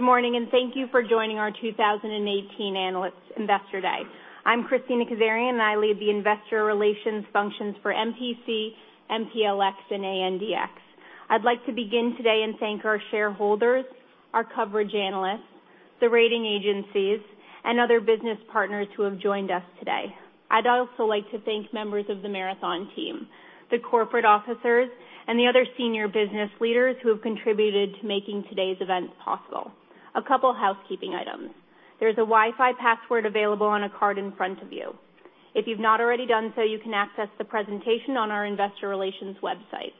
Good morning, and thank you for joining our 2018 Analyst Investor Day. I'm Kristina Kazarian, and I lead the investor relations functions for MPC, MPLX, and ANDX. I'd like to begin today and thank our shareholders, our coverage analysts, the rating agencies, and other business partners who have joined us today. I'd also like to thank members of the Marathon team, the corporate officers, and the other senior business leaders who have contributed to making today's event possible. A couple of housekeeping items. There's a Wi-Fi password available on a card in front of you. If you've not already done so, you can access the presentation on our investor relations website.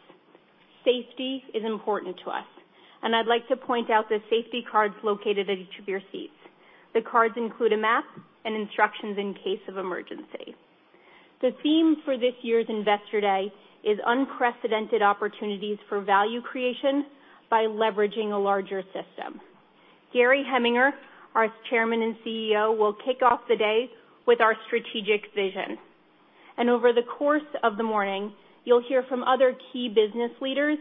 Safety is important to us, and I'd like to point out the safety cards located at each of your seats. The cards include a map and instructions in case of emergency. The theme for this year's Investor Day is unprecedented opportunities for value creation by leveraging a larger system. Gary Heminger, our Chairman and CEO, will kick off the day with our strategic vision. Over the course of the morning, you'll hear from other key business leaders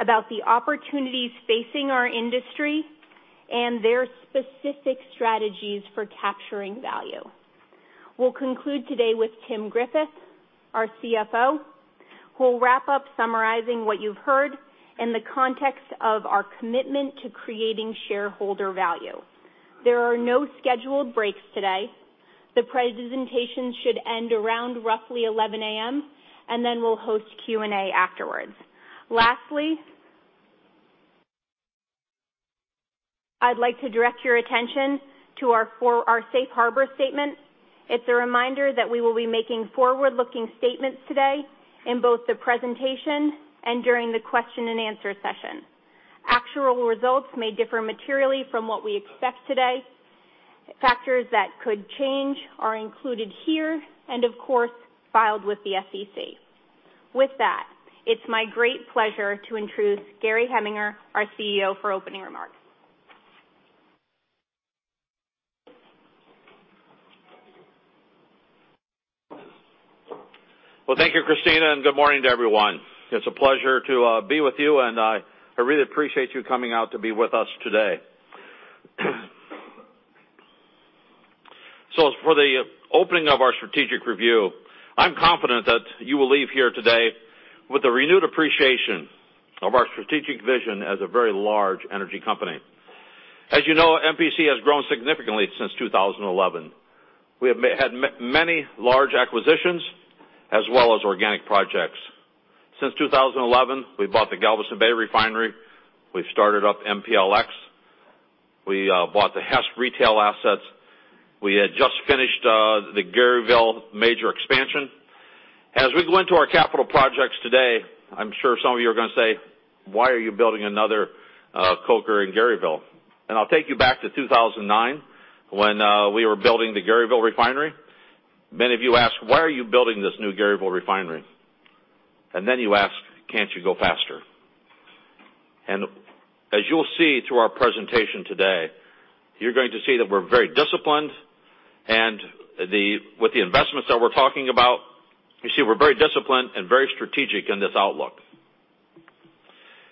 about the opportunities facing our industry and their specific strategies for capturing value. We'll conclude today with Tim Griffith, our CFO, who will wrap up summarizing what you've heard in the context of our commitment to creating shareholder value. There are no scheduled breaks today. The presentation should end around roughly 11:00 A.M., and then we'll host Q&A afterwards. Lastly, I'd like to direct your attention to our Safe Harbor statement. It's a reminder that we will be making forward-looking statements today in both the presentation and during the question and answer session. Actual results may differ materially from what we expect today. Factors that could change are included here and, of course, filed with the SEC. With that, it's my great pleasure to introduce Gary Heminger, our CEO, for opening remarks. Well, thank you, Christina, and good morning to everyone. It's a pleasure to be with you, and I really appreciate you coming out to be with us today. For the opening of our strategic review, I'm confident that you will leave here today with a renewed appreciation of our strategic vision as a very large energy company. As you know, MPC has grown significantly since 2011. We have had many large acquisitions as well as organic projects. Since 2011, we bought the Galveston Bay refinery. We've started up MPLX. We bought the Hess retail assets. We had just finished the Garyville major expansion. As we go into our capital projects today, I'm sure some of you are going to say, "Why are you building another coker in Garyville?" I'll take you back to 2009 when we were building the Garyville refinery. Many of you asked, "Why are you building this new Garyville refinery?" Then you asked, "Can't you go faster?" As you'll see through our presentation today, you're going to see that we're very disciplined. With the investments that we're talking about, you see we're very disciplined and very strategic in this outlook.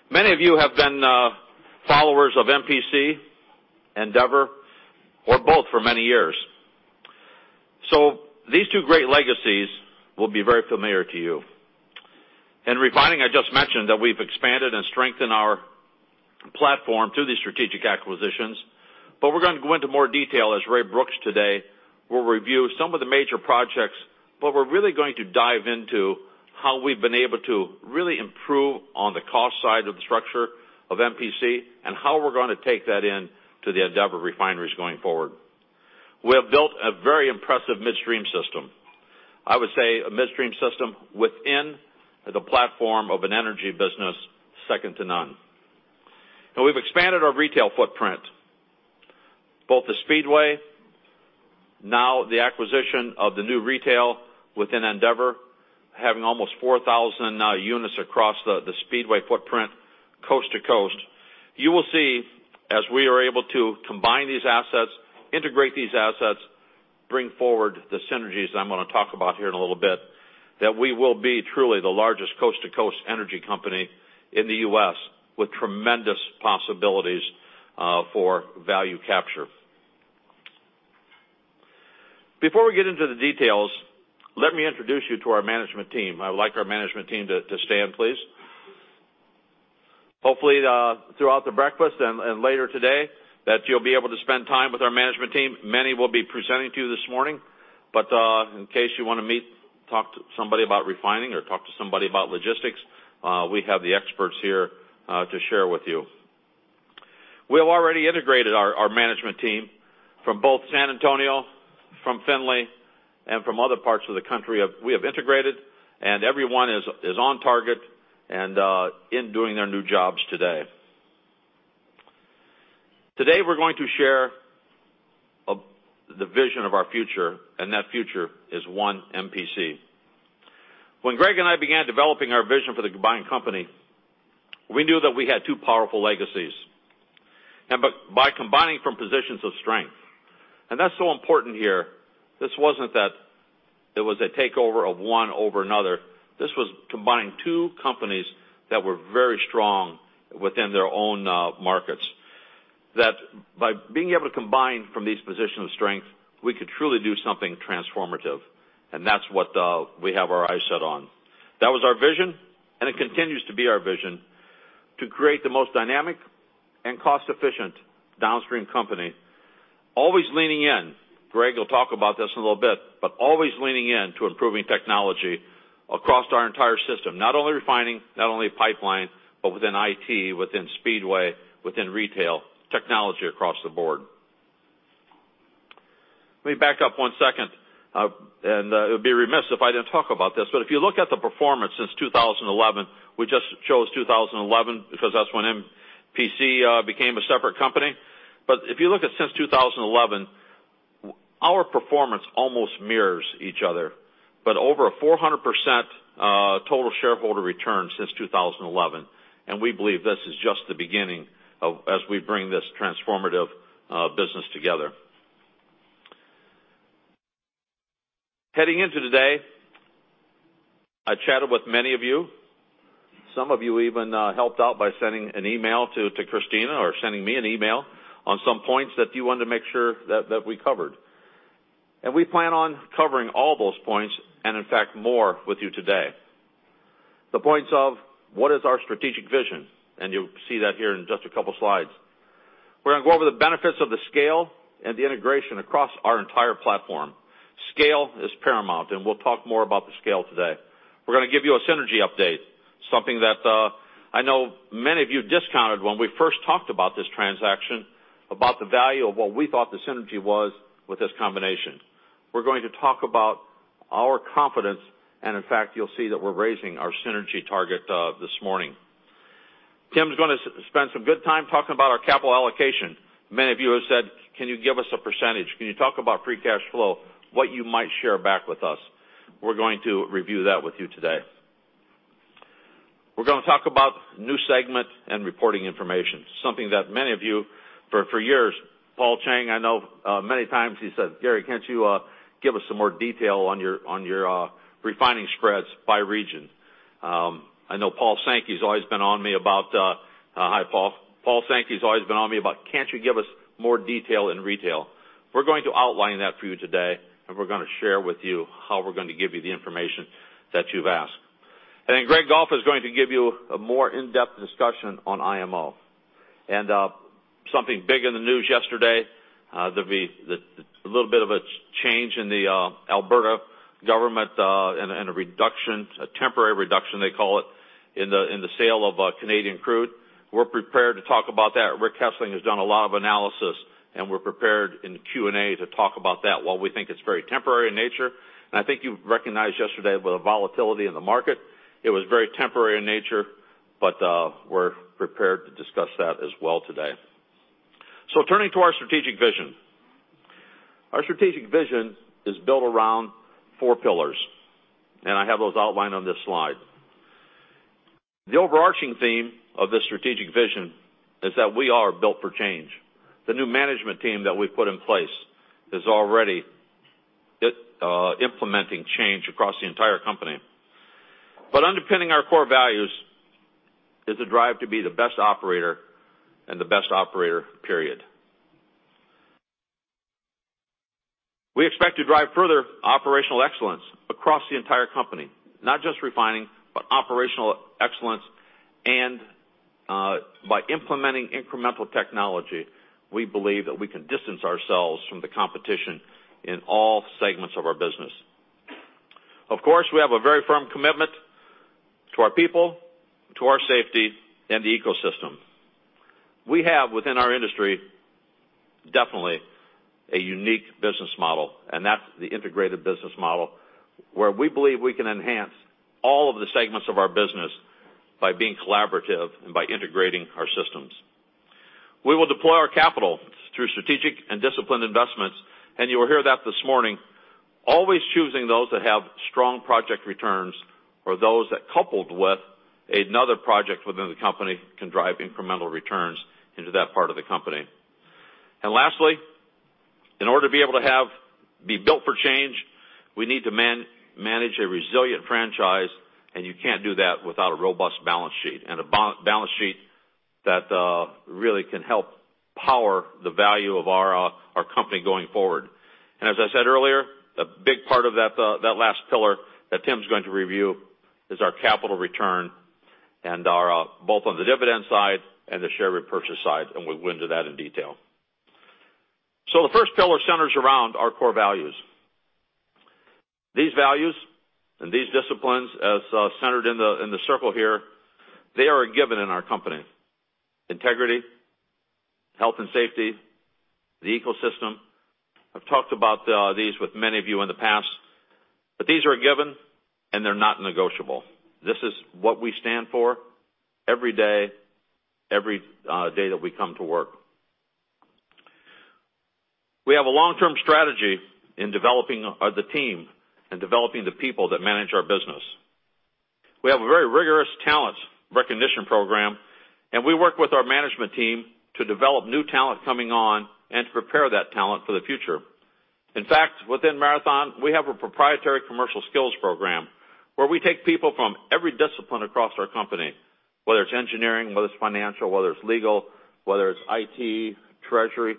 Many of you have been followers of MPC, Andeavor, or both for many years. These two great legacies will be very familiar to you. In refining, I just mentioned that we've expanded and strengthened our platform through these strategic acquisitions. We're going to go into more detail as Ray Brooks today will review some of the major projects, we're really going to dive into how we've been able to really improve on the cost side of the structure of MPC and how we're going to take that into the Andeavor refineries going forward. We have built a very impressive midstream system. I would say a midstream system within the platform of an energy business second to none. We've expanded our retail footprint, both the Speedway, now the acquisition of the new retail within Andeavor, having almost 4,000 units across the Speedway footprint coast to coast. You will see, as we are able to combine these assets, integrate these assets, bring forward the synergies I'm going to talk about here in a little bit, that we will be truly the largest coast-to-coast energy company in the U.S. with tremendous possibilities for value capture. Before we get into the details, let me introduce you to our management team. I would like our management team to stand, please. Hopefully throughout the breakfast and later today that you'll be able to spend time with our management team. Many will be presenting to you this morning, but in case you want to meet, talk to somebody about refining or talk to somebody about logistics, we have the experts here to share with you. We have already integrated our management team from both San Antonio, from Findlay, and from other parts of the country. We have integrated, everyone is on target and in doing their new jobs today. Today, we're going to share the vision of our future, that future is one MPC. When Greg and I began developing our vision for the combined company, we knew that we had two powerful legacies. By combining from positions of strength, that's so important here. This wasn't that it was a takeover of one over another. This was combining two companies that were very strong within their own markets. That by being able to combine from these positions of strength, we could truly do something transformative, that's what we have our eyes set on. That was our vision, it continues to be our vision to create the most dynamic and cost-efficient downstream company. Always leaning in, Greg will talk about this in a little bit, but always leaning in to improving technology across our entire system, not only refining, not only pipeline, but within IT, within Speedway, within retail, technology across the board. Let me back up one second. It would be remiss if I didn't talk about this, but if you look at the performance since 2011, we just chose 2011 because that's when MPC became a separate company. If you look at since 2011, our performance almost mirrors each other. Over a 400% total shareholder return since 2011. We believe this is just the beginning as we bring this transformative business together. Heading into today, I chatted with many of you. Some of you even helped out by sending an email to Kristina or sending me an email on some points that you wanted to make sure that we covered. We plan on covering all those points and in fact, more with you today. The points of what is our strategic vision, and you'll see that here in just a couple of slides. We're going to go over the benefits of the scale and the integration across our entire platform. Scale is paramount, and we'll talk more about the scale today. We're going to give you a synergy update, something that I know many of you discounted when we first talked about this transaction, about the value of what we thought the synergy was with this combination. We're going to talk about our confidence, and in fact, you'll see that we're raising our synergy target this morning. Tim is going to spend some good time talking about our capital allocation. Many of you have said, "Can you give us a percentage? Can you talk about free cash flow? What you might share back with us?" We're going to review that with you today. We're going to talk about new segment and reporting information, something that many of you for years, Paul Y. Cheng, I know many times he said, "Gary, can't you give us some more detail on your refining spreads by region?" I know Paul Sankey's always been on me. Hi, Paul. Paul Sankey's always been on me about, "Can't you give us more detail in retail?" We're going to outline that for you today, and we're going to share with you how we're going to give you the information that you've asked. Greg Goff is going to give you a more in-depth discussion on IMO. Something big in the news yesterday there'll be a little bit of a change in the Alberta government and a reduction, a temporary reduction they call it, in the sale of Canadian crude. We're prepared to talk about that. Rick Hessling has done a lot of analysis, and we're prepared in the Q&A to talk about that. While we think it's very temporary in nature, and I think you recognized yesterday with the volatility in the market, it was very temporary in nature, but we're prepared to discuss that as well today. Turning to our strategic vision. Our strategic vision is built around four pillars, and I have those outlined on this slide. The overarching theme of this strategic vision is that we are built for change. The new management team that we put in place is already implementing change across the entire company. Underpinning our core values is the drive to be the best operator and the best operator, period. We expect to drive further operational excellence across the entire company, not just refining, but operational excellence. By implementing incremental technology, we believe that we can distance ourselves from the competition in all segments of our business. Of course, we have a very firm commitment to our people, to our safety, and the ecosystem. We have within our industry, definitely a unique business model, and that's the integrated business model, where we believe we can enhance all of the segments of our business by being collaborative and by integrating our systems. We will deploy our capital through strategic and disciplined investments. You will hear that this morning, always choosing those that have strong project returns or those that coupled with another project within the company can drive incremental returns into that part of the company. Lastly, in order to be able to be built for change, we need to manage a resilient franchise. You can't do that without a robust balance sheet and a balance sheet that really can help power the value of our company going forward. As I said earlier, a big part of that last pillar that Tim's going to review is our capital return both on the dividend side and the share repurchase side. We'll go into that in detail. The first pillar centers around our core values. These values and these disciplines as centered in the circle here, they are a given in our company. Integrity, health and safety, the ecosystem. I've talked about these with many of you in the past. These are a given and they're not negotiable. This is what we stand for every day that we come to work. We have a long-term strategy in developing the team and developing the people that manage our business. We have a very rigorous talent recognition program, and we work with our management team to develop new talent coming on and to prepare that talent for the future. In fact, within Marathon, we have a proprietary commercial skills program where we take people from every discipline across our company, whether it's engineering, whether it's financial, whether it's legal, whether it's IT, treasury,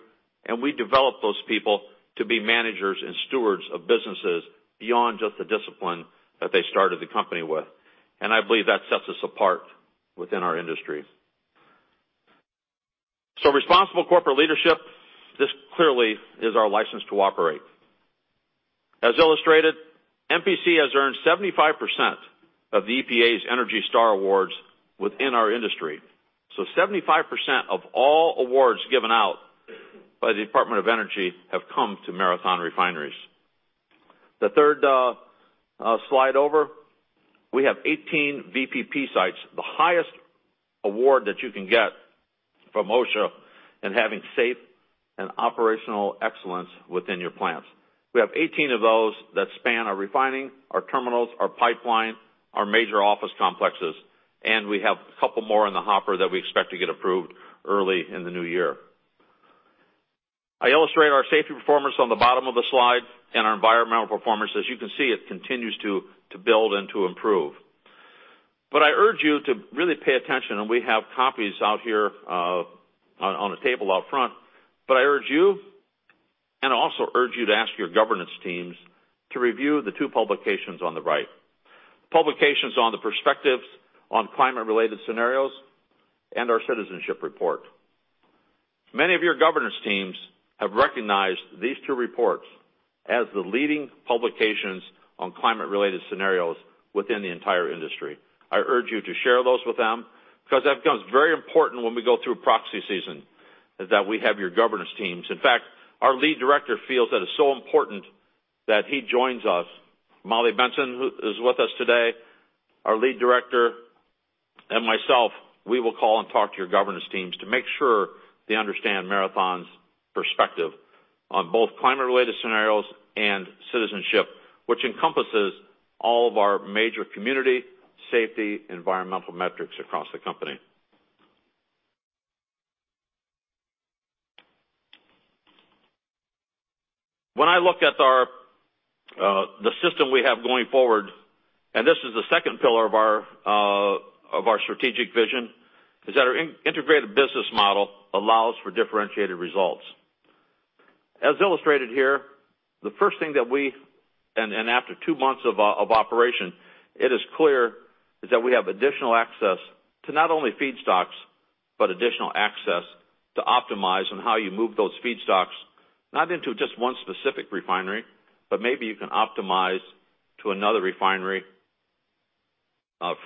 and we develop those people to be managers and stewards of businesses beyond just the discipline that they started the company with. I believe that sets us apart within our industry. Responsible corporate leadership, this clearly is our license to operate. As illustrated, MPC has earned 75% of the EPA's ENERGY STAR awards within our industry. 75% of all awards given out by the Department of Energy have come to Marathon refineries. The third slide over, we have 18 VPP sites, the highest award that you can get from OSHA in having safe and operational excellence within your plants. We have 18 of those that span our refining, our terminals, our pipeline, our major office complexes, and we have a couple more in the hopper that we expect to get approved early in the new year. I illustrate our safety performance on the bottom of the slide and our environmental performance. As you can see, it continues to build and to improve. I urge you to really pay attention, and we have copies out here on a table out front, I urge you, and also urge you to ask your governance teams, to review the two publications on the right, publications on the perspectives on climate-related scenarios and our citizenship report. Many of your governance teams have recognized these two reports as the leading publications on climate-related scenarios within the entire industry. I urge you to share those with them, because that becomes very important when we go through proxy season, is that we have your governance teams. In fact, our lead director feels that it's so important that he joins us. Molly Benson, who is with us today, our lead director, and myself, we will call and talk to your governance teams to make sure they understand Marathon's perspective on both climate-related scenarios and citizenship, which encompasses all of our major community safety, environmental metrics across the company. When I look at the system we have going forward, this is the second pillar of our strategic vision, is that our integrated business model allows for differentiated results. As illustrated here, and after two months of operation, it is clear, is that we have additional access to not only feedstocks, but additional access to optimize on how you move those feedstocks, not into just one specific refinery, but maybe you can optimize to another refinery,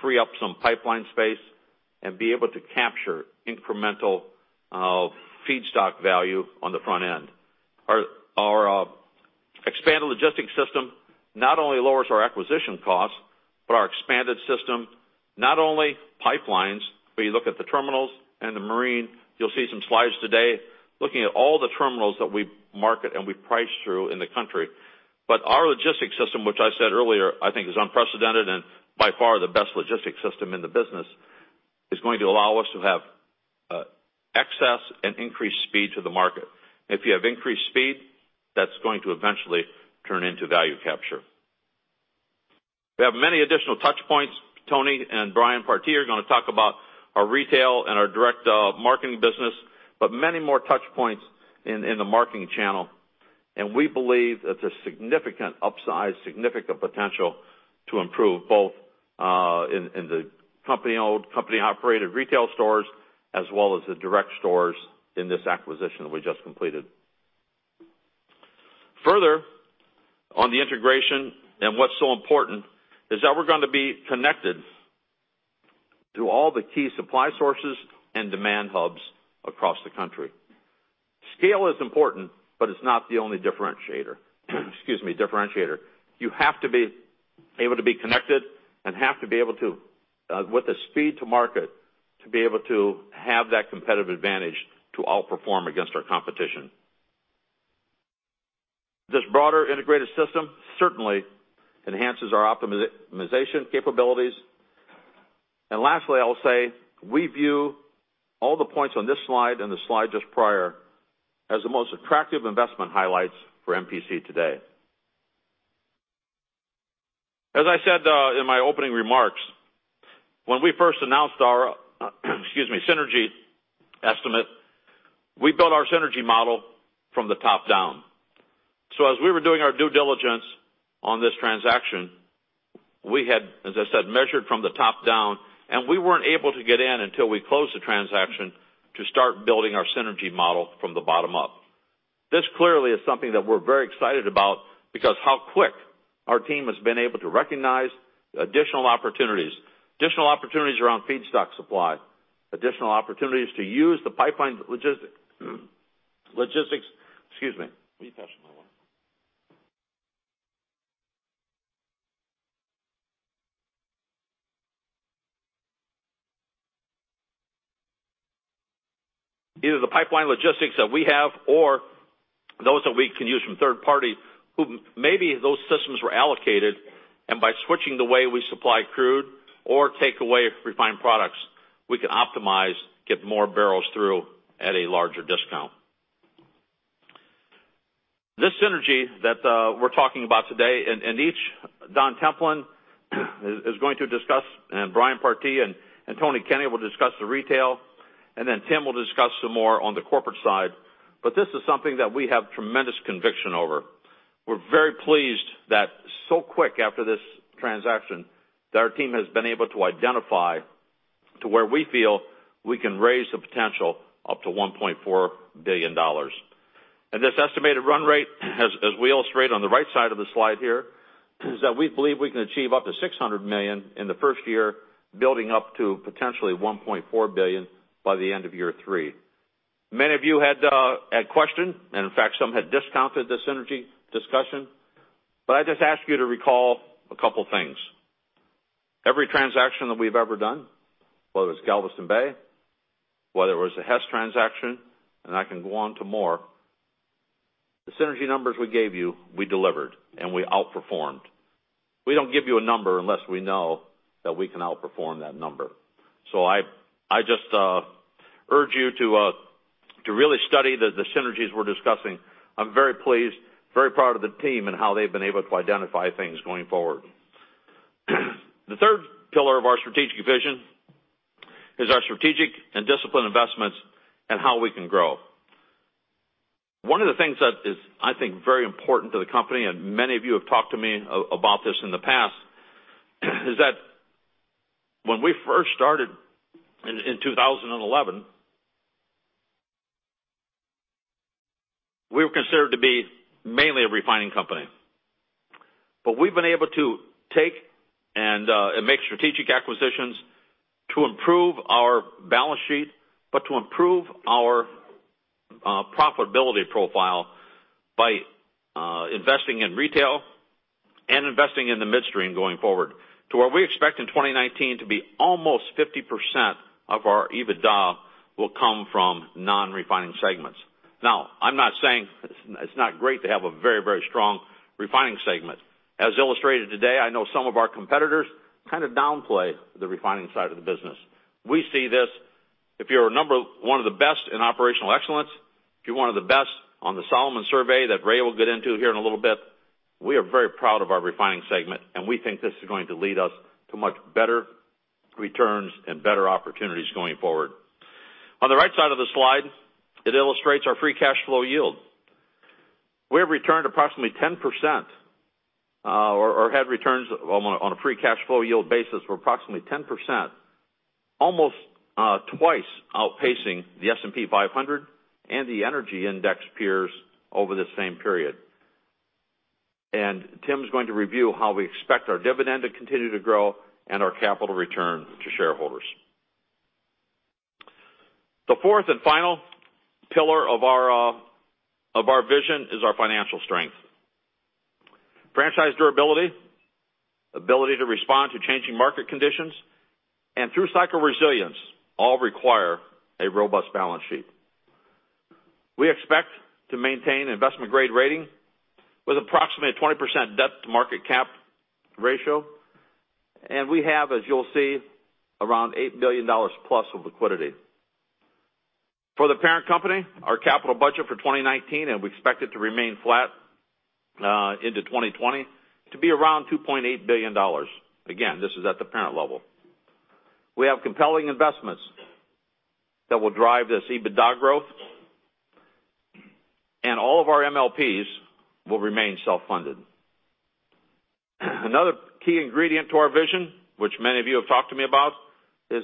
free up some pipeline space, and be able to capture incremental feedstock value on the front end. Our expanded logistics system not only lowers our acquisition costs, our expanded system, not only pipelines, but you look at the terminals and the marine. You'll see some slides today looking at all the terminals that we market and we price through in the country. Our logistics system, which I said earlier I think is unprecedented and by far the best logistics system in the business, is going to allow us to have access and increased speed to the market. If you have increased speed, that's going to eventually turn into value capture. We have many additional touch points. Tony and Brian Partee are going to talk about our retail and our direct marketing business, many more touch points in the marketing channel, and we believe it's a significant upsize, significant potential to improve both in the company-owned, company-operated retail stores, as well as the direct stores in this acquisition that we just completed. Further on the integration, what's so important, is that we're going to be connected to all the key supply sources and demand hubs across the country. Scale is important, it's not the only differentiator. You have to be able to be connected and have to be able to, with the speed to market, to be able to have that competitive advantage to outperform against our competition. This broader integrated system certainly enhances our optimization capabilities. Lastly, I'll say, we view all the points on this slide and the slide just prior as the most attractive investment highlights for MPC today. As I said in my opening remarks, when we first announced our synergy estimate, we built our synergy model from the top down. As we were doing our due diligence on this transaction, we had, as I said, measured from the top down, and we weren't able to get in until we closed the transaction to start building our synergy model from the bottom up. This clearly is something that we're very excited about because how quickly our team has been able to recognize additional opportunities. Additional opportunities around feedstock supply, additional opportunities to use the pipeline logistics. Excuse me. Will you pass me my water? Either the pipeline logistics that we have or those that we can use from third party who maybe those systems were allocated, and by switching the way we supply crude or take away refined products, we can optimize, get more barrels through at a larger discount. This synergy that we're talking about today, each Don Templin is going to discuss, and Brian Partee and Tony Kenney will discuss the retail, and then Tim will discuss some more on the corporate side. This is something that we have tremendous conviction over. We're very pleased that so quickly after this transaction, that our team has been able to identify to where we feel we can raise the potential up to $1.4 billion. This estimated run rate has, as we illustrate on the right side of the slide here, is that we believe we can achieve up to $600 million in the first year, building up to potentially $1.4 billion by the end of year three. Many of you had questioned, and in fact, some had discounted this synergy discussion, I just ask you to recall a couple things. Every transaction that we've ever done, whether it's Galveston Bay, whether it was a Hess transaction, and I can go on to more, the synergy numbers we gave you, we delivered, and we outperformed. We don't give you a number unless we know that we can outperform that number. I just urge you to really study the synergies we're discussing. I'm very pleased, very proud of the team and how they've been able to identify things going forward. The third pillar of our strategic vision is our strategic and disciplined investments and how we can grow. One of the things that is, I think, very important to the company, and many of you have talked to me about this in the past, is that when we first started in 2011, we were considered to be mainly a refining company. We've been able to take and make strategic acquisitions to improve our balance sheet, but to improve our profitability profile by investing in retail and investing in the midstream going forward to where we expect in 2019 to be almost 50% of our EBITDA will come from non-refining segments. I'm not saying it's not great to have a very strong refining segment. As illustrated today, I know some of our competitors kind of downplay the refining side of the business. We see this. If you're number one of the best in operational excellence, if you're one of the best on the Solomon survey that Ray will get into here in a little bit, we are very proud of our refining segment, and we think this is going to lead us to much better returns and better opportunities going forward. On the right side of the slide, it illustrates our free cash flow yield. We have returned approximately 10%, or had returns on a free cash flow yield basis for approximately 10%, almost twice outpacing the S&P 500 and the energy index peers over the same period. Tim's going to review how we expect our dividend to continue to grow and our capital return to shareholders. The fourth and final pillar of our vision is our financial strength. Franchise durability, ability to respond to changing market conditions, and through cycle resilience, all require a robust balance sheet. We expect to maintain investment-grade rating with approximately 20% debt to market cap ratio. We have, as you'll see, around $8 billion plus of liquidity. For the parent company, our capital budget for 2019, and we expect it to remain flat into 2020 to be around $2.8 billion. Again, this is at the parent level. We have compelling investments that will drive this EBITDA growth. All of our MLPs will remain self-funded. Another key ingredient to our vision, which many of you have talked to me about, is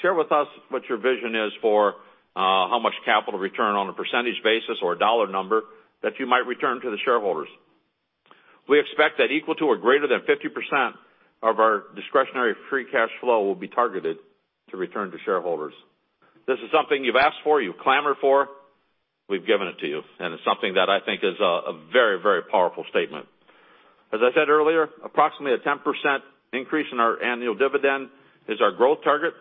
share with us what your vision is for how much capital return on a percentage basis or a dollar number that you might return to the shareholders. We expect that equal to or greater than 50% of our discretionary free cash flow will be targeted to return to shareholders. This is something you've asked for, you've clamored for. We've given it to you, and it's something that I think is a very powerful statement. As I said earlier, approximately a 10% increase in our annual dividend is our growth target.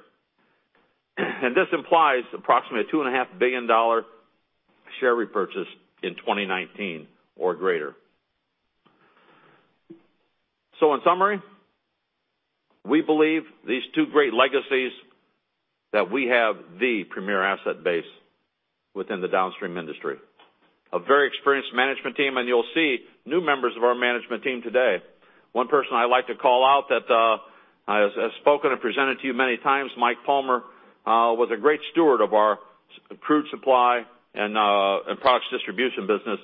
This implies approximately a $2.5 billion share repurchase in 2019 or greater. In summary, we believe these two great legacies that we have the premier asset base within the downstream industry. A very experienced management team, and you'll see new members of our management team today. One person I like to call out that has spoken and presented to you many times, Mike Palmer was a great steward of our crude supply and products distribution business.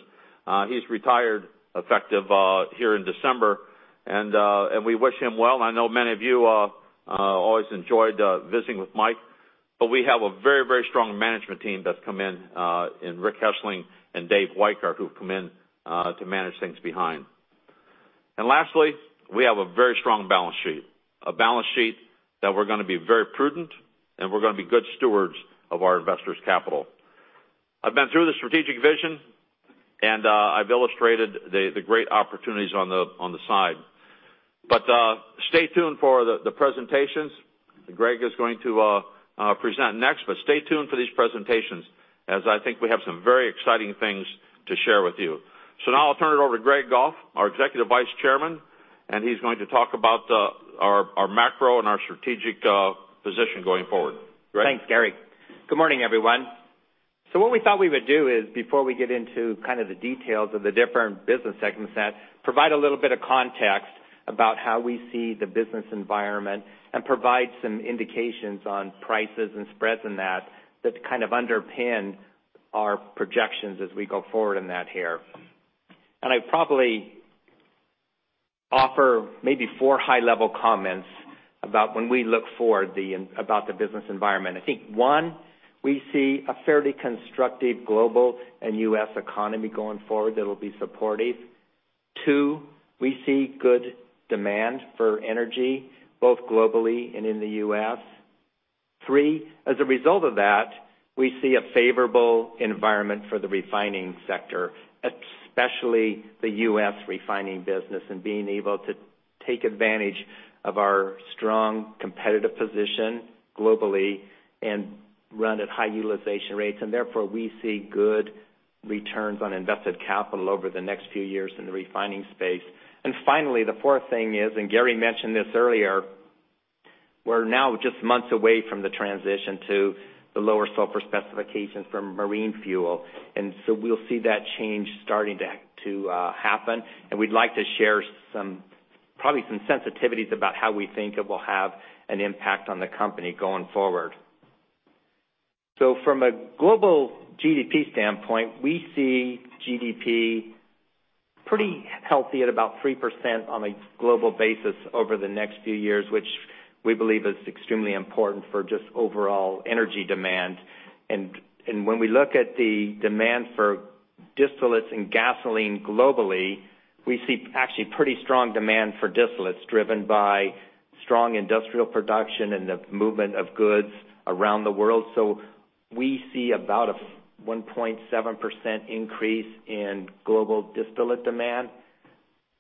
He's retired effective here in December, and we wish him well. I know many of you always enjoyed visiting with Mike. We have a very strong management team that's come in Rick Hessling and Dave Weikart who've come in to manage things behind. Lastly, we have a very strong balance sheet. A balance sheet that we're going to be very prudent, and we're going to be good stewards of our investors' capital. I've been through the strategic vision. I've illustrated the great opportunities on the side. Stay tuned for the presentations. Greg is going to present next, but stay tuned for these presentations as I think we have some very exciting things to share with you. Now I'll turn it over to Greg Goff, our Executive Vice Chairman, and he's going to talk about our macro and our strategic position going forward. Greg? Thanks, Gary. Good morning, everyone. What we thought we would do is, before we get into kind of the details of the different business segments, is provide a little bit of context about how we see the business environment and provide some indications on prices and spreads that kind of underpin our projections as we go forward in that here. I'd probably offer maybe four high-level comments about when we look forward about the business environment. I think, one, we see a fairly constructive global and U.S. economy going forward that'll be supportive. Two, we see good demand for energy, both globally and in the U.S. Three, as a result of that, we see a favorable environment for the refining sector, especially the U.S. refining business, and being able to take advantage of our strong competitive position globally and run at high utilization rates. Therefore, we see good returns on invested capital over the next few years in the refining space. Finally, the fourth thing is, Gary mentioned this earlier, we're now just months away from the transition to the lower sulfur specifications for marine fuel. We'll see that change starting to happen, and we'd like to share probably some sensitivities about how we think it will have an impact on the company going forward. From a global GDP standpoint, we see GDP pretty healthy at about 3% on a global basis over the next few years, which we believe is extremely important for just overall energy demand. When we look at the demand for distillates and gasoline globally, we see actually pretty strong demand for distillates driven by strong industrial production and the movement of goods around the world. We see about a 1.7% increase in global distillate demand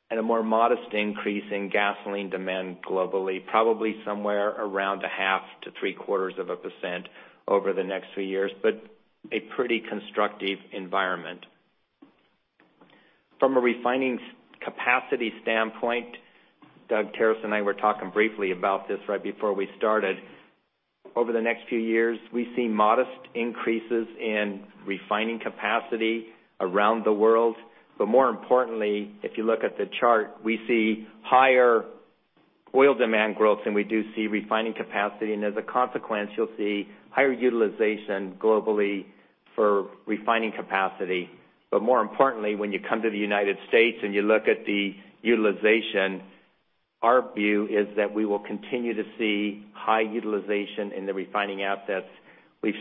and a more modest increase in gasoline demand globally, probably somewhere around a half to three quarters of a percent over the next few years. A pretty constructive environment. From a refining capacity standpoint, Doug Terreson and I were talking briefly about this right before we started. Over the next few years, we see modest increases in refining capacity around the world. More importantly, if you look at the chart, we see higher oil demand growth than we do see refining capacity. As a consequence, you'll see higher utilization globally for refining capacity. More importantly, when you come to the United States and you look at the utilization, our view is that we will continue to see high utilization in the refining assets. We've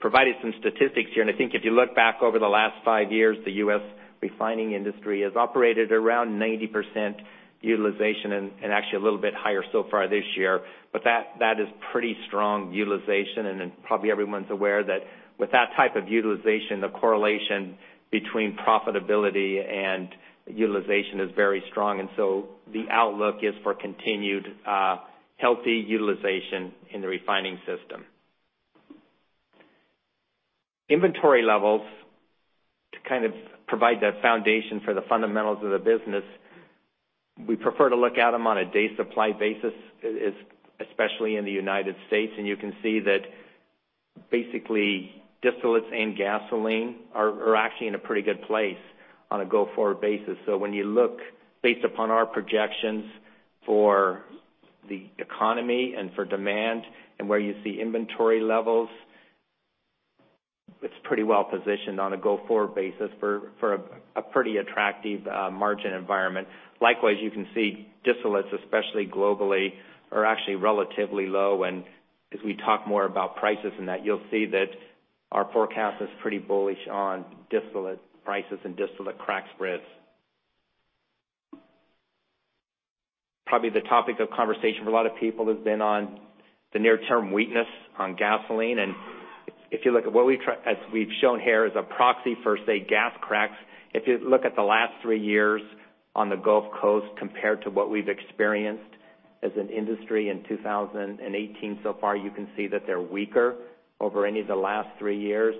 provided some statistics here. I think if you look back over the last five years, the U.S. refining industry has operated around 90% utilization and actually a little bit higher so far this year. That is pretty strong utilization. Probably everyone's aware that with that type of utilization, the correlation between profitability and utilization is very strong. The outlook is for continued healthy utilization in the refining system. Inventory levels, to kind of provide that foundation for the fundamentals of the business, we prefer to look at them on a day supply basis, especially in the U.S. You can see that basically, distillates and gasoline are actually in a pretty good place on a go-forward basis. When you look based upon our projections for the economy and for demand and where you see inventory levels, it's pretty well positioned on a go-forward basis for a pretty attractive margin environment. Likewise, you can see distillates, especially globally, are actually relatively low. As we talk more about prices and that, you'll see that our forecast is pretty bullish on distillate prices and distillate crack spreads. Probably the topic of conversation for a lot of people has been on the near-term weakness on gasoline. As we've shown here, as a proxy for, say, gas cracks. If you look at the last three years on the Gulf Coast compared to what we've experienced as an industry in 2018 so far, you can see that they're weaker over any of the last three years.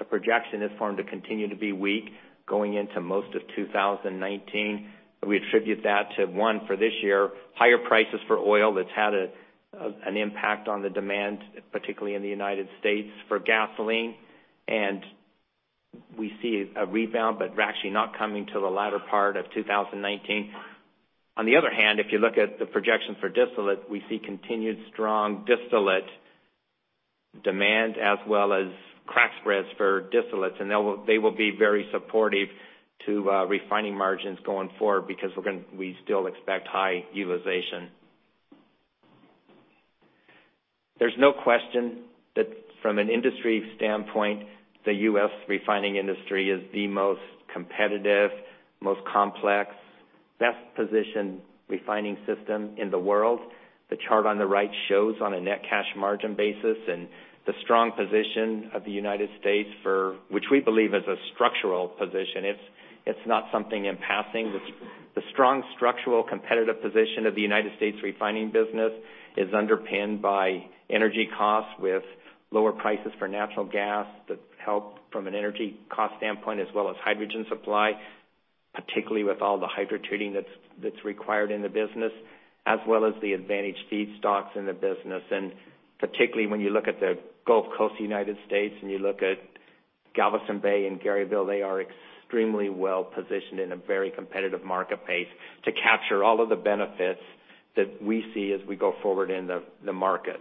The projection is for them to continue to be weak going into most of 2019. We attribute that to one, for this year, higher prices for oil that's had an impact on the demand, particularly in the U.S. for gasoline. We see a rebound, but we're actually not coming till the latter part of 2019. On the other hand, if you look at the projections for distillate, we see continued strong distillate demand as well as crack spreads for distillates, and they will be very supportive to refining margins going forward because we still expect high utilization. There's no question that from an industry standpoint, the U.S. refining industry is the most competitive, most complex, best positioned refining system in the world. The chart on the right shows on a net cash margin basis and the strong position of the U.S., which we believe is a structural position. It's not something in passing. The strong structural competitive position of the U.S. refining business is underpinned by energy costs with lower prices for natural gas. That help from an energy cost standpoint, as well as hydrogen supply, particularly with all the hydrotreating that's required in the business, as well as the advantaged feedstocks in the business. Particularly when you look at the Gulf Coast of the U.S. and you look at Galveston Bay and Garyville, they are extremely well-positioned in a very competitive market base to capture all of the benefits that we see as we go forward in the market.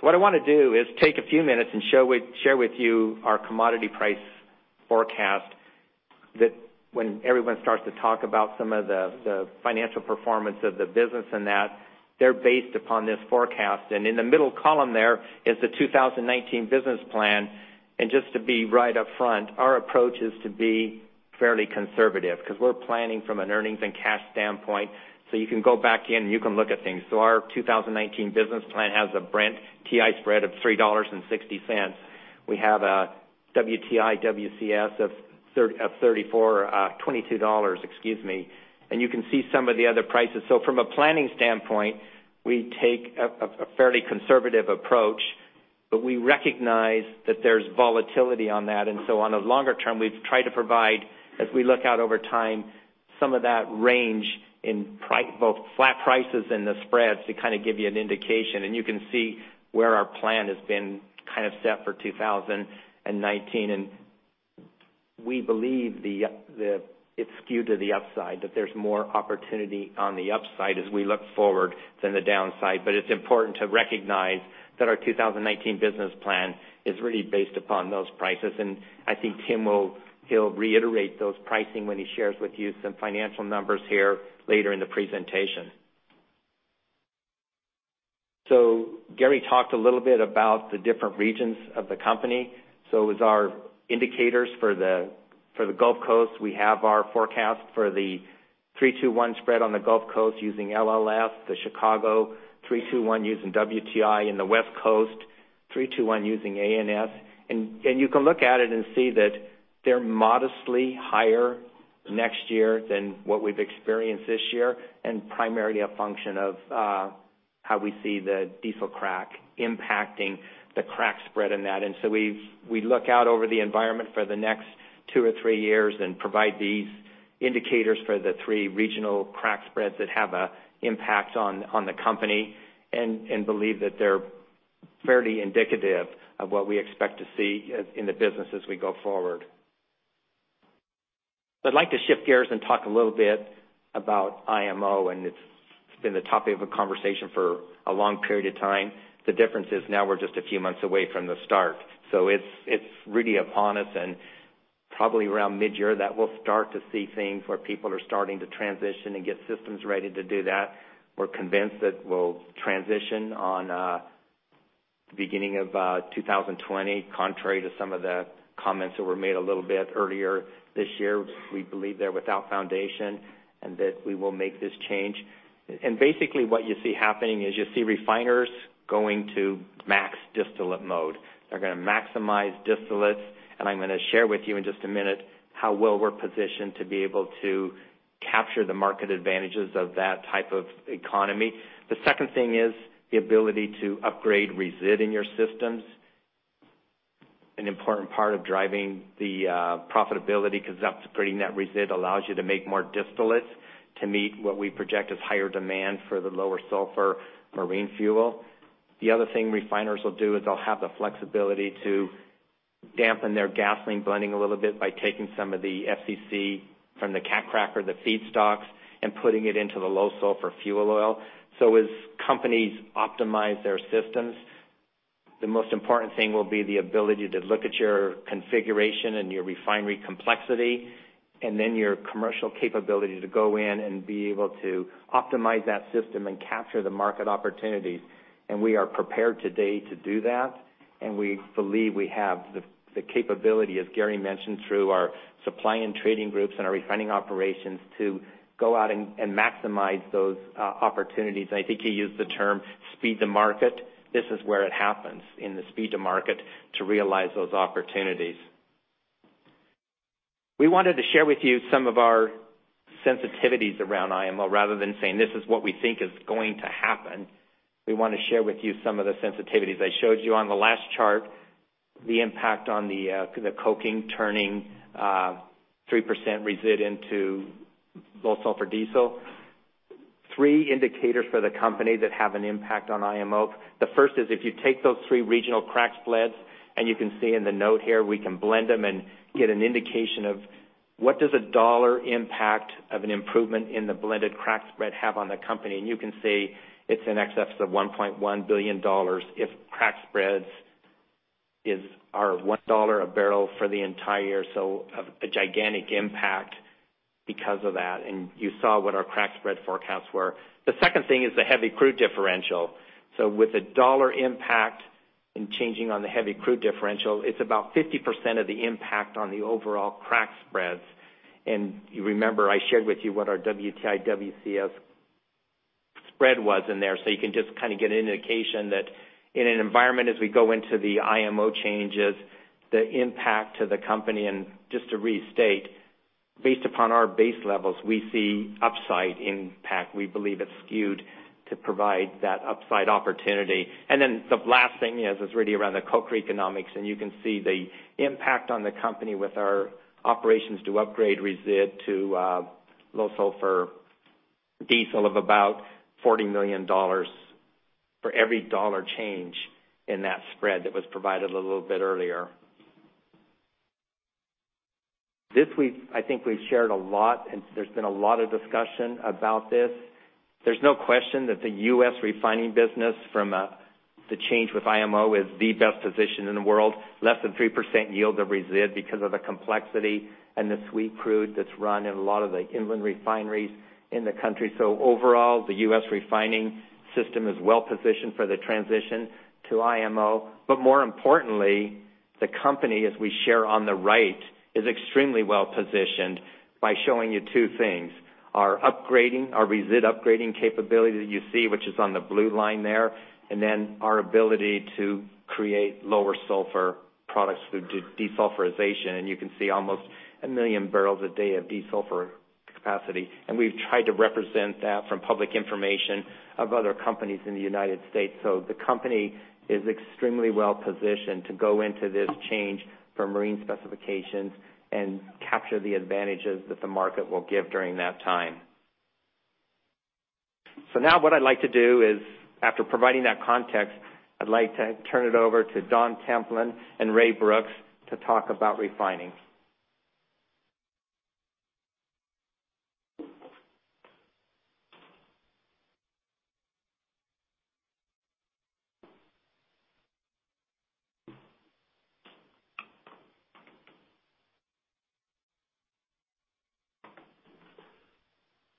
What I want to do is take a few minutes and share with you our commodity price forecast that when everyone starts to talk about some of the financial performance of the business and that, they're based upon this forecast. In the middle column there is the 2019 business plan. Just to be right up front, our approach is to be fairly conservative because we're planning from an earnings and cash standpoint. You can go back in and you can look at things. Our 2019 business plan has a Brent TI spread of $3.60. We have a WTI WCS of $22, excuse me. You can see some of the other prices. From a planning standpoint, we take a fairly conservative approach, but we recognize that there's volatility on that. On a longer term, we've tried to provide, as we look out over time, some of that range in both flat prices and the spreads to give you an indication. You can see where our plan has been set for 2019. We believe it's skewed to the upside, that there's more opportunity on the upside as we look forward than the downside. It's important to recognize that our 2019 business plan is really based upon those prices. I think Tim will reiterate those pricing when he shares with you some financial numbers here later in the presentation. Gary talked a little bit about the different regions of the company. As our indicators for the Gulf Coast, we have our forecast for the 3-2-1 spread on the Gulf Coast using LLS, the Chicago 3-2-1 using WTI in the West Coast, 3-2-1 using ANS. You can look at it and see that they're modestly higher next year than what we've experienced this year, and primarily a function of how we see the diesel crack impacting the crack spread in that. We look out over the environment for the next two or three years and provide these indicators for the three regional crack spreads that have an impact on the company and believe that they're fairly indicative of what we expect to see in the business as we go forward. I'd like to shift gears and talk a little bit about IMO, it's been the topic of a conversation for a long period of time. The difference is now we're just a few months away from the start. It's really upon us and probably around mid-year that we'll start to see things where people are starting to transition and get systems ready to do that. We're convinced that we'll transition on the beginning of 2020, contrary to some of the comments that were made a little bit earlier this year. We believe they're without foundation and that we will make this change. Basically what you see happening is you see refiners going to max distillate mode. They're going to maximize distillates. I'm going to share with you in just a minute how well we're positioned to be able to capture the market advantages of that type of economy. The second thing is the ability to upgrade resid in your systems. An important part of driving the profitability because upgrading that resid allows you to make more distillates to meet what we project as higher demand for the lower sulfur marine fuel. The other thing refiners will do is they'll have the flexibility to dampen their gasoline blending a little bit by taking some of the FCC from the cat cracker, the feedstocks, and putting it into the low sulfur fuel oil. As companies optimize their systems, the most important thing will be the ability to look at your configuration and your refinery complexity, and then your commercial capability to go in and be able to optimize that system and capture the market opportunities. We are prepared today to do that, and we believe we have the capability, as Gary mentioned, through our supply and trading groups and our refining operations to go out and maximize those opportunities. I think he used the term speed to market. This is where it happens in the speed to market to realize those opportunities. We wanted to share with you some of our sensitivities around IMO rather than saying this is what we think is going to happen. We want to share with you some of the sensitivities. I showed you on the last chart, the impact on the coking turning 3% resid into low sulfur diesel. Three indicators for the company that have an impact on IMO. The first is if you take those three regional crack spreads, and you can see in the note here, we can blend them and get an indication of what does a $1 impact of an improvement in the blended crack spread have on the company. You can see it's in excess of $1.1 billion if crack spreads are $1 a barrel for the entire year. A gigantic impact because of that. You saw what our crack spread forecasts were. The second thing is the heavy crude differential. With a $1 impact in changing on the heavy crude differential, it's about 50% of the impact on the overall crack spreads. You remember, I shared with you what our WTI WCS spread was in there. You can just get an indication that in an environment as we go into the IMO changes, the impact to the company, and just to restate, based upon our base levels, we see upside impact. We believe it's skewed to provide that upside opportunity. Then the last thing is really around the coke economics. You can see the impact on the company with our operations to upgrade resid to low sulfur diesel of about $40 million for every $1 change in that spread that was provided a little bit earlier. This week, I think we've shared a lot. There's been a lot of discussion about this. There's no question that the U.S. refining business from the change with IMO is the best position in the world. Less than 3% yield of resid because of the complexity and the sweet crude that's run in a lot of the inland refineries in the country. Overall, the U.S. refining system is well positioned for the transition to IMO. More importantly, the company, as we share on the right, is extremely well positioned by showing you two things. Our resid upgrading capability that you see, which is on the blue line there, and then our ability to create lower sulfur products through desulfurization. You can see almost 1 million barrels a day of desulfur capacity. We've tried to represent that from public information of other companies in the United States. The company is extremely well positioned to go into this change for marine specifications and capture the advantages that the market will give during that time. Now what I'd like to do is, after providing that context, I'd like to turn it over to Don Templin and Ray Brooks to talk about refining. Thank you,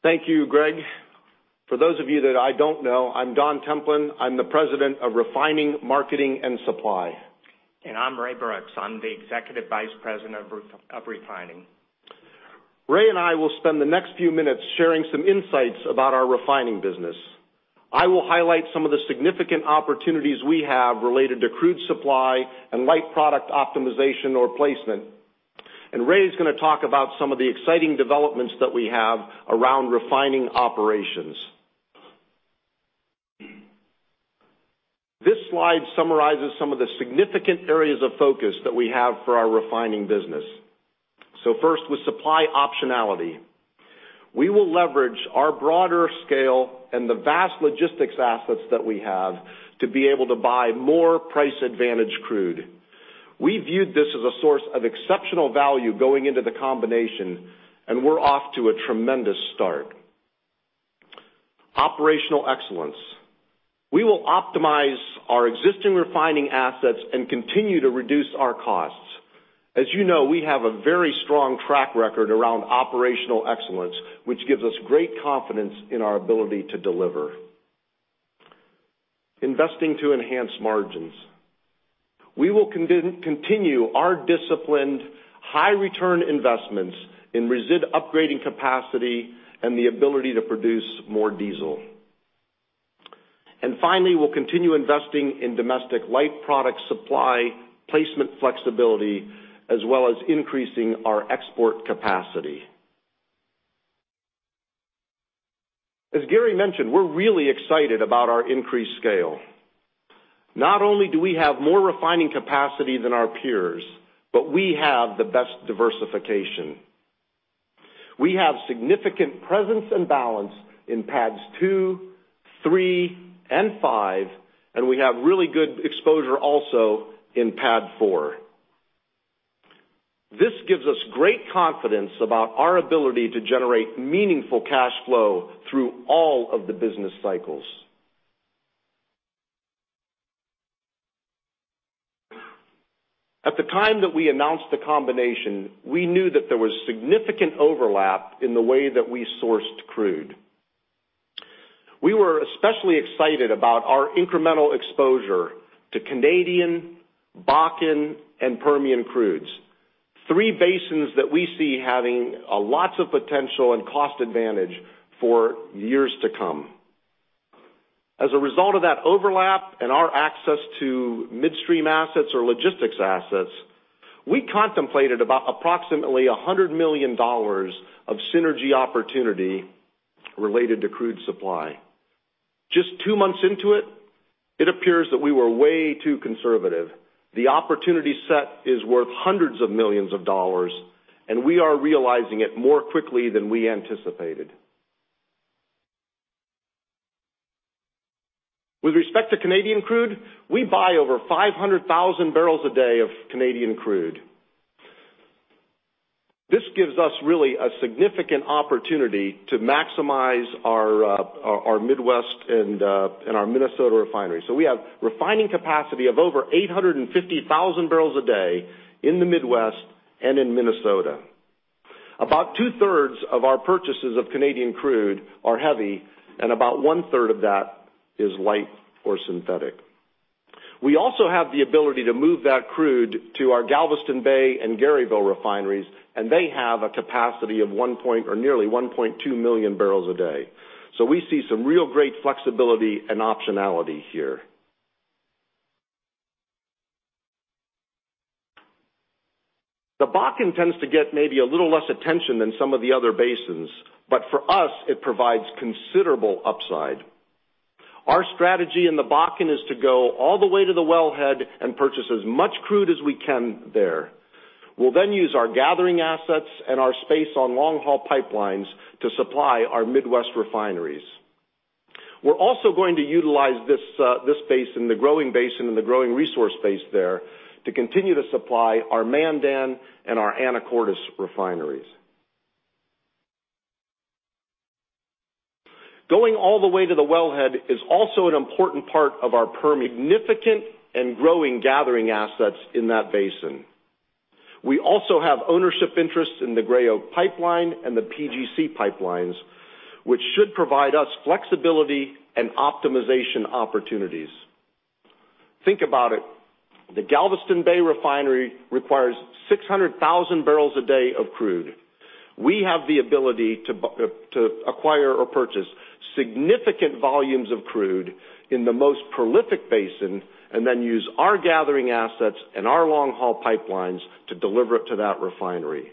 Greg. For those of you that I don't know, I'm Don Templin. I'm the President of Refining, Marketing and Supply. I'm Ray Brooks. I'm the Executive Vice President of Refining. Ray and I will spend the next few minutes sharing some insights about our refining business. I will highlight some of the significant opportunities we have related to crude supply and light product optimization or placement. Ray is going to talk about some of the exciting developments that we have around refining operations. This slide summarizes some of the significant areas of focus that we have for our refining business. First, with supply optionality. We will leverage our broader scale and the vast logistics assets that we have to be able to buy more price advantage crude. We viewed this as a source of exceptional value going into the combination, and we're off to a tremendous start. Operational excellence. We will optimize our existing refining assets and continue to reduce our costs. As you know, we have a very strong track record around operational excellence, which gives us great confidence in our ability to deliver. Investing to enhance margins. We will continue our disciplined high return investments in resid upgrading capacity and the ability to produce more diesel. Finally, we'll continue investing in domestic light product supply placement flexibility, as well as increasing our export capacity. As Gary mentioned, we're really excited about our increased scale. Not only do we have more refining capacity than our peers, but we have the best diversification. We have significant presence and balance in PADD II, III, and V, and we have really good exposure also in PADD IV. This gives us great confidence about our ability to generate meaningful cash flow through all of the business cycles. At the time that we announced the combination, we knew that there was significant overlap in the way that we sourced crude. We were especially excited about our incremental exposure to Canadian, Bakken, and Permian crudes. Three basins that we see having a lot of potential and cost advantage for years to come. As a result of that overlap and our access to midstream assets or logistics assets, we contemplated about approximately $100 million of synergy opportunity related to crude supply. Just two months into it appears that we were way too conservative. The opportunity set is worth hundreds of millions of dollars, and we are realizing it more quickly than we anticipated. With respect to Canadian crude, we buy over 500,000 barrels a day of Canadian crude. This gives us really a significant opportunity to maximize our Midwest and our Minnesota refineries. We have refining capacity of over 850,000 barrels a day in the Midwest and in Minnesota. About two-thirds of our purchases of Canadian crude are heavy, and about one-third of that is light or synthetic. We also have the ability to move that crude to our Galveston Bay and Garyville refineries, and they have a capacity of nearly 1.2 million barrels a day. We see some real great flexibility and optionality here. The Bakken tends to get maybe a little less attention than some of the other basins, but for us, it provides considerable upside. Our strategy in the Bakken is to go all the way to the wellhead and purchase as much crude as we can there. We'll then use our gathering assets and our space on long-haul pipelines to supply our Midwest refineries. We're also going to utilize this basin, the growing basin and the growing resource base there, to continue to supply our Mandan and our Anacortes refineries. Going all the way to the wellhead is also an important part of our significant and growing gathering assets in that basin. We also have ownership interests in the Gray Oak Pipeline and the PGC Pipeline, which should provide us flexibility and optimization opportunities. Think about it. The Galveston Bay refinery requires 600,000 barrels a day of crude. We have the ability to acquire or purchase significant volumes of crude in the most prolific basin and then use our gathering assets and our long-haul pipelines to deliver it to that refinery.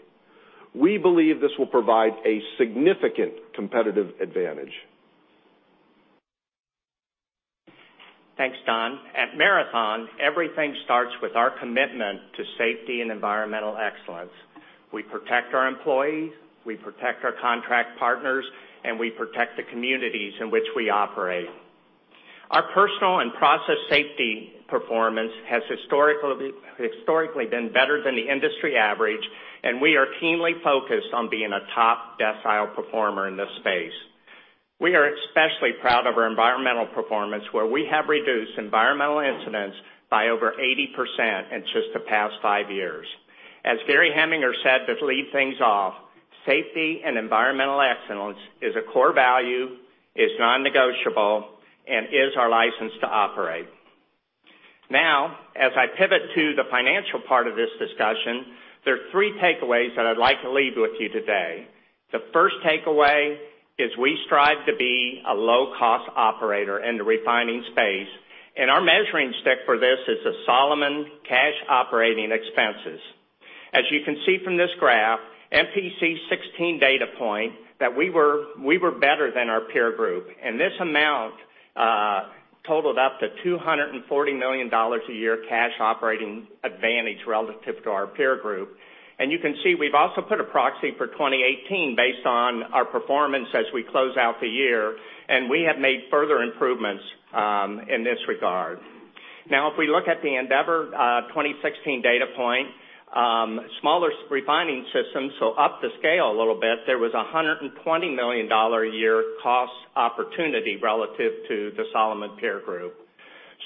We believe this will provide a significant competitive advantage. Thanks, Don. At Marathon, everything starts with our commitment to safety and environmental excellence. We protect our employees, we protect our contract partners, and we protect the communities in which we operate. Our personal and process safety performance has historically been better than the industry average, and we are keenly focused on being a top decile performer in this space. We are especially proud of our environmental performance, where we have reduced environmental incidents by over 80% in just the past five years. As Gary Heminger said to lead things off, safety and environmental excellence is a core value, is non-negotiable, and is our license to operate. As I pivot to the financial part of this discussion, there are three takeaways that I'd like to leave with you today. The first takeaway is we strive to be a low-cost operator in the refining space, and our measuring stick for this is the Solomon cash operating expenses. As you can see from this graph, MPC's 2016 data point, that we were better than our peer group, and this amount totaled up to $240 million a year cash operating advantage relative to our peer group. You can see we've also put a proxy for 2018 based on our performance as we close out the year, and we have made further improvements in this regard. If we look at the Andeavor 2016 data point, smaller refining systems, so up the scale a little bit, there was $120 million a year cost opportunity relative to the Solomon peer group.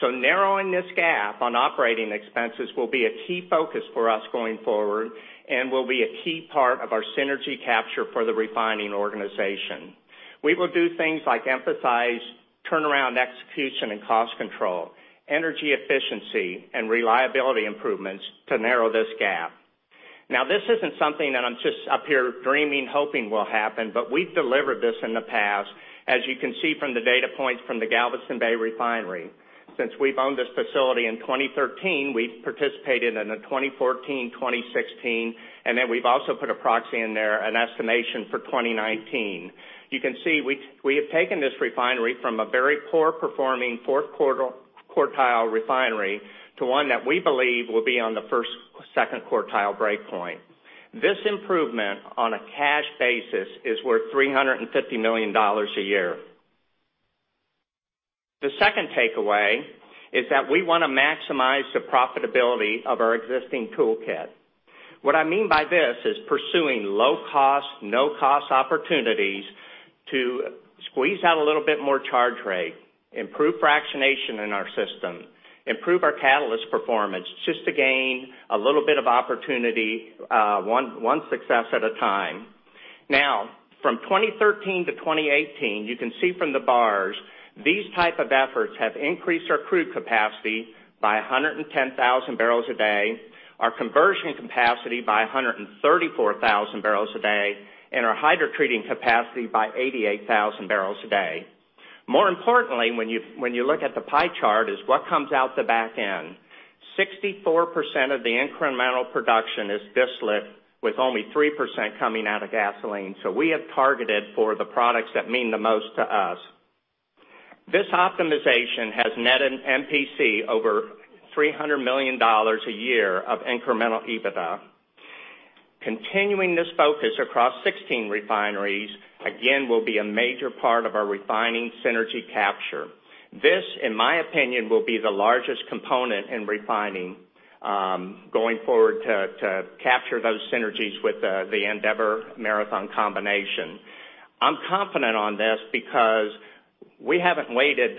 Narrowing this gap on operating expenses will be a key focus for us going forward and will be a key part of our synergy capture for the refining organization. We will do things like emphasize turnaround execution and cost control, energy efficiency, and reliability improvements to narrow this gap. This isn't something that I'm just up here dreaming, hoping will happen, but we've delivered this in the past, as you can see from the data points from the Galveston Bay refinery. Since we've owned this facility in 2013, we've participated in the 2014, 2016, and then we've also put a proxy in there, an estimation for 2019. You can see we have taken this refinery from a very poor performing fourth quartile refinery to one that we believe will be on the first, second quartile breakpoint. This improvement on a cash basis is worth $350 million a year. The second takeaway is that we want to maximize the profitability of our existing toolkit. What I mean by this is pursuing low-cost, no-cost opportunities to squeeze out a little bit more charge rate, improve fractionation in our system, improve our catalyst performance, just to gain a little bit of opportunity one success at a time. From 2013 to 2018, you can see from the bars, these type of efforts have increased our crude capacity by 110,000 barrels a day, our conversion capacity by 134,000 barrels a day, and our hydrotreating capacity by 88,000 barrels a day. More importantly, when you look at the pie chart, is what comes out the back end. 64% of the incremental production is distillate, with only 3% coming out of gasoline. We have targeted for the products that mean the most to us. This optimization has netted MPC over $300 million a year of incremental EBITDA. Continuing this focus across 16 refineries, again, will be a major part of our refining synergy capture. This, in my opinion, will be the largest component in refining, going forward to capture those synergies with the Andeavor-Marathon combination. I'm confident on this because we haven't waited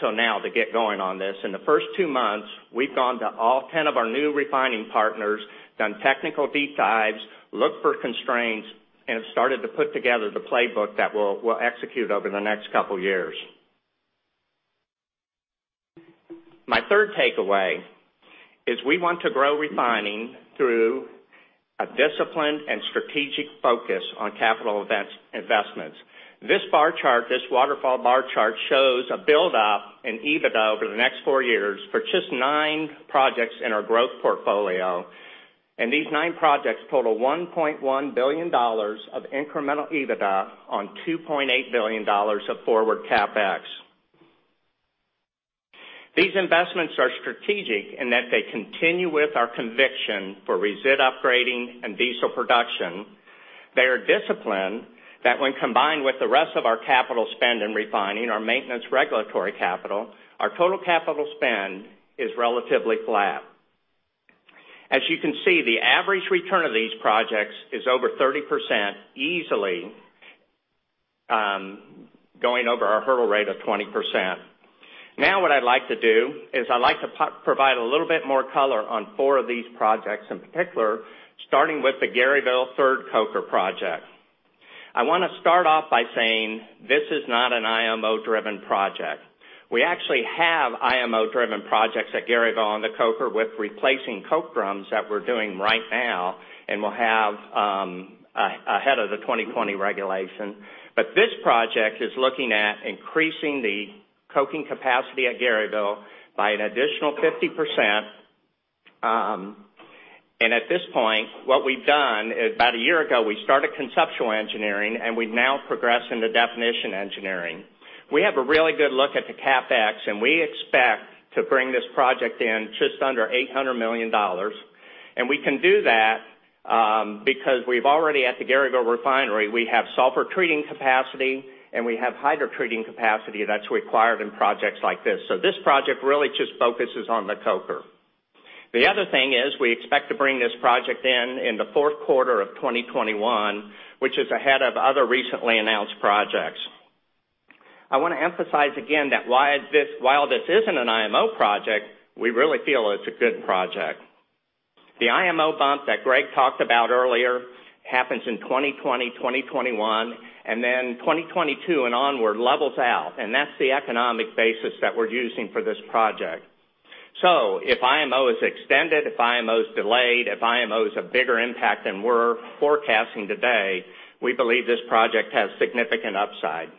till now to get going on this. In the first two months, we've gone to all 10 of our new refining partners, done technical deep dives, looked for constraints, and started to put together the playbook that we'll execute over the next couple of years. My third takeaway is we want to grow refining through a disciplined and strategic focus on capital investments. This waterfall bar chart shows a build-up in EBITDA over the next four years for just nine projects in our growth portfolio, and these nine projects total $1.1 billion of incremental EBITDA on $2.8 billion of forward CapEx. These investments are strategic in that they continue with our conviction for resid upgrading and diesel production. They are disciplined that when combined with the rest of our capital spend in refining our maintenance regulatory capital, our total capital spend is relatively flat. As you can see, the average return of these projects is over 30% easily, going over our hurdle rate of 20%. What I'd like to do is I'd like to provide a little bit more color on four of these projects, in particular, starting with the Garyville third coker project. I want to start off by saying this is not an IMO-driven project. We actually have IMO-driven projects at Garyville on the coker with replacing coke drums that we're doing right now, and will have ahead of the 2020 regulation. This project is looking at increasing the coking capacity at Garyville by an additional 50%. At this point, what we've done, about a year ago, we started conceptual engineering, and we've now progressed into definition engineering. We have a really good look at the CapEx, and we expect to bring this project in just under $800 million. We can do that because we've already at the Garyville refinery, we have sulfur treating capacity and we have hydro treating capacity that's required in projects like this. This project really just focuses on the coker. The other thing is we expect to bring this project in in the fourth quarter of 2021, which is ahead of other recently announced projects. I want to emphasize again that while this isn't an IMO project, we really feel it's a good project. The IMO bump that Greg talked about earlier happens in 2020, 2021, and then 2022 and onward levels out, and that's the economic basis that we're using for this project. If IMO is extended, if IMO is delayed, if IMO is a bigger impact than we're forecasting today, we believe this project has significant upside.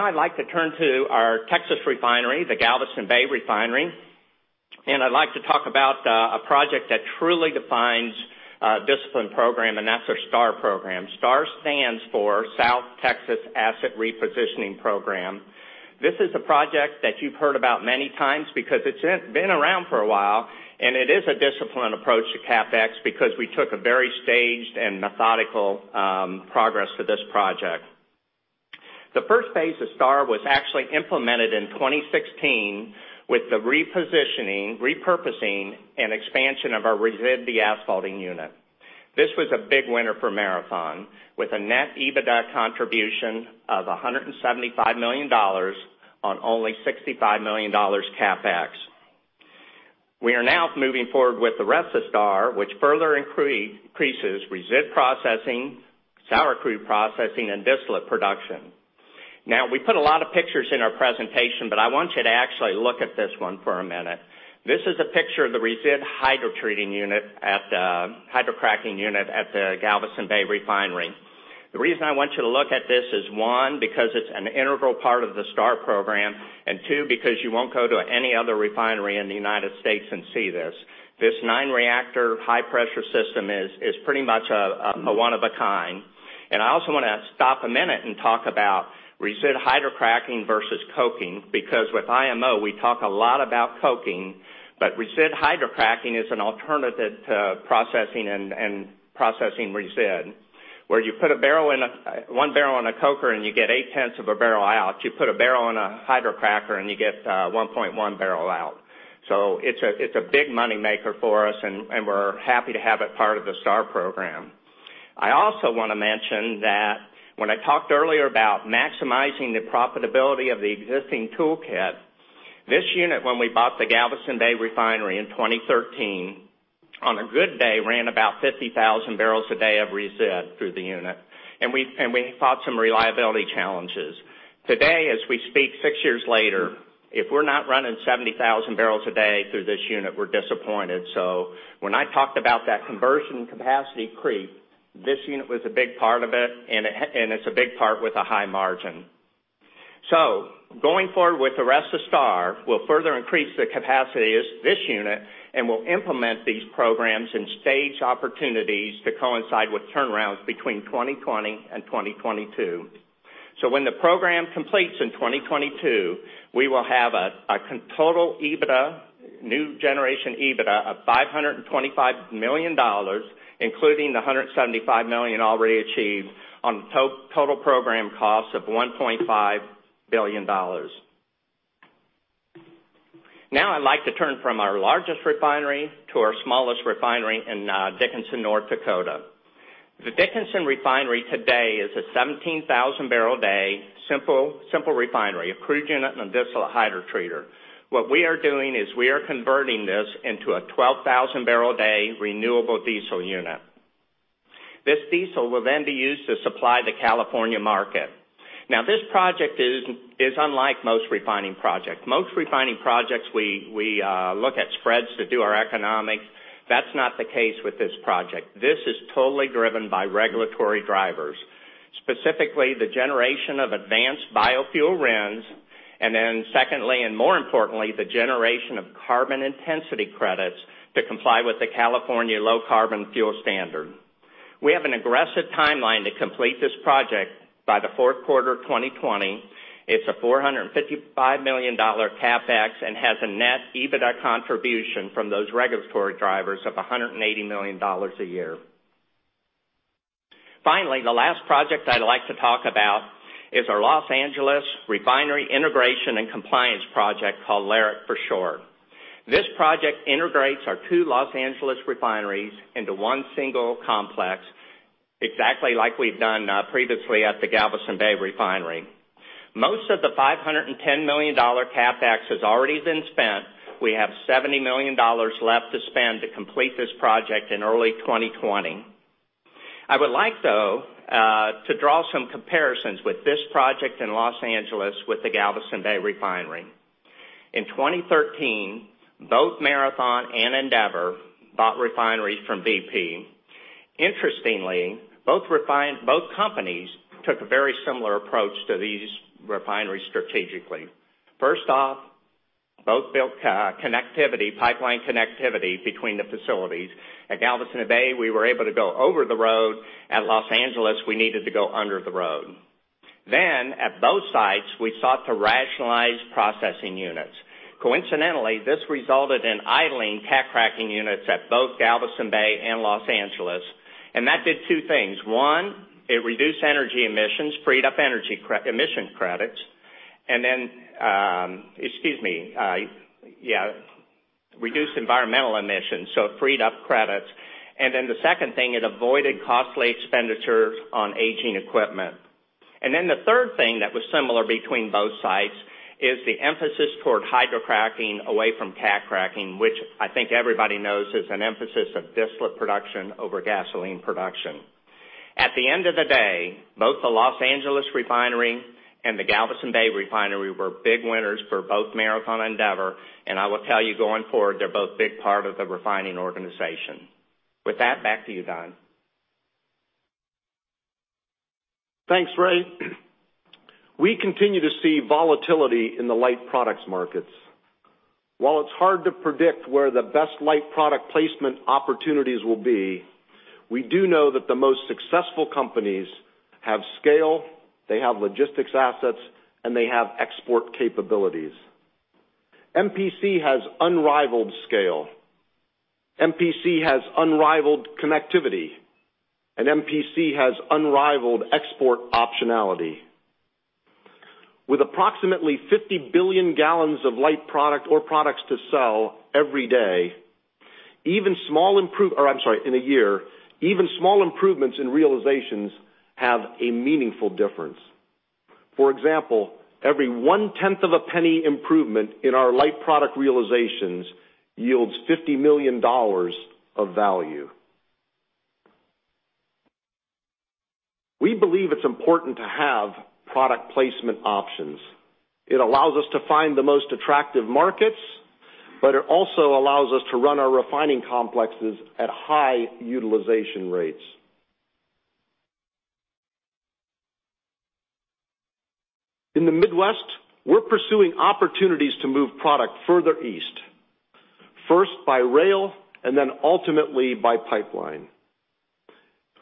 I'd like to turn to our Texas refinery, the Galveston Bay refinery, and I'd like to talk about a project that truly defines a discipline program, and that's our STAR program. STAR stands for South Texas Asset Repositioning Program. This is a project that you've heard about many times because it's been around for a while, and it is a disciplined approach to CapEx because we took a very staged and methodical progress to this project. The first phase of STAR was actually implemented in 2016 with the repositioning, repurposing, and expansion of our resid deasphalting unit. This was a big winner for Marathon, with a net EBITDA contribution of $175 million on only $65 million CapEx. We are now moving forward with the rest of STAR, which further increases resid processing, sour crude processing, and distillate production. We put a lot of pictures in our presentation, but I want you to actually look at this one for a minute. This is a picture of the resid hydro treating unit at the hydrocracking unit at the Galveston Bay refinery. The reason I want you to look at this is, one, because it's an integral part of the STAR program, and two, because you won't go to any other refinery in the U.S. and see this. This nine-reactor high-pressure system is pretty much a one of a kind. I also want to stop a minute and talk about resid hydrocracking versus coking, because with IMO, we talk a lot about coking, but resid hydrocracking is an alternative to processing resid. Where you put one barrel in a coker and you get eight tenths of a barrel out, you put a barrel in a hydrocracker and you get 1.1 barrel out. It's a big money maker for us, and we're happy to have it part of the STAR program. I also want to mention that when I talked earlier about maximizing the profitability of the existing toolkit, this unit, when we bought the Galveston Bay refinery in 2013, on a good day, ran about 50,000 barrels a day of resid through the unit, and we fought some reliability challenges. Today, as we speak, six years later, if we're not running 70,000 barrels a day through this unit, we're disappointed. When I talked about that conversion capacity creep, this unit was a big part of it, and it's a big part with a high margin. Going forward with the rest of STAR will further increase the capacity of this unit, and we'll implement these programs in staged opportunities to coincide with turnarounds between 2020 and 2022. When the program completes in 2022, we will have a total new generation EBITDA of $525 million, including the $175 million already achieved on total program costs of $1.5 billion. I'd like to turn from our largest refinery to our smallest refinery in Dickinson, North Dakota. The Dickinson refinery today is a 17,000 barrel a day simple refinery, a crude unit and a distillate hydrotreater. What we are doing is we are converting this into a 12,000 barrel a day renewable diesel unit. This diesel will then be used to supply the California market. This project is unlike most refining project. Most refining projects, we look at spreads to do our economics. That's not the case with this project. This is totally driven by regulatory drivers, specifically the generation of advanced biofuel RINs, and then secondly, and more importantly, the generation of carbon intensity credits to comply with the California Low Carbon Fuel Standard. We have an aggressive timeline to complete this project by the fourth quarter of 2020. It's a $455 million CapEx and has a net EBITDA contribution from those regulatory drivers of $180 million a year. The last project I'd like to talk about is our Los Angeles Refinery Integration and Compliance Project, called LAIC for short. This project integrates our two Los Angeles refineries into one single complex, exactly like we've done previously at the Galveston Bay Refinery. Most of the $510 million CapEx has already been spent. We have $70 million left to spend to complete this project in early 2020. I would like, though, to draw some comparisons with this project in Los Angeles with the Galveston Bay Refinery. In 2013, both Marathon and Andeavor bought refineries from BP. Interestingly, both companies took a very similar approach to these refineries strategically. Both built pipeline connectivity between the facilities. At Galveston Bay, we were able to go over the road. At Los Angeles, we needed to go under the road. At both sites, we sought to rationalize processing units. Coincidentally, this resulted in idling cat cracking units at both Galveston Bay and Los Angeles, and that did two things. One, it reduced energy emissions, freed up energy emission credits, and then Excuse me. Yeah. Reduced environmental emissions, so it freed up credits. And then the second thing, it avoided costly expenditures on aging equipment. The third thing that was similar between both sites is the emphasis toward hydrocracking away from cat cracking, which I think everybody knows is an emphasis of distillate production over gasoline production. At the end of the day, both the Los Angeles Refinery and the Galveston Bay Refinery were big winners for both Marathon and Andeavor, and I will tell you going forward, they're both big part of the refining organization. With that, back to you, Don. Thanks, Ray. We continue to see volatility in the light products markets. While it's hard to predict where the best light product placement opportunities will be, we do know that the most successful companies have scale, they have logistics assets, and they have export capabilities. MPC has unrivaled scale. MPC has unrivaled connectivity. MPC has unrivaled export optionality. With approximately 50 billion gallons of light product or products to sell every day, even small Oh, I'm sorry, in a year. Even small improvements in realizations have a meaningful difference. For example, every one-tenth of a penny improvement in our light product realizations yields $50 million of value. We believe it's important to have product placement options. It allows us to find the most attractive markets, but it also allows us to run our refining complexes at high utilization rates. In the Midwest, we're pursuing opportunities to move product further east, first by rail and then ultimately by pipeline.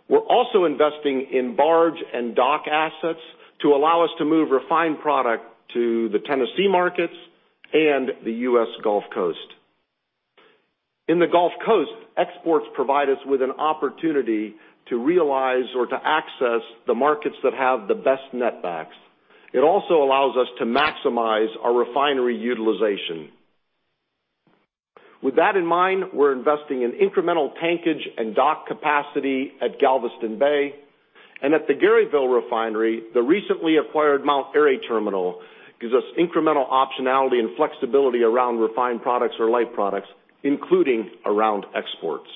We're also investing in barge and dock assets to allow us to move refined product to the Tennessee markets and the U.S. Gulf Coast. In the Gulf Coast, exports provide us with an opportunity to realize or to access the markets that have the best net backs. It also allows us to maximize our refinery utilization. With that in mind, we're investing in incremental tankage and dock capacity at Galveston Bay, and at the Garyville Refinery, the recently acquired Mount Airy Terminal gives us incremental optionality and flexibility around refined products or light products, including around exports.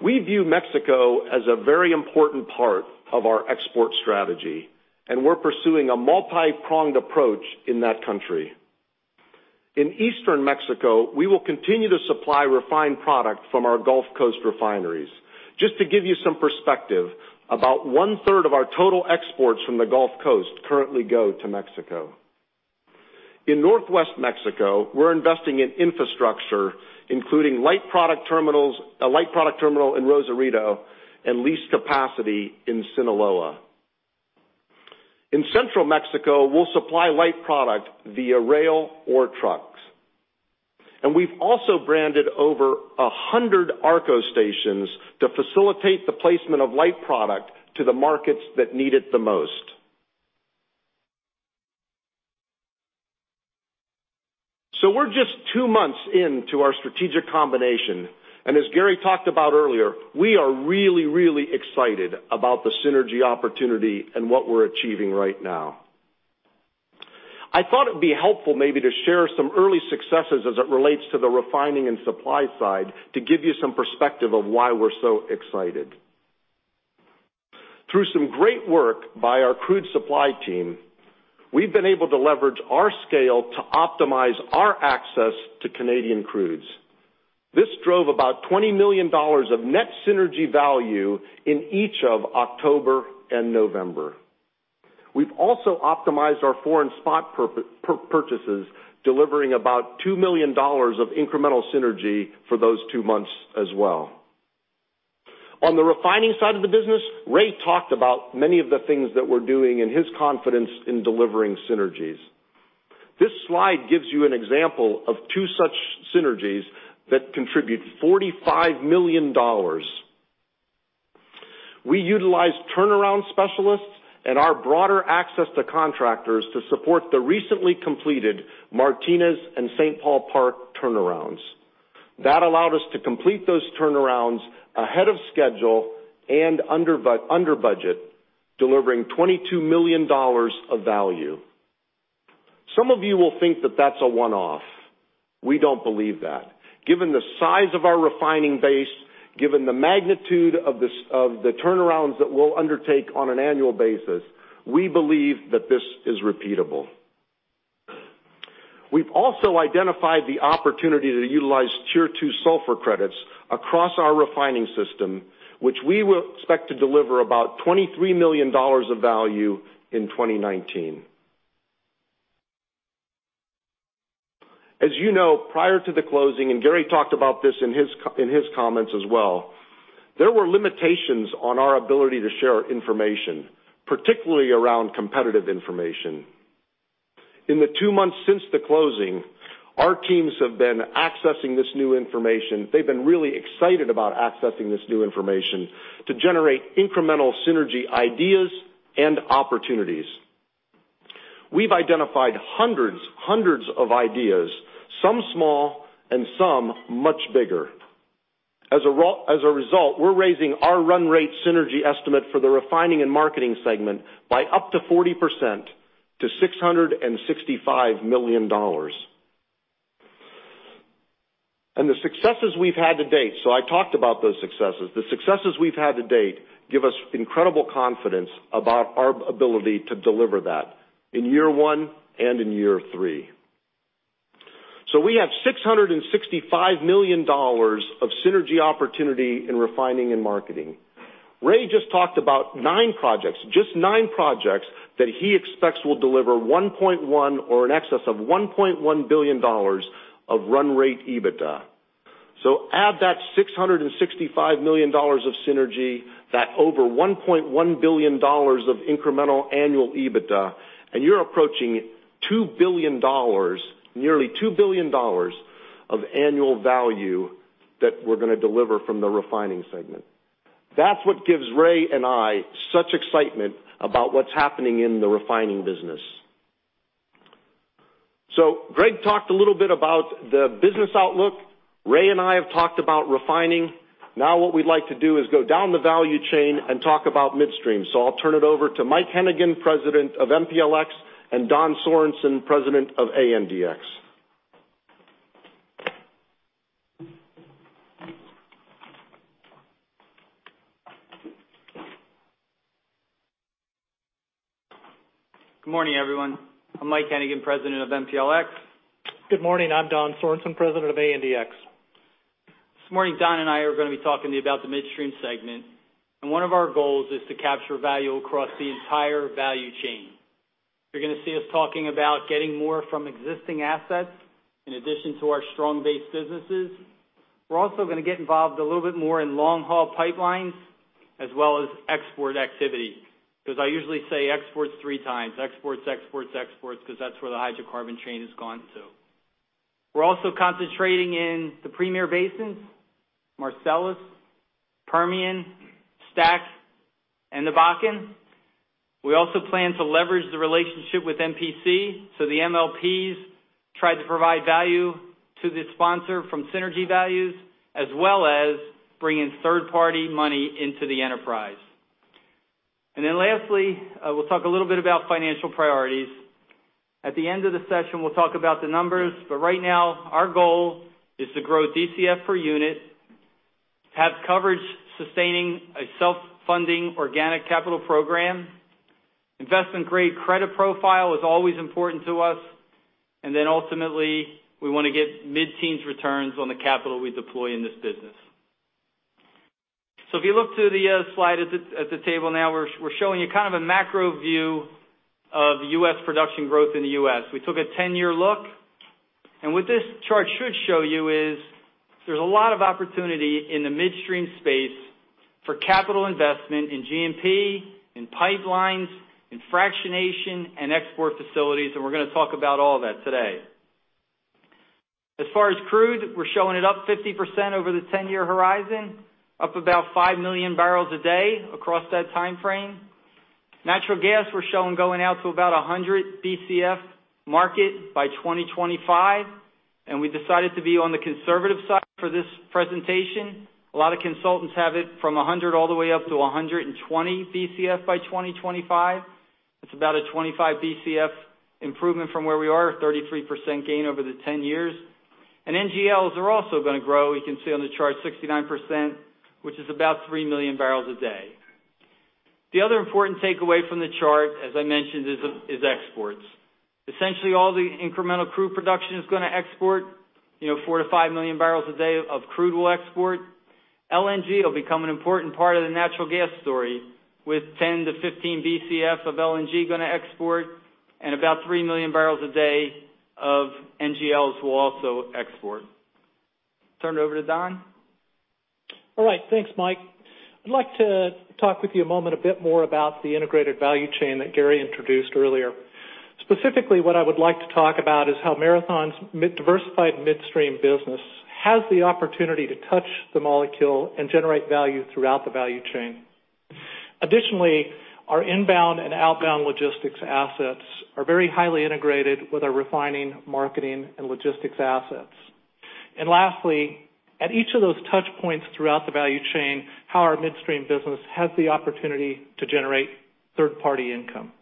We view Mexico as a very important part of our export strategy, and we're pursuing a multi-pronged approach in that country. In Eastern Mexico, we will continue to supply refined product from our Gulf Coast refineries. Just to give you some perspective, about one-third of our total exports from the Gulf Coast currently go to Mexico. In Northwest Mexico, we're investing in infrastructure, including a light product terminal in Rosarito and lease capacity in Sinaloa. In Central Mexico, we'll supply light product via rail or truck. We've also branded over 100 ARCO stations to facilitate the placement of light product to the markets that need it the most. We're just two months into our strategic combination, and as Gary talked about earlier, we are really excited about the synergy opportunity and what we're achieving right now. I thought it'd be helpful maybe to share some early successes as it relates to the refining and supply side to give you some perspective of why we're so excited. Through some great work by our crude supply team, we've been able to leverage our scale to optimize our access to Canadian crudes. This drove about $20 million of net synergy value in each of October and November. We've also optimized our foreign spot purchases, delivering about $2 million of incremental synergy for those two months as well. On the refining side of the business, Ray talked about many of the things that we're doing and his confidence in delivering synergies. This slide gives you an example of two such synergies that contribute $45 million. We utilized turnaround specialists and our broader access to contractors to support the recently completed Martinez and St. Paul Park turnarounds. That allowed us to complete those turnarounds ahead of schedule and under budget, delivering $22 million of value. Some of you will think that that's a one-off. We don't believe that. Given the size of our refining base, given the magnitude of the turnarounds that we'll undertake on an annual basis, we believe that this is repeatable. We've also identified the opportunity to utilize Tier 2 sulfur credits across our refining system, which we will expect to deliver about $23 million of value in 2019. You know, prior to the closing, and Gary talked about this in his comments as well, there were limitations on our ability to share information, particularly around competitive information. In the two months since the closing, our teams have been accessing this new information. They've been really excited about accessing this new information to generate incremental synergy ideas and opportunities. We've identified hundreds of ideas, some small and some much bigger. As a result, we're raising our run rate synergy estimate for the refining and marketing segment by up to 40% to $665 million. The successes we've had to date, I talked about those successes. The successes we've had to date give us incredible confidence about our ability to deliver that in year one and in year three. We have $665 million of synergy opportunity in refining and marketing. Ray just talked about nine projects that he expects will deliver 1.1 or in excess of $1.1 billion of run rate EBITDA. Add that $665 million of synergy, that over $1.1 billion of incremental annual EBITDA, and you're approaching $2 billion of annual value that we're going to deliver from the refining segment. That's what gives Ray and I such excitement about what's happening in the refining business. Greg talked a little bit about the business outlook. Ray and I have talked about refining. Now what we'd like to do is go down the value chain and talk about midstream. I'll turn it over to Mike Hennigan, President of MPLX, and Don Sorensen, President of ANDX. Good morning, everyone. I'm Mike Hennigan, President of MPLX. Good morning. I'm Don Sorensen, President of ANDX. This morning, Don and I are going to be talking to you about the midstream segment. One of our goals is to capture value across the entire value chain. You're going to see us talking about getting more from existing assets, in addition to our strong base businesses. We're also going to get involved a little bit more in long-haul pipelines as well as export activity. I usually say exports three times, exports, exports, because that's where the hydrocarbon chain has gone to. We're also concentrating in the premier basins, Marcellus, Permian, STACK, and the Bakken. We also plan to leverage the relationship with MPC. The MLPs try to provide value to the sponsor from synergy values, as well as bring in third-party money into the enterprise. Lastly, we'll talk a little bit about financial priorities. At the end of the session, we'll talk about the numbers. Right now our goal is to grow DCF per unit, have coverage sustaining a self-funding organic capital program. Investment-grade credit profile is always important to us. Ultimately, we want to get mid-teens returns on the capital we deploy in this business. If you look to the slide at the table now, we're showing you kind of a macro view of the U.S. production growth in the U.S. We took a 10-year look, and what this chart should show you is. There's a lot of opportunity in the midstream space for capital investment in G&P, in pipelines, in fractionation, and export facilities. We're going to talk about all that today. As far as crude, we're showing it up 50% over the 10-year horizon, up about five million barrels a day across that timeframe. Natural gas, we're showing going out to about 100 BCF market by 2025. We decided to be on the conservative side for this presentation. A lot of consultants have it from 100 all the way up to 120 BCF by 2025. It's about a 25 BCF improvement from where we are, 33% gain over the 10 years. NGLs are also going to grow. You can see on the chart 69%, which is about three million barrels a day. The other important takeaway from the chart, as I mentioned, is exports. Essentially all the incremental crude production is going to export, four to five million barrels a day of crude will export. LNG will become an important part of the natural gas story, with 10 to 15 BCF of LNG going to export and about three million barrels a day of NGLs will also export. Turn it over to Don. All right. Thanks, Mike. I'd like to talk with you a moment a bit more about the integrated value chain that Gary introduced earlier. Specifically, what I would like to talk about is how Marathon's diversified midstream business has the opportunity to touch the molecule and generate value throughout the value chain. Additionally, our inbound and outbound logistics assets are very highly integrated with our refining, marketing, and logistics assets. Lastly, at each of those touchpoints throughout the value chain, how our midstream business has the opportunity to generate third-party income.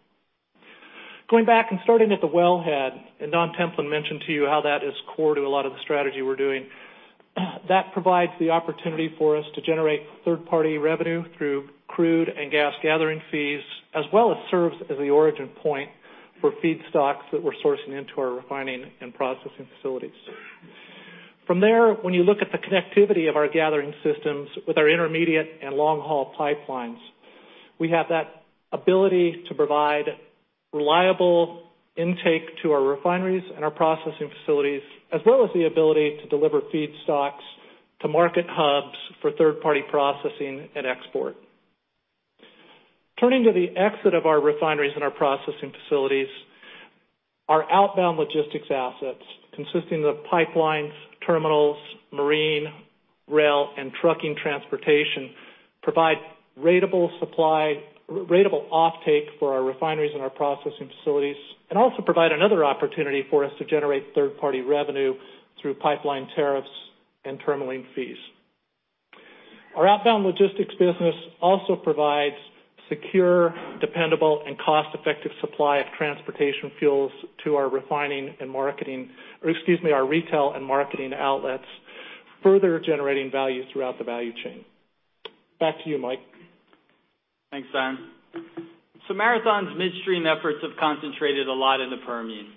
Going back and starting at the wellhead, Don Templin mentioned to you how that is core to a lot of the strategy we're doing, that provides the opportunity for us to generate third-party revenue through crude and gas gathering fees, as well as serves as the origin point for feedstocks that we're sourcing into our refining and processing facilities. From there, when you look at the connectivity of our gathering systems with our intermediate and long-haul pipelines, we have that ability to provide reliable intake to our refineries and our processing facilities, as well as the ability to deliver feedstocks to market hubs for third-party processing and export. Turning to the exit of our refineries and our processing facilities, our outbound logistics assets, consisting of pipelines, terminals, marine, rail, and trucking transportation, provide ratable offtake for our refineries and our processing facilities, also provide another opportunity for us to generate third-party revenue through pipeline tariffs and terminalling fees. Our outbound logistics business also provides secure, dependable, and cost-effective supply of transportation fuels to our retail and marketing outlets, further generating value throughout the value chain. Back to you, Mike. Thanks, Don. Marathon's midstream efforts have concentrated a lot in the Permian Basin,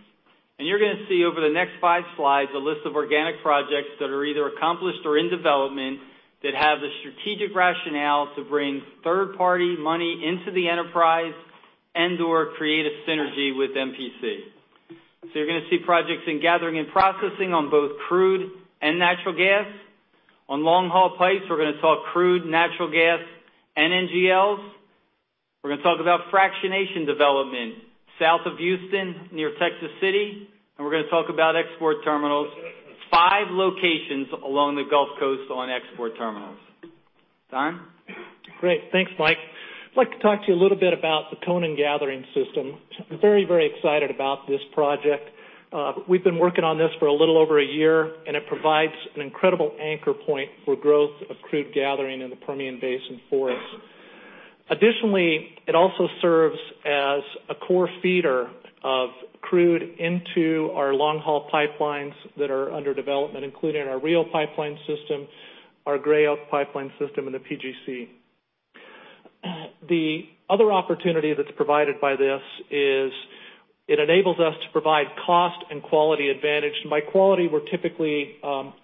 and you're going to see over the next five slides a list of organic projects that are either accomplished or in development that have the strategic rationale to bring third-party money into the enterprise and/or create a synergy with MPC. You're going to see projects in gathering and processing on both crude and natural gas. On long-haul pipes, we're going to talk crude, natural gas, and NGLs. We're going to talk about fractionation development south of Houston, near Texas City, and we're going to talk about export terminals, five locations along the Gulf Coast on export terminals. Don? Great. Thanks, Mike. I'd like to talk to you a little bit about the Conan Gathering System. Very, very excited about this project. We've been working on this for a little over a year, and it provides an incredible anchor point for growth of crude gathering in the Permian Basin for us. Additionally, it also serves as a core feeder of crude into our long-haul pipelines that are under development, including our Regal pipeline system, our Gray Oak pipeline system, and the PGC. The other opportunity that's provided by this is it enables us to provide cost and quality advantage. By quality, we're typically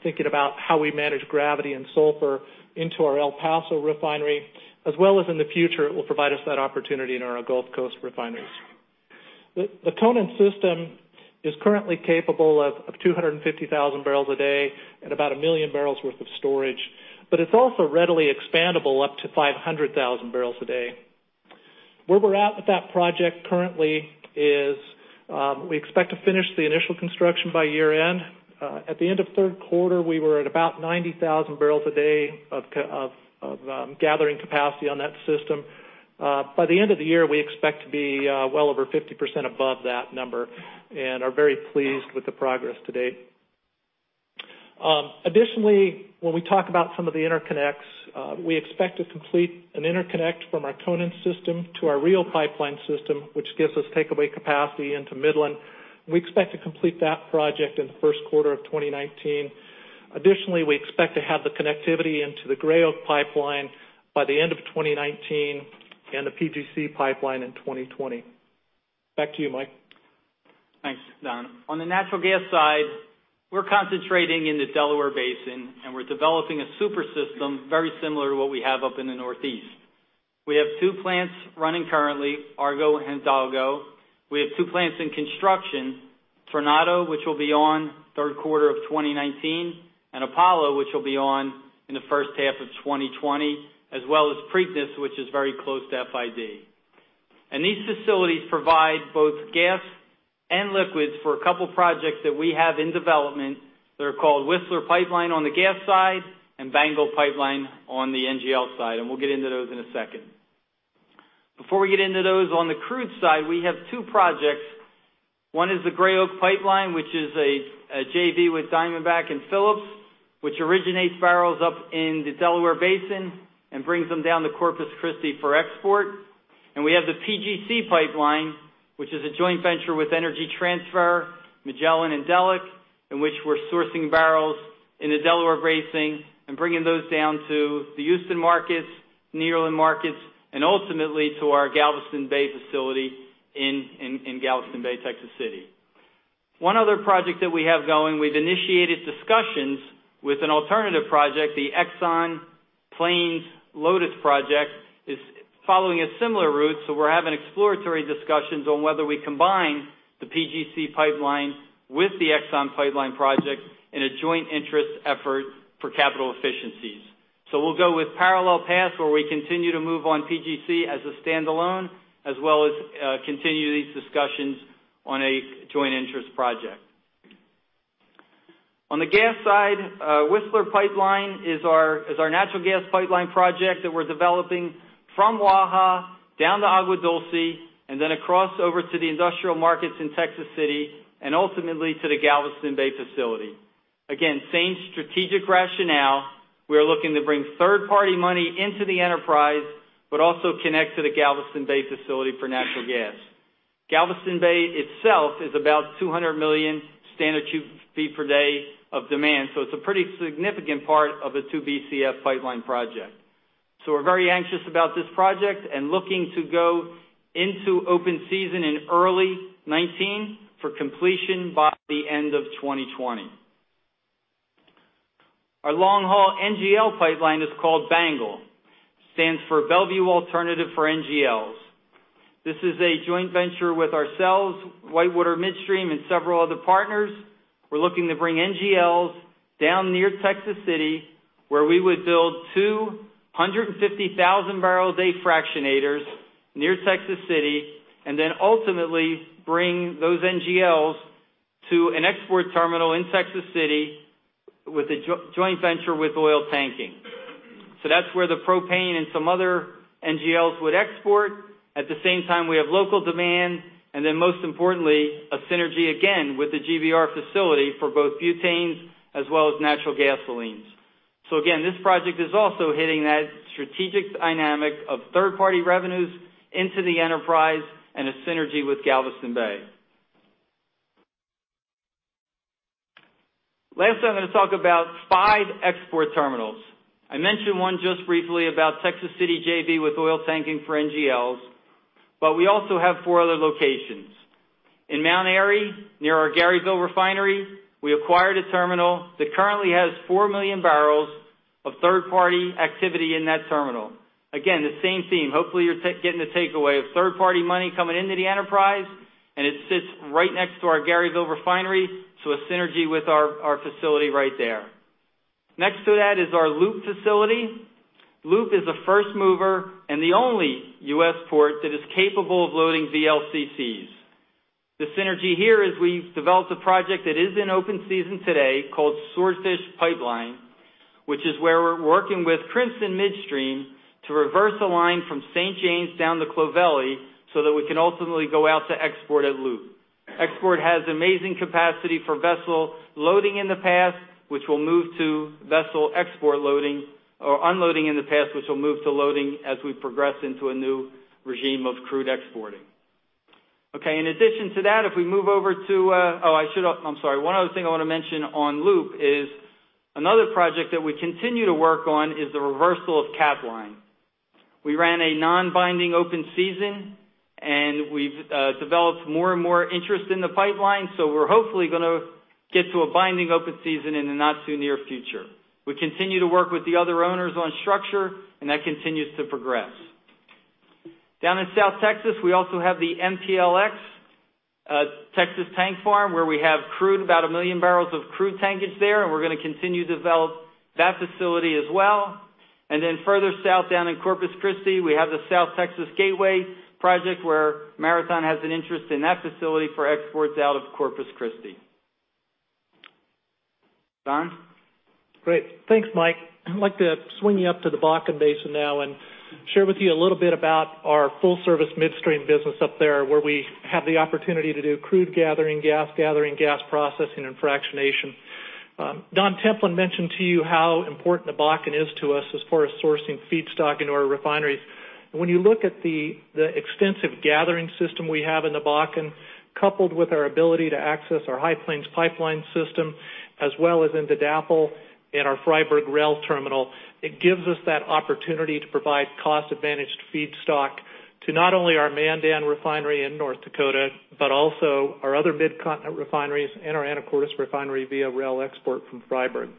thinking about how we manage gravity and sulfur into our El Paso refinery, as well as in the future, it will provide us that opportunity in our Gulf Coast refineries. The Conan system is currently capable of 250,000 barrels a day and about a million barrels worth of storage, but it's also readily expandable up to 500,000 barrels a day. Where we're at with that project currently is we expect to finish the initial construction by year-end. At the end of the third quarter, we were at about 90,000 barrels a day of gathering capacity on that system. By the end of the year, we expect to be well over 50% above that number and are very pleased with the progress to date. Additionally, when we talk about some of the interconnects, we expect to complete an interconnect from our Conan system to our Regal pipeline system, which gives us takeaway capacity into Midland. We expect to complete that project in the first quarter of 2019. Additionally, we expect to have the connectivity into the Gray Oak pipeline by the end of 2019 and the PGC pipeline in 2020. Back to you, Mike. Thanks, Don. On the natural gas side, we're concentrating in the Delaware Basin, and we're developing a super system very similar to what we have up in the Northeast. We have two plants running currently, Argo and Hidalgo. We have two plants in construction, Tornado, which will be on third quarter of 2019, and Apollo, which will be on in the first half of 2020, as well as Pregnas, which is very close to FID. These facilities provide both gas and liquids for a couple projects that we have in development that are called Whistler Pipeline on the gas side and BANGL Pipeline on the NGL side, and we'll get into those in a second. Before we get into those, on the crude side, we have two projects. One is the Gray Oak Pipeline, which is a JV with Diamondback and Phillips, which originates barrels up in the Delaware Basin and brings them down to Corpus Christi for export. We have the PGC Pipeline, which is a joint venture with Energy Transfer, Magellan, and Delek, in which we're sourcing barrels in the Delaware Basin and bringing those down to the Houston markets, New Orleans markets, and ultimately to our Galveston Bay facility in Galveston Bay, Texas City. One other project that we have going, we've initiated discussions with an alternative project, the Exxon Plains Lotus project, is following a similar route, we're having exploratory discussions on whether we combine the PGC Pipeline with the Exxon Pipeline project in a joint interest effort for capital efficiencies. We'll go with parallel paths, where we continue to move on PGC as a standalone, as well as continue these discussions on a joint interest project. On the gas side, Whistler Pipeline is our natural gas pipeline project that we're developing from Waha down to Agua Dulce, and then across over to the industrial markets in Texas City, and ultimately to the Galveston Bay facility. Again, same strategic rationale. We are looking to bring third-party money into the enterprise, but also connect to the Galveston Bay facility for natural gas. Galveston Bay itself is about 200 million standard cube feet per day of demand, so it's a pretty significant part of the 2 BCF Pipeline project. We're very anxious about this project and looking to go into open season in early 2019 for completion by the end of 2020. Our long-haul NGL pipeline is called BANGL. Stands for Bellevue Alternative for NGLs. This is a joint venture with ourselves, WhiteWater Midstream, and several other partners. We're looking to bring NGLs down near Texas City, where we would build two 150,000 barrels a fractionators near Texas City, and then ultimately bring those NGLs to an export terminal in Texas City with a joint venture with Oiltanking. That's where the propane and some other NGLs would export. At the same time, we have local demand, and then most importantly, a synergy again with the GBR facility for both butanes as well as natural gasolines. Again, this project is also hitting that strategic dynamic of third-party revenues into the enterprise and a synergy with Galveston Bay. Lastly, I'm going to talk about five export terminals. I mentioned one just briefly about Texas City JV with Oiltanking for NGLs, but we also have four other locations. In Mount Airy, near our Garyville refinery, we acquired a terminal that currently has 4 million barrels of third-party activity in that terminal. Again, the same theme. Hopefully, you're getting the takeaway of third-party money coming into the enterprise, and it sits right next to our Garyville refinery, so a synergy with our facility right there. Next to that is our LOOP facility. LOOP is a first mover and the only U.S. port that is capable of loading VLCCs. The synergy here is we've developed a project that is in open season today called Swordfish Pipeline, which is where we're working with Princeton Midstream to reverse a line from St. James down to Clovelly so that we can ultimately go out to export at LOOP. Export has amazing capacity for vessel unloading in the past, which will move to loading as we progress into a new regime of crude exporting. In addition to that, one other thing I want to mention on LOOP is another project that we continue to work on is the reversal of Capline. We ran a non-binding open season, we've developed more and more interest in the pipeline, we're hopefully going to get to a binding open season in the not-too-near future. We continue to work with the other owners on structure, that continues to progress. Down in South Texas, we also have the MPLX Texas tank farm, where we have crude, about 1 million barrels of crude tankage there, we're going to continue to develop that facility as well. Further south, down in Corpus Christi, we have the South Texas Gateway project, where Marathon has an interest in that facility for exports out of Corpus Christi. Don? Great. Thanks, Mike. I'd like to swing you up to the Bakken Basin now and share with you a little bit about our full-service midstream business up there, where we have the opportunity to do crude gathering, gas gathering, gas processing, and fractionation. Don Templin mentioned to you how important the Bakken is to us as far as sourcing feedstock into our refineries. When you look at the extensive gathering system we have in the Bakken, coupled with our ability to access our High Plains Pipeline system, as well as into DAPL and our Fryburg rail terminal, it gives us that opportunity to provide cost-advantaged feedstock to not only our Mandan refinery in North Dakota, but also our other Mid-Continent refineries and our Anacortes refinery via rail export from Fryburg.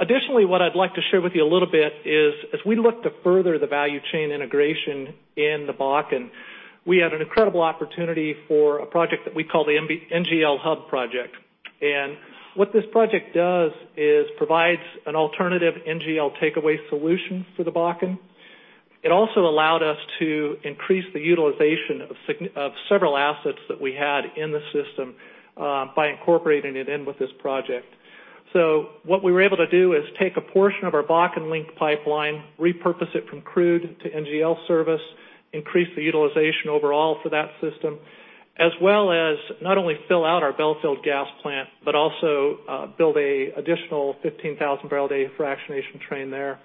Additionally, what I'd like to share with you a little bit is, as we look to further the value chain integration in the Bakken, we have an incredible opportunity for a project that we call the NGL Hub Project. What this project does is provides an alternative NGL takeaway solution for the Bakken. It also allowed us to increase the utilization of several assets that we had in the system by incorporating it in with this project. What we were able to do is take a portion of our Bakken link pipeline, repurpose it from crude to NGL service, increase the utilization overall for that system, as well as not only fill out our Belfield gas plant, but also build an additional 15,000-barrel-a-day fractionation train there.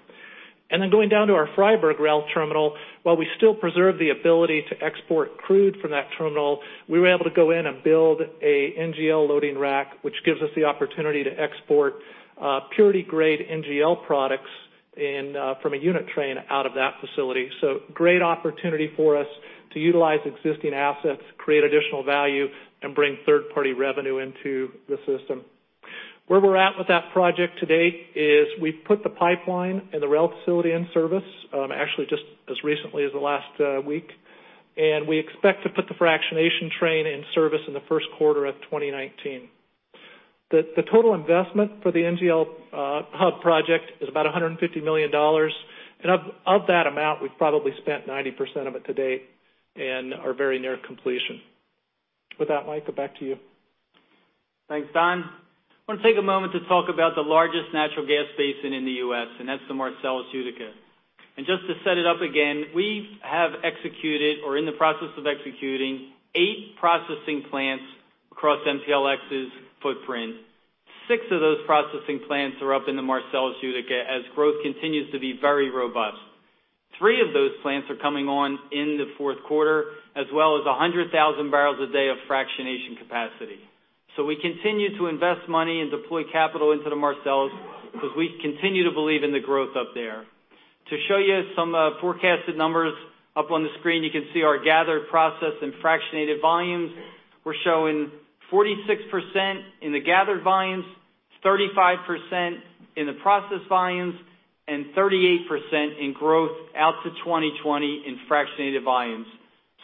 Then going down to our Fryburg rail terminal, while we still preserve the ability to export crude from that terminal, we were able to go in and build an NGL loading rack, which gives us the opportunity to export purity grade NGL products from a unit train out of that facility. Great opportunity for us to utilize existing assets, create additional value, and bring third-party revenue into the system. Where we're at with that project to date is we've put the pipeline and the rail facility in service. Actually, just as recently as the last week. We expect to put the fractionation train in service in the first quarter of 2019. The total investment for the NGL Hub Project is about $150 million. Of that amount, we've probably spent 90% of it to date and are very near completion. With that, Mike, back to you. Thanks, Don. I want to take a moment to talk about the largest natural gas basin in the U.S., and that's the Marcellus Utica. Just to set it up again, we have executed or in the process of executing eight processing plants across MPLX's footprint. Six of those processing plants are up in the Marcellus Utica, as growth continues to be very robust. Three of those plants are coming on in the fourth quarter, as well as 100,000 barrels a day of fractionation capacity. We continue to invest money and deploy capital into the Marcellus because we continue to believe in the growth up there. To show you some forecasted numbers up on the screen, you can see our gathered process and fractionated volumes. We're showing 46% in the gathered volumes, 35% in the processed volumes, and 38% in growth out to 2020 in fractionated volumes.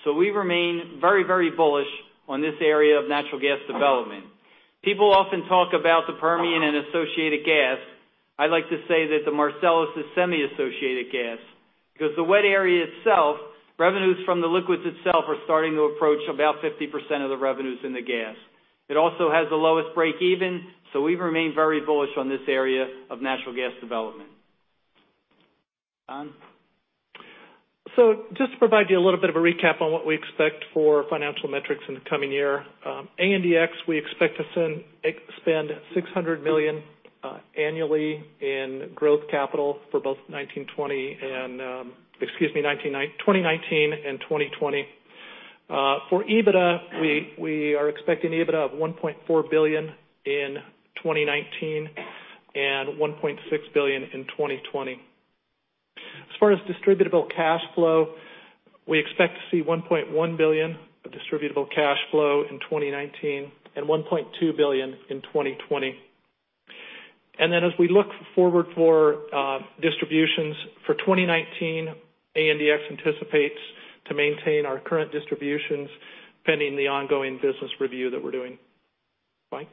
We remain very bullish on this area of natural gas development. People often talk about the Permian and associated gas. I like to say that the Marcellus is semi-associated gas because the wet area itself, revenues from the liquids itself are starting to approach about 50% of the revenues in the gas. It also has the lowest break-even. We remain very bullish on this area of natural gas development. Don? Just to provide you a little bit of a recap on what we expect for financial metrics in the coming year. ANDX, we expect to spend $600 million annually in growth capital for both 2019 and 2020. For EBITDA, we are expecting an EBITDA of $1.4 billion in 2019 and $1.6 billion in 2020. As far as distributable cash flow, we expect to see $1.1 billion of distributable cash flow in 2019 and $1.2 billion in 2020. As we look forward for distributions for 2019, ANDX anticipates to maintain our current distributions pending the ongoing business review that we're doing. Mike?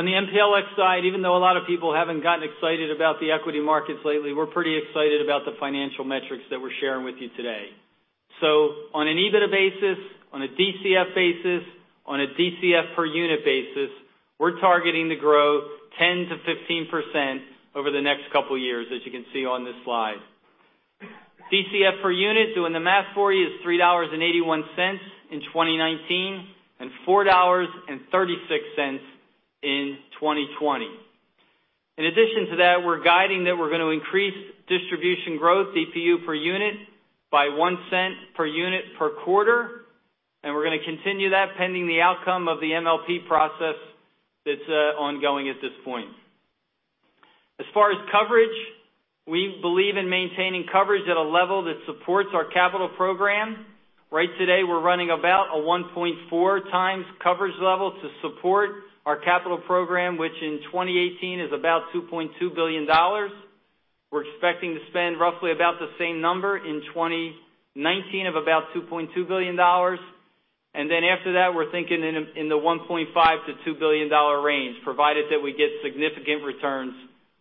On the MPLX side, even though a lot of people haven't gotten excited about the equity markets lately, we're pretty excited about the financial metrics that we're sharing with you today. On an EBITDA basis, on a DCF basis, on a DCF per unit basis, we're targeting to grow 10%-15% over the next couple of years, as you can see on this slide. DCF per unit, doing the math for you is $3.81 in 2019 and $4.36 in 2020. In addition to that, we're guiding that we're going to increase distribution growth DPU per unit by $0.01 per unit per quarter, and we're going to continue that pending the outcome of the MLP process that's ongoing at this point. As far as coverage, we believe in maintaining coverage at a level that supports our capital program. Right today, we're running about a 1.4 times coverage level to support our capital program, which in 2018 is about $2.2 billion. We're expecting to spend roughly about the same number in 2019 of about $2.2 billion. After that, we're thinking in the $1.5 billion-$2 billion range, provided that we get significant returns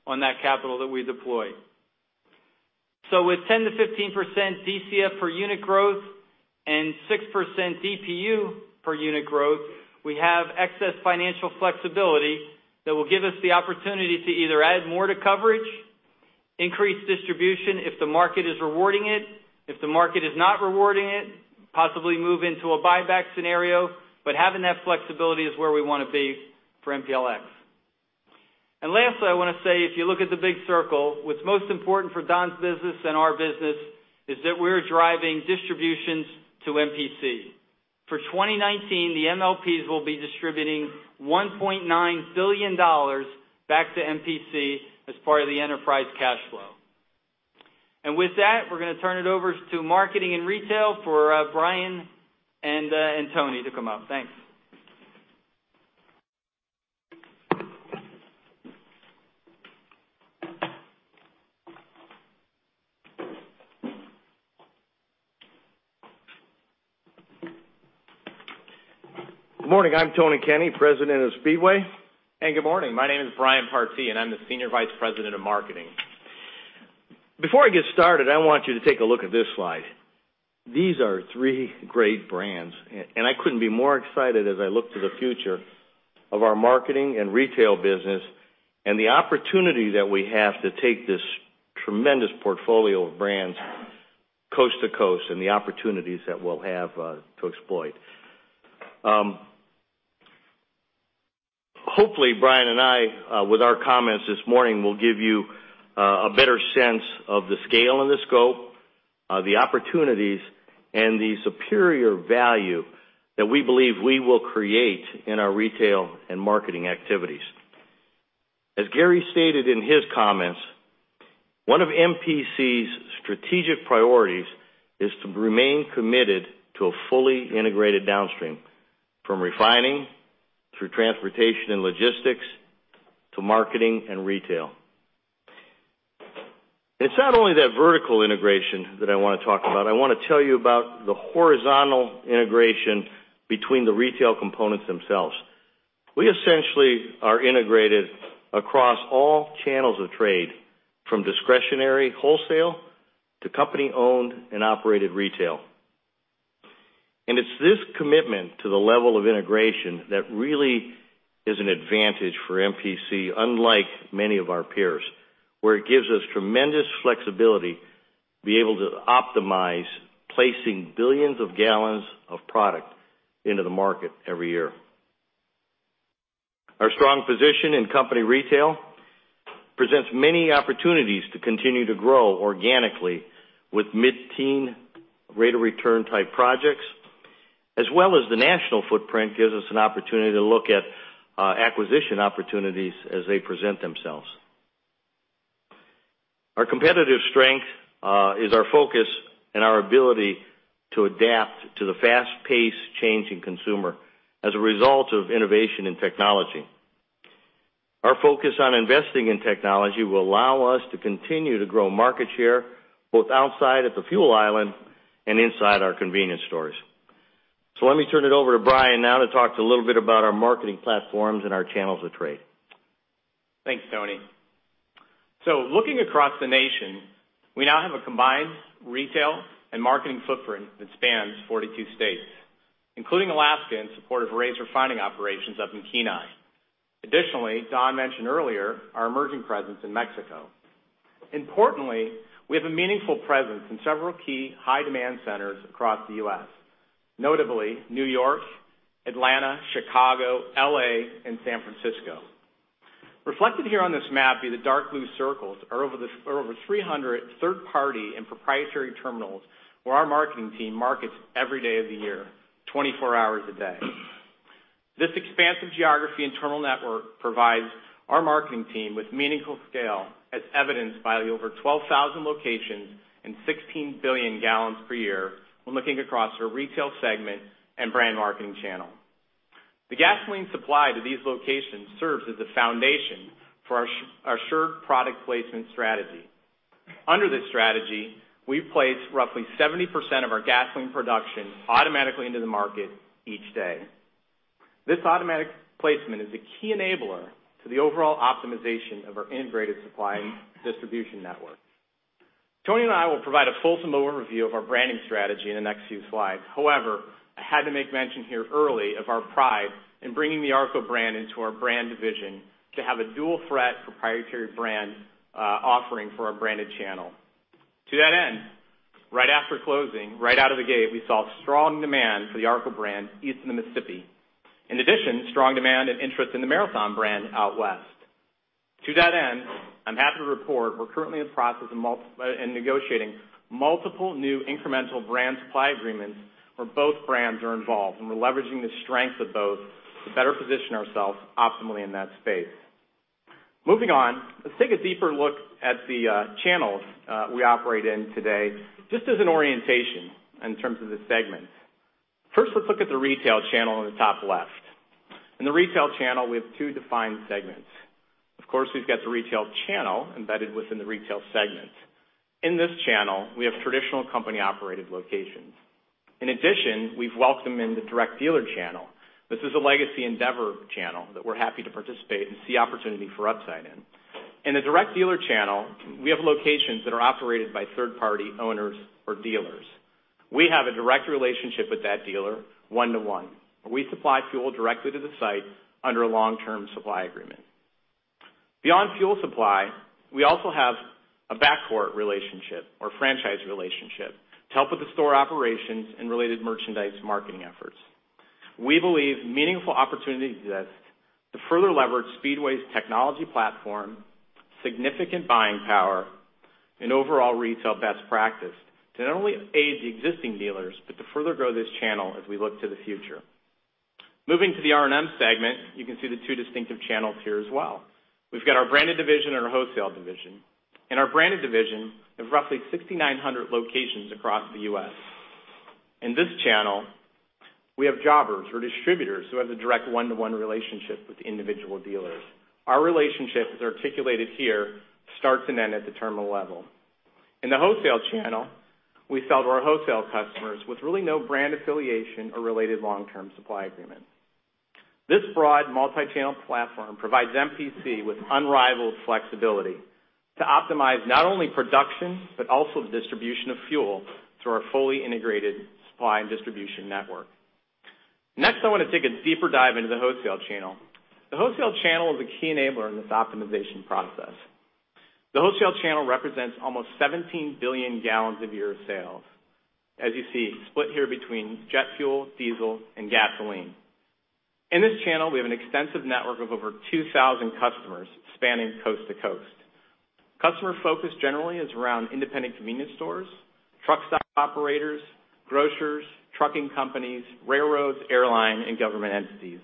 on that capital that we deploy. With 10%-15% DCF per unit growth and 6% DPU per unit growth, we have excess financial flexibility that will give us the opportunity to either add more to coverage, increase distribution if the market is rewarding it. If the market is not rewarding it, possibly move into a buyback scenario. Having that flexibility is where we want to be for MPLX. Lastly, I want to say, if you look at the big circle, what's most important for Don's business and our business is that we're driving distributions to MPC. For 2019, the MLPs will be distributing $1.9 billion back to MPC as part of the enterprise cash flow. With that, we're going to turn it over to marketing and retail for Brian and Tony to come up. Thanks. Good morning. I'm Tony Kenney, President of Speedway. Good morning. My name is Brian Partee, and I'm the Senior Vice President of Marketing. Before I get started, I want you to take a look at this slide. These are three great brands. I couldn't be more excited as I look to the future of our marketing and retail business and the opportunity that we have to take this tremendous portfolio of brands coast to coast and the opportunities that we'll have to exploit. Hopefully, Brian and I, with our comments this morning, will give you a better sense of the scale and the scope, the opportunities, and the superior value that we believe we will create in our retail and marketing activities. As Gary stated in his comments, one of MPC's strategic priorities is to remain committed to a fully integrated downstream, from refining through transportation and logistics, to marketing and retail. It's not only that vertical integration that I want to talk about. I want to tell you about the horizontal integration between the retail components themselves. We essentially are integrated across all channels of trade, from discretionary wholesale to company-owned and operated retail. It's this commitment to the level of integration that really is an advantage for MPC, unlike many of our peers, where it gives us tremendous flexibility to be able to optimize placing billions of gallons of product into the market every year. Our strong position in company retail presents many opportunities to continue to grow organically with mid-teen rate of return type projects, as well as the national footprint gives us an opportunity to look at acquisition opportunities as they present themselves. Our competitive strength is our focus and our ability to adapt to the fast-paced changing consumer as a result of innovation in technology. Our focus on investing in technology will allow us to continue to grow market share both outside at the fuel island and inside our convenience stores. Let me turn it over to Brian now to talk a little bit about our marketing platforms and our channels of trade. Thanks, Tony. Looking across the nation, we now have a combined retail and marketing footprint that spans 42 states, including Alaska in support of Razor refining operations up in Kenai. Additionally, Don mentioned earlier our emerging presence in Mexico. Importantly, we have a meaningful presence in several key high demand centers across the U.S., notably New York, Atlanta, Chicago, L.A., and San Francisco. Reflected here on this map via the dark blue circles are over 300 third party and proprietary terminals where our marketing team markets every day of the year, 24 hours a day. This expansive geography internal network provides our marketing team with meaningful scale as evidenced by the over 12,000 locations and 16 billion gallons per year when looking across our retail segment and brand marketing channel. The gasoline supply to these locations serves as the foundation for our assured product placement strategy. Under this strategy, we place roughly 70% of our gasoline production automatically into the market each day. This automatic placement is a key enabler to the overall optimization of our integrated supply and distribution network. Tony and I will provide a fulsome overview of our branding strategy in the next few slides. However, I had to make mention here early of our pride in bringing the ARCO brand into our brand division to have a dual threat proprietary brand offering for our branded channel. To that end, right after closing, right out of the gate, we saw strong demand for the ARCO brand east of the Mississippi. In addition, strong demand and interest in the Marathon brand out west. To that end, I'm happy to report we're currently in the process of negotiating multiple new incremental brand supply agreements where both brands are involved, and we're leveraging the strengths of both to better position ourselves optimally in that space. Moving on, let's take a deeper look at the channels we operate in today, just as an orientation in terms of the segments. First, let's look at the retail channel in the top left. In the retail channel, we have two defined segments. Of course, we've got the retail channel embedded within the retail segment. In this channel, we have traditional company operated locations. In addition, we've welcomed in the direct dealer channel. This is a legacy Andeavor channel that we're happy to participate and see opportunity for upside in. In the direct dealer channel, we have locations that are operated by third party owners or dealers. We have a direct relationship with that dealer one to one, and we supply fuel directly to the site under a long-term supply agreement. Beyond fuel supply, we also have a back court relationship or franchise relationship to help with the store operations and related merchandise marketing efforts. We believe meaningful opportunities exist to further leverage Speedway's technology platform, significant buying power, and overall retail best practice to not only aid the existing dealers, but to further grow this channel as we look to the future. Moving to the R&M segment, you can see the two distinctive channels here as well. We've got our branded division and our wholesale division. In our branded division, we have roughly 6,900 locations across the U.S. In this channel, we have jobbers or distributors who have a direct one to one relationship with individual dealers. Our relationship, as articulated here, starts and ends at the terminal level. In the wholesale channel, we sell to our wholesale customers with really no brand affiliation or related long-term supply agreement. This broad multi-channel platform provides MPC with unrivaled flexibility to optimize not only production, but also the distribution of fuel through our fully integrated supply and distribution network. Next, I want to take a deeper dive into the wholesale channel. The wholesale channel is a key enabler in this optimization process. The wholesale channel represents almost 17 billion gallons of year sales. As you see, split here between jet fuel, diesel, and gasoline. In this channel, we have an extensive network of over 2,000 customers spanning coast to coast. Customer focus generally is around independent convenience stores, truck stop operators, grocers, trucking companies, railroads, airline, and government entities.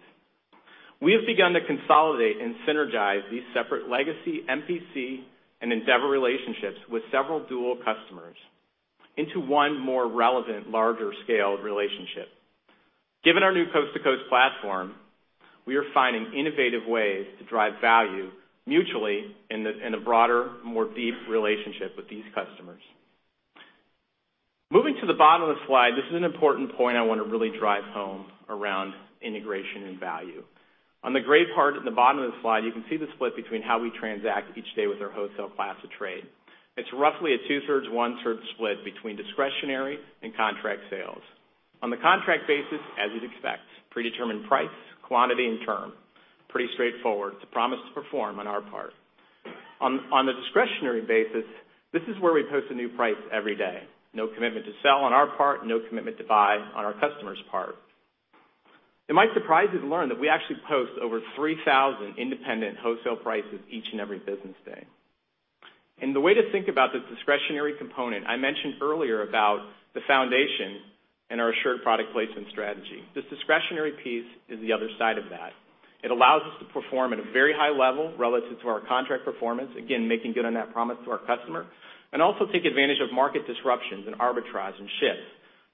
We have begun to consolidate and synergize these separate legacy MPC and Andeavor relationships with several dual customers into one more relevant, larger scaled relationship. Given our new coast-to-coast platform, we are finding innovative ways to drive value mutually in a broader, more deep relationship with these customers. Moving to the bottom of the slide, this is an important point I want to really drive home around integration and value. On the gray part at the bottom of the slide, you can see the split between how we transact each day with our wholesale class of trade. It's roughly a two-thirds, one-third split between discretionary and contract sales. On the contract basis, as you'd expect, predetermined price, quantity, and term. Pretty straightforward. It's a promise to perform on our part. On the discretionary basis, this is where we post a new price every day. No commitment to sell on our part, no commitment to buy on our customer's part. It might surprise you to learn that we actually post over 3,000 independent wholesale prices each and every business day. The way to think about this discretionary component, I mentioned earlier about the foundation and our assured product placement strategy. This discretionary piece is the other side of that. It allows us to perform at a very high level relative to our contract performance, again, making good on that promise to our customer, and also take advantage of market disruptions and arbitrage and shifts,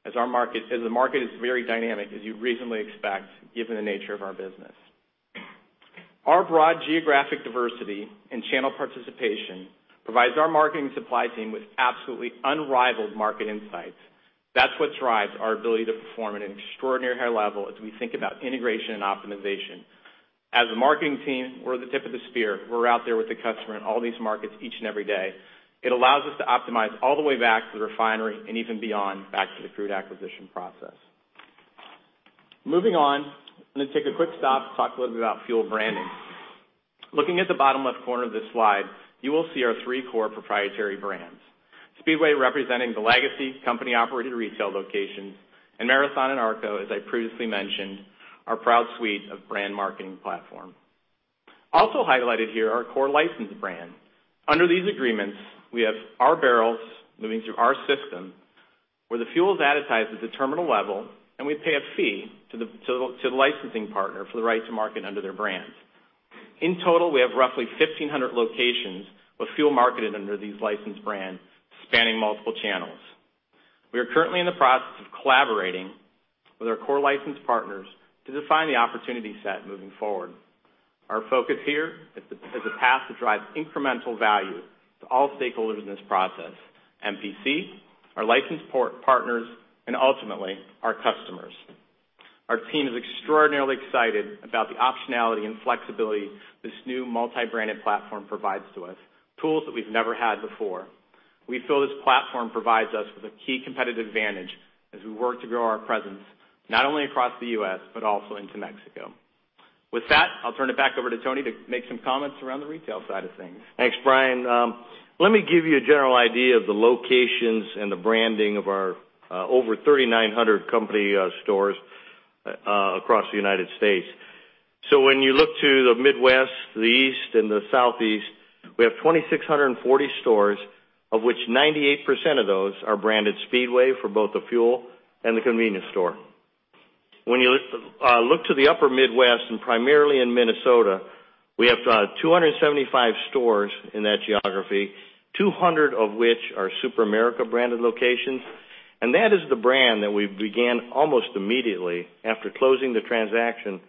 as the market is very dynamic as you'd reasonably expect given the nature of our business. Our broad geographic diversity and channel participation provides our marketing supply team with absolutely unrivaled market insights. That's what drives our ability to perform at an extraordinary high level as we think about integration and optimization. As a marketing team, we're the tip of the spear. We're out there with the customer in all these markets each and every day. It allows us to optimize all the way back to the refinery and even beyond back to the crude acquisition process. Moving on, I'm going to take a quick stop to talk a little bit about fuel branding. Looking at the bottom left corner of this slide, you will see our three core proprietary brands. Speedway representing the legacy company-operated retail locations, and Marathon and ARCO, as I previously mentioned, our proud suite of brand marketing platform. Also highlighted here are core licensed brands. Under these agreements, we have our barrels moving through our system where the fuel is advertised at the terminal level and we pay a fee to the licensing partner for the right to market under their brands. In total, we have roughly 1,500 locations with fuel marketed under these licensed brands spanning multiple channels. We are currently in the process of collaborating with our core licensed partners to define the opportunity set moving forward. Our focus here is a path to drive incremental value to all stakeholders in this process, MPC, our licensed partners, and ultimately our customers. Our team is extraordinarily excited about the optionality and flexibility this new multi-branded platform provides to us. Tools that we've never had before. We feel this platform provides us with a key competitive advantage as we work to grow our presence not only across the U.S. but also into Mexico. With that, I'll turn it back over to Tony to make some comments around the retail side of things. Thanks, Brian. Let me give you a general idea of the locations and the branding of our over 3,900 company stores across the U.S. When you look to the Midwest, the East, and the Southeast, we have 2,640 stores, of which 98% of those are branded Speedway for both the fuel and the convenience store. When you look to the upper Midwest and primarily in Minnesota, we have 275 stores in that geography, 200 of which are SuperAmerica branded locations. That is the brand that we began almost immediately after closing the transaction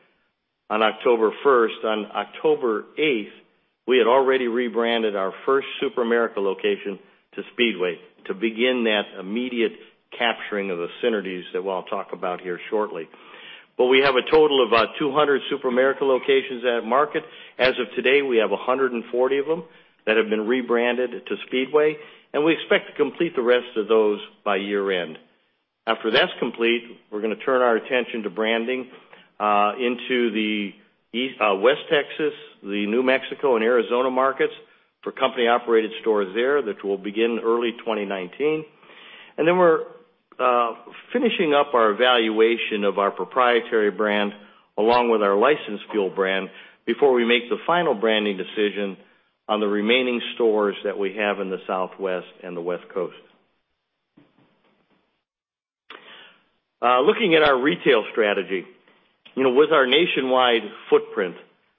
on October 1st. On October 8th, we had already rebranded our first SuperAmerica location to Speedway to begin that immediate capturing of the synergies that I'll talk about here shortly. We have a total of about 200 SuperAmerica locations at market. As of today, we have 140 of them that have been rebranded to Speedway, and we expect to complete the rest of those by year-end. After that's complete, we're going to turn our attention to branding into the West Texas, the New Mexico, and Arizona markets for company-operated stores there that will begin early 2019. We're finishing up our evaluation of our proprietary brand along with our licensed fuel brand before we make the final branding decision on the remaining stores that we have in the Southwest and the West Coast. Looking at our retail strategy. With our nationwide footprint,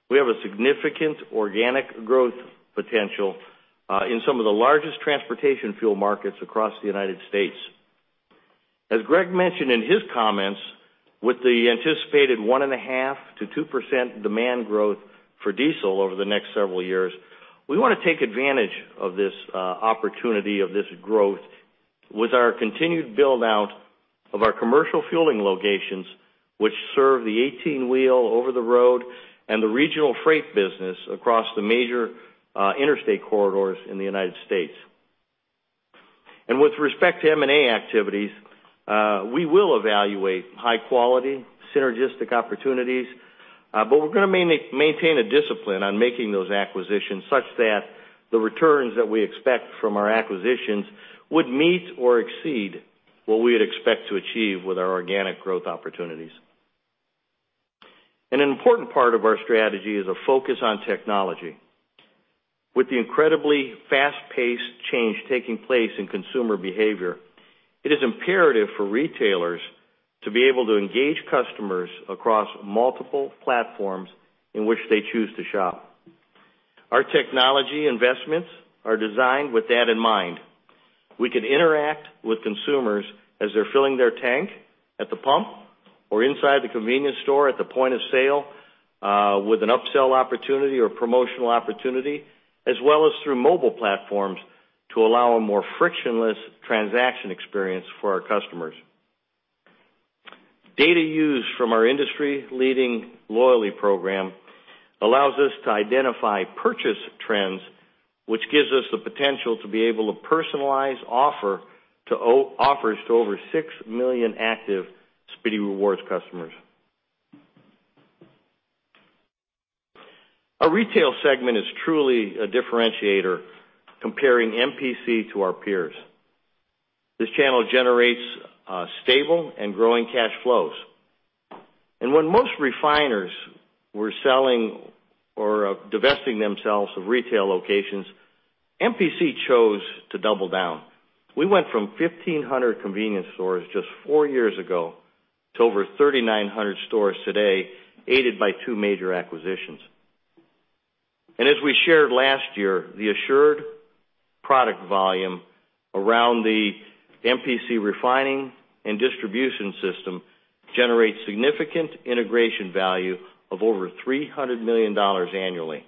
we have a significant organic growth potential in some of the largest transportation fuel markets across the U.S. As Greg mentioned in his comments, with the anticipated 1.5%-2% demand growth for diesel over the next several years, we want to take advantage of this opportunity of this growth with our continued build-out of our commercial fueling locations, which serve the 18-wheel over-the-road and the regional freight business across the major interstate corridors in the U.S. With respect to M&A activities, we will evaluate high-quality, synergistic opportunities, we're going to maintain a discipline on making those acquisitions such that the returns that we expect from our acquisitions would meet or exceed what we would expect to achieve with our organic growth opportunities. An important part of our strategy is a focus on technology. With the incredibly fast-paced change taking place in consumer behavior, it is imperative for retailers to be able to engage customers across multiple platforms in which they choose to shop. Our technology investments are designed with that in mind. We can interact with consumers as they're filling their tank at the pump or inside the convenience store at the point of sale with an upsell opportunity or promotional opportunity, as well as through mobile platforms to allow a more frictionless transaction experience for our customers. Data used from our industry-leading loyalty program allows us to identify purchase trends, which gives us the potential to be able to personalize offers to over 6 million active Speedy Rewards customers. Our retail segment is truly a differentiator comparing MPC to our peers. This channel generates stable and growing cash flows. When most refiners were selling or divesting themselves of retail locations, MPC chose to double down. We went from 1,500 convenience stores just four years ago to over 3,900 stores today, aided by two major acquisitions. As we shared last year, the assured product volume around the MPC refining and distribution system generates significant integration value of over $300 million annually.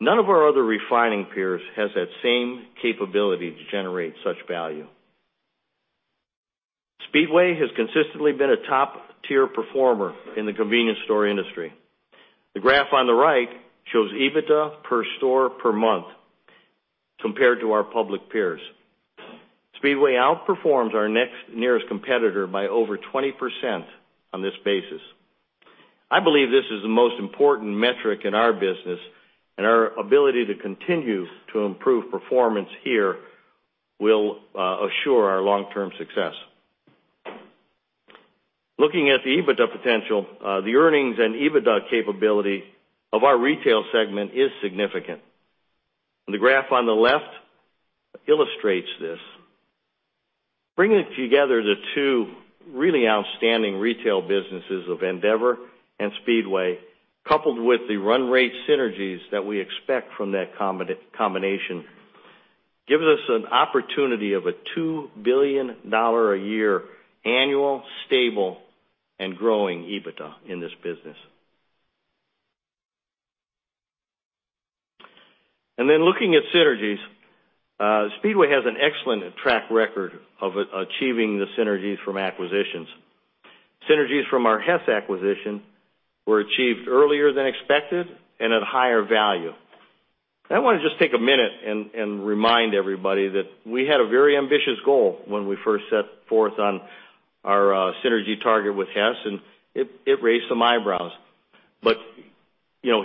None of our other refining peers has that same capability to generate such value. Speedway has consistently been a top-tier performer in the convenience store industry. The graph on the right shows EBITDA per store per month compared to our public peers. Speedway outperforms our next nearest competitor by over 20% on this basis. I believe this is the most important metric in our business, and our ability to continue to improve performance here will assure our long-term success. Looking at the EBITDA potential, the earnings and EBITDA capability of our retail segment is significant, and the graph on the left illustrates this. Bringing together the two really outstanding retail businesses of Andeavor and Speedway, coupled with the run rate synergies that we expect from that combination, gives us an opportunity of a $2 billion a year annual, stable, and growing EBITDA in this business. Looking at synergies, Speedway has an excellent track record of achieving the synergies from acquisitions. Synergies from our Hess acquisition were achieved earlier than expected and at a higher value. I want to just take a minute and remind everybody that we had a very ambitious goal when we first set forth on our synergy target with Hess, it raised some eyebrows.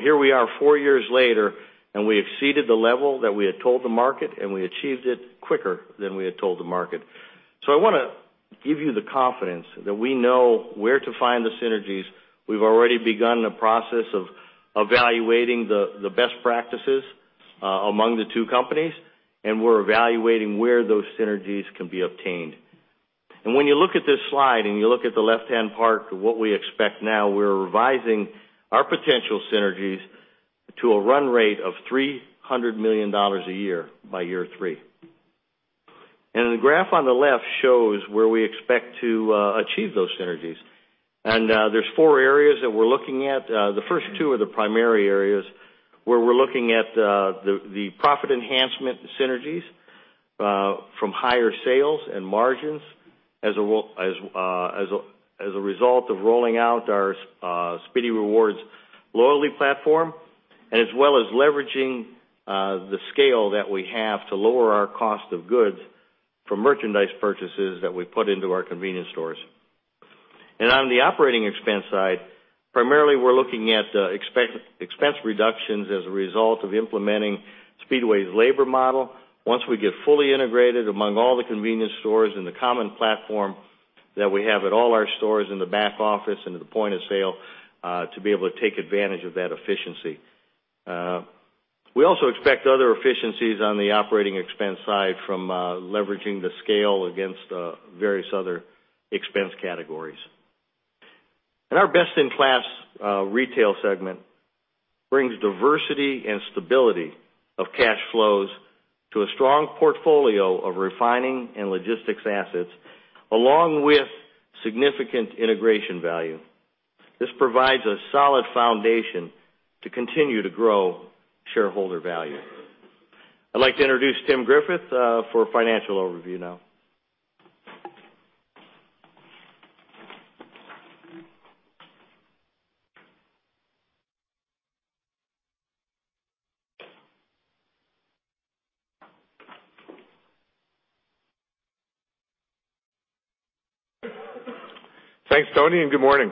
Here we are 4 years later, and we exceeded the level that we had told the market, and we achieved it quicker than we had told the market. I want to give you the confidence that we know where to find the synergies. We've already begun the process of evaluating the best practices among the two companies, and we're evaluating where those synergies can be obtained. When you look at this slide and you look at the left-hand part of what we expect now, we're revising our potential synergies to a run rate of $300 million a year by year three. The graph on the left shows where we expect to achieve those synergies. There's four areas that we're looking at. The first two are the primary areas where we're looking at the profit enhancement synergies from higher sales and margins as a result of rolling out our Speedy Rewards loyalty platform as well as leveraging the scale that we have to lower our cost of goods from merchandise purchases that we put into our convenience stores. On the operating expense side, primarily, we're looking at expense reductions as a result of implementing Speedway's labor model once we get fully integrated among all the convenience stores and the common platform that we have at all our stores in the back office and at the point of sale to be able to take advantage of that efficiency. We also expect other efficiencies on the operating expense side from leveraging the scale against various other expense categories. Our best-in-class retail segment brings diversity and stability of cash flows to a strong portfolio of refining and logistics assets, along with significant integration value. This provides a solid foundation to continue to grow shareholder value. I'd like to introduce Tim Griffith for a financial overview now. Thanks, Tony, and good morning.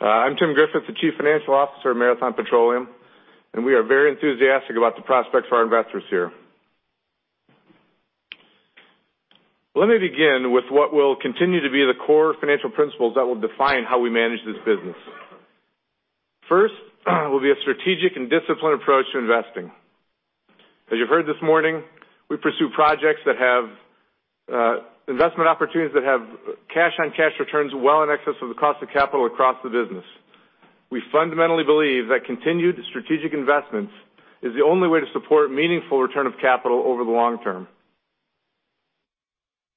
I'm Tim Griffith, the Chief Financial Officer of Marathon Petroleum, and we are very enthusiastic about the prospects for our investors here. Let me begin with what will continue to be the core financial principles that will define how we manage this business. First will be a strategic and disciplined approach to investing. As you've heard this morning, we pursue projects that have investment opportunities that have cash on cash returns well in excess of the cost of capital across the business. We fundamentally believe that continued strategic investments is the only way to support meaningful return of capital over the long term.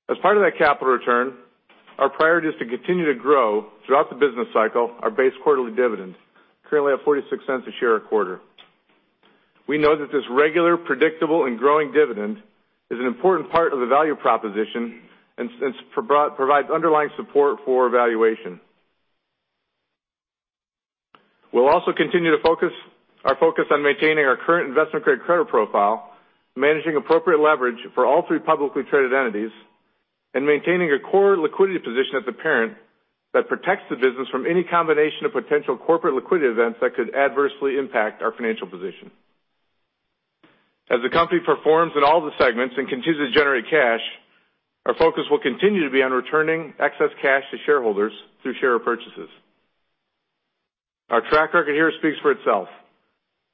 As part of that capital return, our priority is to continue to grow throughout the business cycle, our base quarterly dividends, currently at $0.46 a share a quarter. We know that this regular, predictable and growing dividend is an important part of the value proposition and provides underlying support for evaluation. We'll also continue our focus on maintaining our current investment-grade credit profile, managing appropriate leverage for all three publicly traded entities, and maintaining a core liquidity position at the parent that protects the business from any combination of potential corporate liquidity events that could adversely impact our financial position. As the company performs in all the segments and continues to generate cash, our focus will continue to be on returning excess cash to shareholders through share purchases. Our track record here speaks for itself.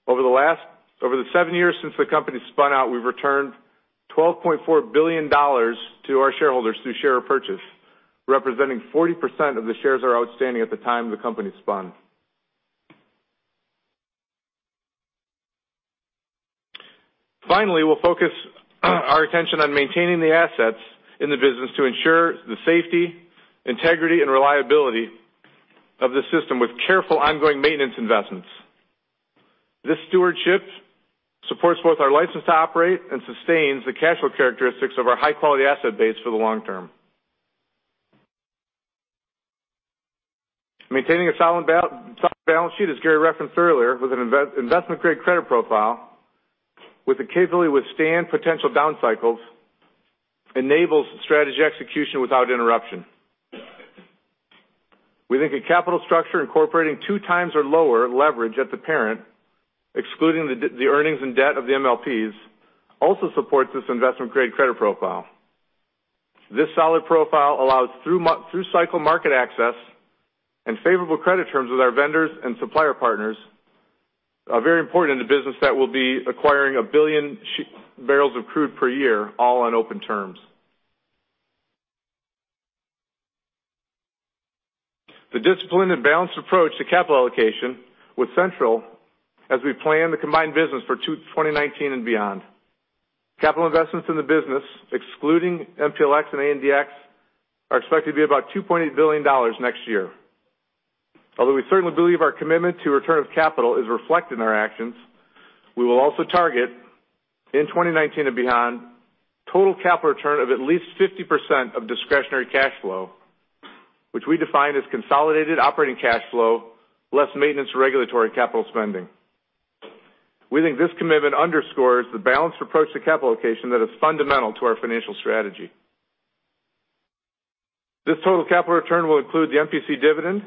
Over the seven years since the company spun out, we've returned $12.4 billion to our shareholders through share purchase, representing 40% of the shares that are outstanding at the time the company spun. Finally, we'll focus our attention on maintaining the assets in the business to ensure the safety, integrity and reliability of the system with careful ongoing maintenance investments. This stewardship supports both our license to operate and sustains the cash flow characteristics of our high-quality asset base for the long term. Maintaining a solid balance sheet, as Gary referenced earlier, with an investment-grade credit profile with the capability to withstand potential down cycles, enables strategy execution without interruption. We think a capital structure incorporating two times or lower leverage at the parent, excluding the earnings and debt of the MPLX, also supports this investment-grade credit profile. This solid profile allows through-cycle market access and favorable credit terms with our vendors and supplier partners are very important in the business that will be acquiring a billion barrels of crude per year, all on open terms. The disciplined and balanced approach to capital allocation was central as we plan the combined business for 2019 and beyond. Capital investments in the business, excluding MPLX and ANDX, are expected to be about $2.8 billion next year. Although we certainly believe our commitment to return of capital is reflected in our actions, we will also target, in 2019 and beyond, total capital return of at least 50% of discretionary cash flow, which we define as consolidated operating cash flow, less maintenance regulatory capital spending. We think this commitment underscores the balanced approach to capital allocation that is fundamental to our financial strategy. This total capital return will include the MPC dividend,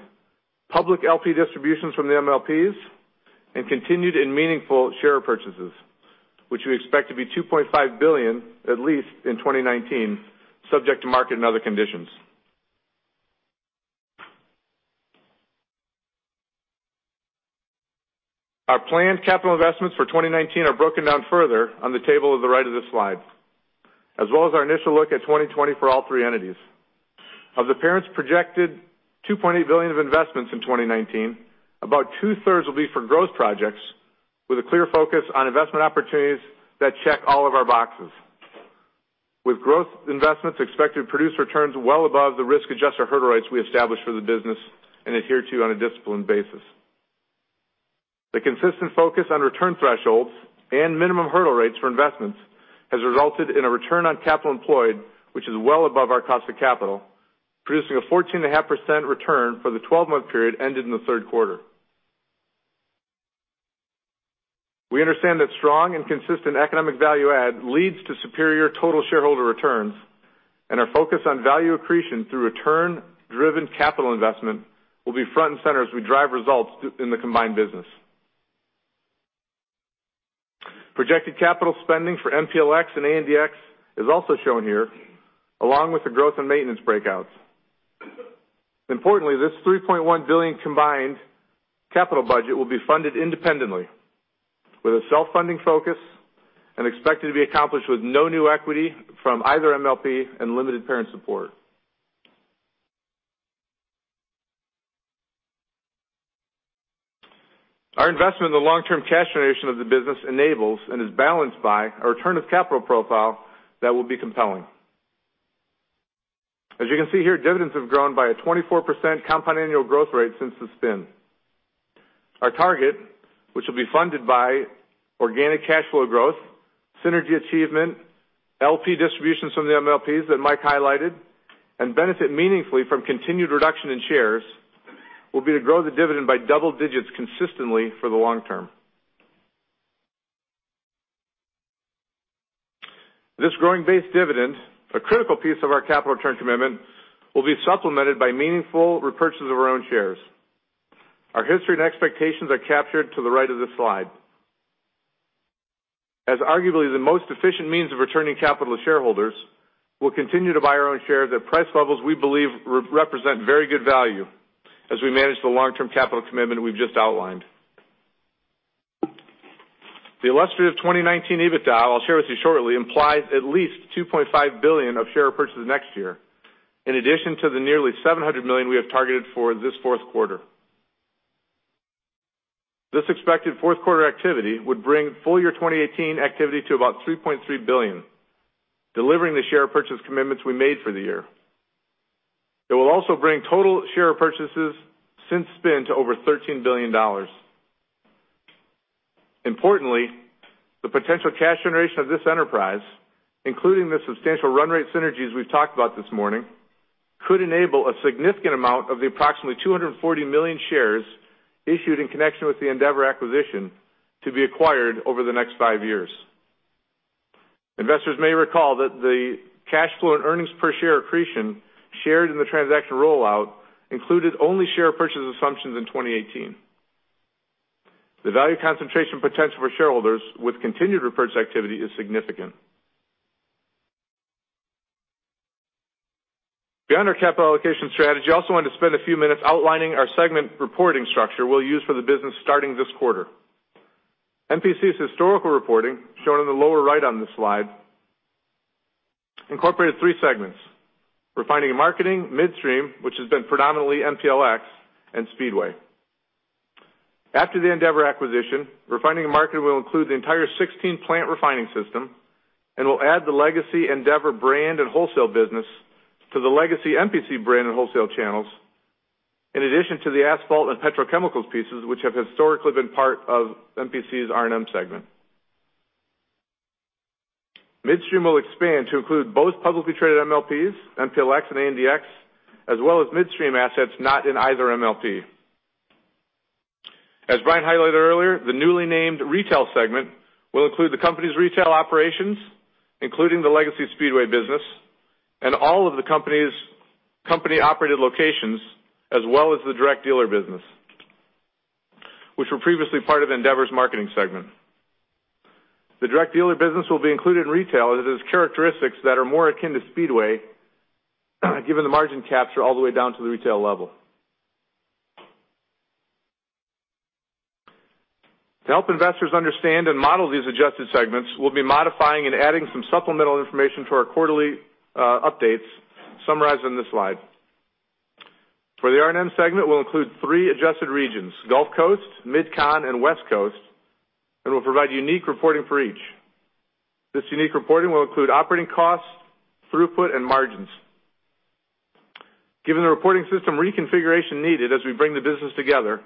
public LP distributions from the MLPs, and continued and meaningful share purchases, which we expect to be $2.5 billion, at least in 2019, subject to market and other conditions. Our planned capital investments for 2019 are broken down further on the table at the right of this slide, as well as our initial look at 2020 for all three entities. Of the parent's projected $2.8 billion of investments in 2019, about two-thirds will be for growth projects with a clear focus on investment opportunities that check all of our boxes. With growth investments expected to produce returns well above the risk-adjusted hurdle rates we established for the business and adhere to on a disciplined basis. The consistent focus on return thresholds and minimum hurdle rates for investments has resulted in a return on capital employed, which is well above our cost of capital, producing a 14.5% return for the 12-month period ended in the third quarter. We understand that strong and consistent economic value add leads to superior total shareholder returns. Our focus on value accretion through return-driven capital investment will be front and center as we drive results in the combined business. Projected capital spending for MPLX and ANDX is also shown here, along with the growth and maintenance breakouts. Importantly, this $3.1 billion combined capital budget will be funded independently with a self-funding focus and expected to be accomplished with no new equity from either MLP and limited parent support. Our investment in the long-term cash generation of the business enables and is balanced by a return of capital profile that will be compelling. As you can see here, dividends have grown by a 24% compound annual growth rate since the spin. Our target, which will be funded by organic cash flow growth, synergy achievement, LP distributions from the MLPs that Mike highlighted, and benefit meaningfully from continued reduction in shares, will be to grow the dividend by double digits consistently for the long term. This growing base dividend, a critical piece of our capital return commitment, will be supplemented by meaningful repurchase of our own shares. Our history and expectations are captured to the right of this slide. As arguably the most efficient means of returning capital to shareholders, we'll continue to buy our own shares at price levels we believe represent very good value as we manage the long-term capital commitment we've just outlined. The illustrative 2019 EBITDA I'll share with you shortly implies at least $2.5 billion of share purchases next year, in addition to the nearly $700 million we have targeted for this fourth quarter. This expected fourth quarter activity would bring full year 2018 activity to about $3.3 billion, delivering the share purchase commitments we made for the year. It will also bring total share purchases since spin to over $13 billion. Importantly, the potential cash generation of this enterprise, including the substantial run rate synergies we've talked about this morning, could enable a significant amount of the approximately 240 million shares issued in connection with the Andeavor acquisition to be acquired over the next five years. Investors may recall that the cash flow and earnings per share accretion shared in the transaction rollout included only share purchase assumptions in 2018. The value concentration potential for shareholders with continued repurchase activity is significant. Beyond our capital allocation strategy, I also wanted to spend a few minutes outlining our segment reporting structure we'll use for the business starting this quarter. MPC's historical reporting, shown in the lower right on this slide, incorporated three segments: refining and marketing, midstream, which has been predominantly MPLX, and Speedway. After the Andeavor acquisition, refining and marketing will include the entire 16-plant refining system and will add the legacy Andeavor brand and wholesale business to the legacy MPC brand and wholesale channels, in addition to the asphalt and petrochemicals pieces, which have historically been part of MPC's R&M segment. Midstream will expand to include both publicly traded MLPs, MPLX and ANDX, as well as midstream assets not in either MLP. As Brian highlighted earlier, the newly named retail segment will include the company's retail operations, including the legacy Speedway business, and all of the company-operated locations, as well as the direct dealer business, which were previously part of Andeavor's marketing segment. The direct dealer business will be included in retail, as it has characteristics that are more akin to Speedway, given the margin capture all the way down to the retail level. To help investors understand and model these adjusted segments, we'll be modifying and adding some supplemental information to our quarterly updates summarized on this slide. For the R&M segment, we'll include three adjusted regions, Gulf Coast, MidCon, and West Coast, and we'll provide unique reporting for each. This unique reporting will include operating costs, throughput, and margins. Given the reporting system reconfiguration needed as we bring the business together,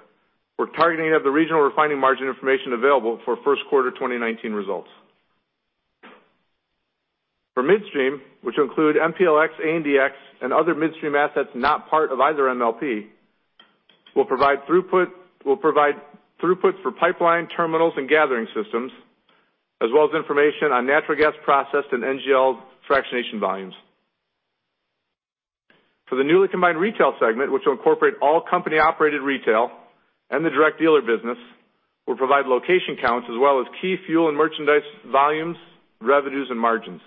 we're targeting to have the regional refining margin information available for first quarter 2019 results. For midstream, which will include MPLX, ANDX, and other midstream assets not part of either MLP, we'll provide throughput for pipeline terminals and gathering systems, as well as information on natural gas processed and NGL fractionation volumes. For the newly combined retail segment, which will incorporate all company-operated retail and the direct dealer business, we'll provide location counts as well as key fuel and merchandise volumes, revenues, and margins.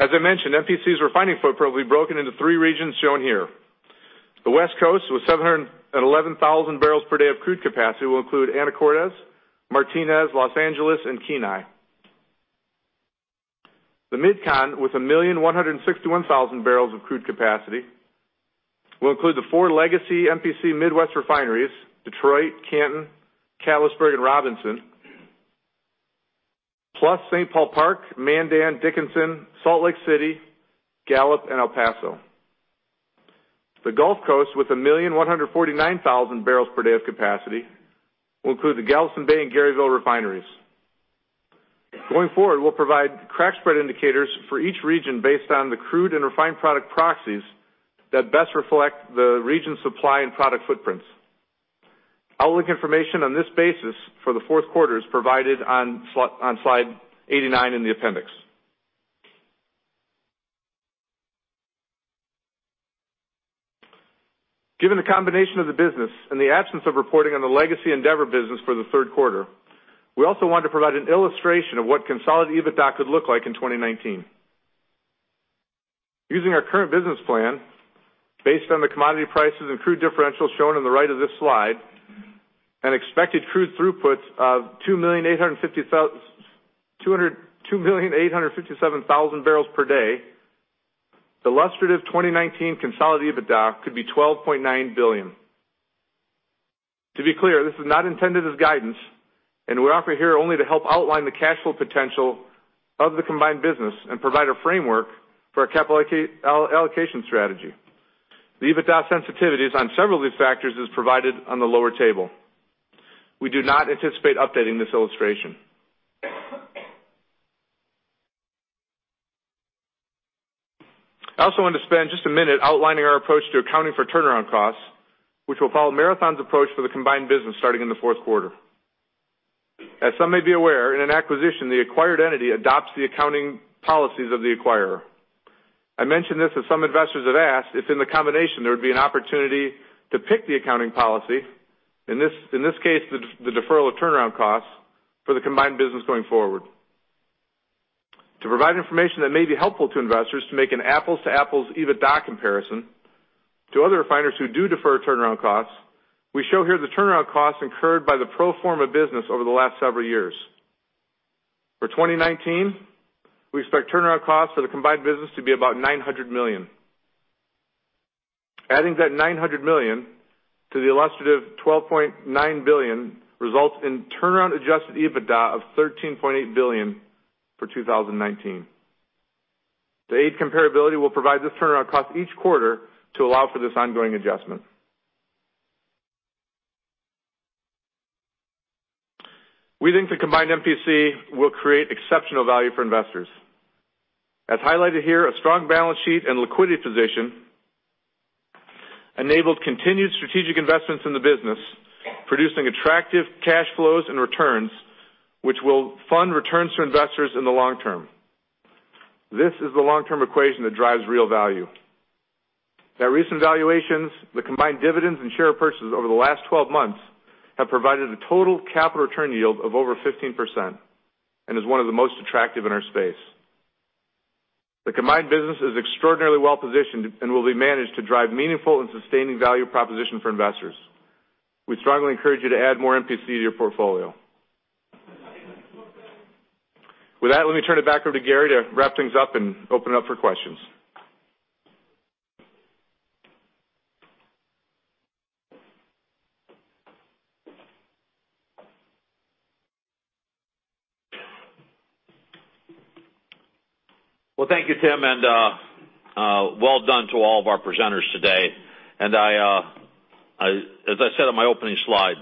As I mentioned, MPC's refining footprint will be broken into three regions shown here. The West Coast, with 711,000 barrels per day of crude capacity, will include Anacortes, Martinez, Los Angeles, and Kenai. The MidCon, with 1,161,000 barrels of crude capacity, will include the four legacy MPC Midwest refineries, Detroit, Canton, Catlettsburg, and Robinson, plus St. Paul Park, Mandan, Dickinson, Salt Lake City, Gallup, and El Paso. The Gulf Coast, with 1,149,000 barrels per day of capacity, will include the Galveston Bay and Garyville refineries. Going forward, we'll provide crack spread indicators for each region based on the crude and refined product proxies that best reflect the region's supply and product footprints. All the information on this basis for the fourth quarter is provided on slide 89 in the appendix. Given the combination of the business and the absence of reporting on the legacy Andeavor business for the third quarter, we also want to provide an illustration of what consolidated EBITDA could look like in 2019. Using our current business plan, based on the commodity prices and crude differentials shown on the right of this slide, and expected crude throughputs of 2,857,000 barrels per day, the illustrative 2019 consolidated EBITDA could be $12.9 billion. To be clear, this is not intended as guidance. We offer here only to help outline the cash flow potential of the combined business and provide a framework for our capital allocation strategy. The EBITDA sensitivities on several of these factors is provided on the lower table. We do not anticipate updating this illustration. I also want to spend just a minute outlining our approach to accounting for turnaround costs, which will follow Marathon's approach for the combined business starting in the fourth quarter. As some may be aware, in an acquisition, the acquired entity adopts the accounting policies of the acquirer. I mention this as some investors have asked if in the combination there would be an opportunity to pick the accounting policy, in this case, the deferral of turnaround costs for the combined business going forward. To provide information that may be helpful to investors to make an apples to apples EBITDA comparison to other refiners who do defer turnaround costs, we show here the turnaround costs incurred by the pro forma business over the last several years. For 2019, we expect turnaround costs for the combined business to be about $900 million. Adding that $900 million to the illustrative $12.9 billion results in turnaround adjusted EBITDA of $13.8 billion for 2019. To aid comparability, we'll provide this turnaround cost each quarter to allow for this ongoing adjustment. We think the combined MPC will create exceptional value for investors. As highlighted here, a strong balance sheet and liquidity position enabled continued strategic investments in the business, producing attractive cash flows and returns, which will fund returns for investors in the long term. This is the long-term equation that drives real value. At recent valuations, the combined dividends and share purchases over the last 12 months have provided a total capital return yield of over 15% and is one of the most attractive in our space. The combined business is extraordinarily well-positioned and will be managed to drive meaningful and sustaining value proposition for investors. We strongly encourage you to add more MPC to your portfolio. Let me turn it back over to Gary to wrap things up and open up for questions. Thank you, Tim, and well done to all of our presenters today. As I said on my opening slide,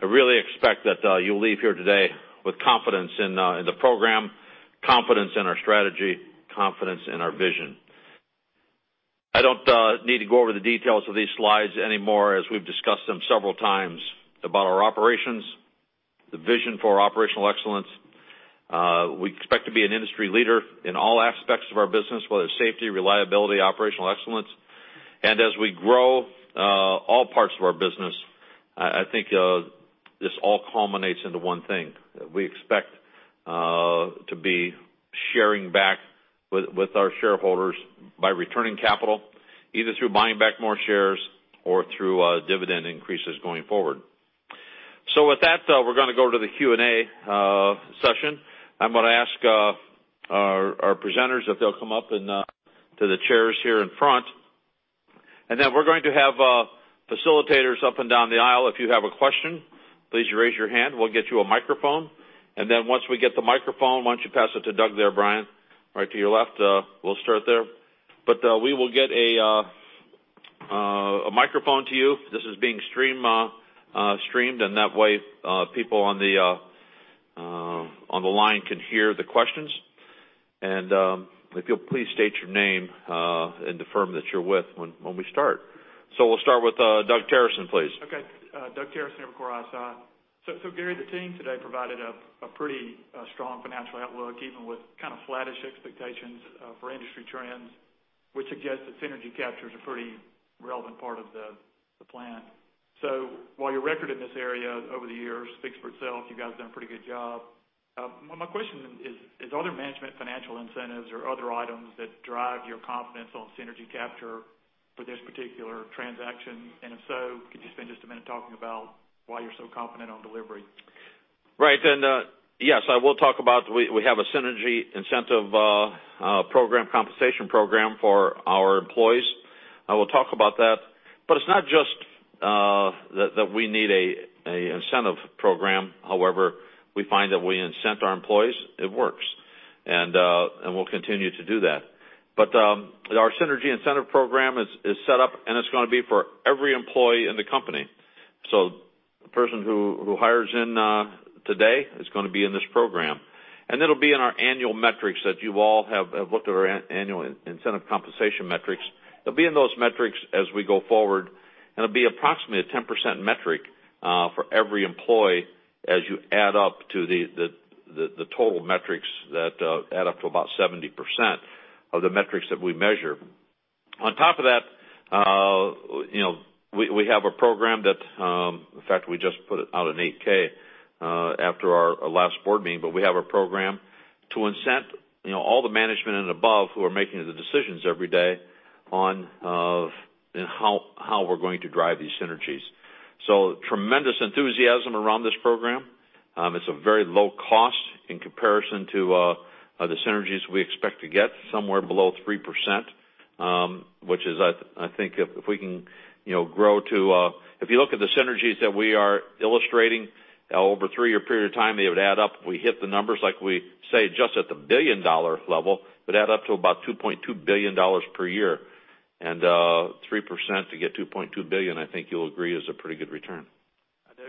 I really expect that you'll leave here today with confidence in the program, confidence in our strategy, confidence in our vision. I don't need to go over the details of these slides anymore, as we've discussed them several times about our operations, the vision for operational excellence. We expect to be an industry leader in all aspects of our business, whether it's safety, reliability, operational excellence. As we grow all parts of our business, I think this all culminates into one thing. We expect to be sharing back with our shareholders by returning capital, either through buying back more shares or through dividend increases going forward. With that, we're going to go to the Q&A session. I'm going to ask our presenters if they'll come up to the chairs here in front. Then we're going to have facilitators up and down the aisle. If you have a question, please raise your hand. We'll get you a microphone. Then once we get the microphone-- Why don't you pass it to Doug there, Brian, right to your left. We'll start there. We will get a microphone to you. This is being streamed, that way people on the line can hear the questions. If you'll please state your name and the firm that you're with when we start. We'll start with Doug Terreson, please. Doug Terreson with Core Asset. Gary, the team today provided a pretty strong financial outlook, even with kind of flattish expectations for industry trends, which suggests that synergy capture is a pretty relevant part of the plan. While your record in this area over the years speaks for itself, you guys have done a pretty good job. My question then is, are there management financial incentives or other items that drive your confidence on synergy capture for this particular transaction? If so, could you spend just a minute talking about why you're so confident on delivery? Yes, I will talk about we have a synergy incentive compensation program for our employees. I will talk about that, it's not just that we need an incentive program. However, we find that we incent our employees, it works. We'll continue to do that. Our synergy incentive program is set up, it's going to be for every employee in the company. The person who hires in today is going to be in this program. It'll be in our annual metrics that you all have looked at our annual incentive compensation metrics. It'll be in those metrics as we go forward, it'll be approximately a 10% metric for every employee as you add up to the total metrics that add up to about 70% of the metrics that we measure. On top of that, we have a program that, in fact, we just put out an 8-K after our last board meeting. We have a program to incent all the management and above who are making the decisions every day on how we're going to drive these synergies. Tremendous enthusiasm around this program. It's a very low cost in comparison to the synergies we expect to get, somewhere below 3%, which is, I think if we can if you look at the synergies that we are illustrating over a three-year period of time, they would add up. If we hit the numbers like we say, just at the billion-dollar level, it would add up to about $2.2 billion per year. 3% to get $2.2 billion, I think you'll agree is a pretty good return. I do.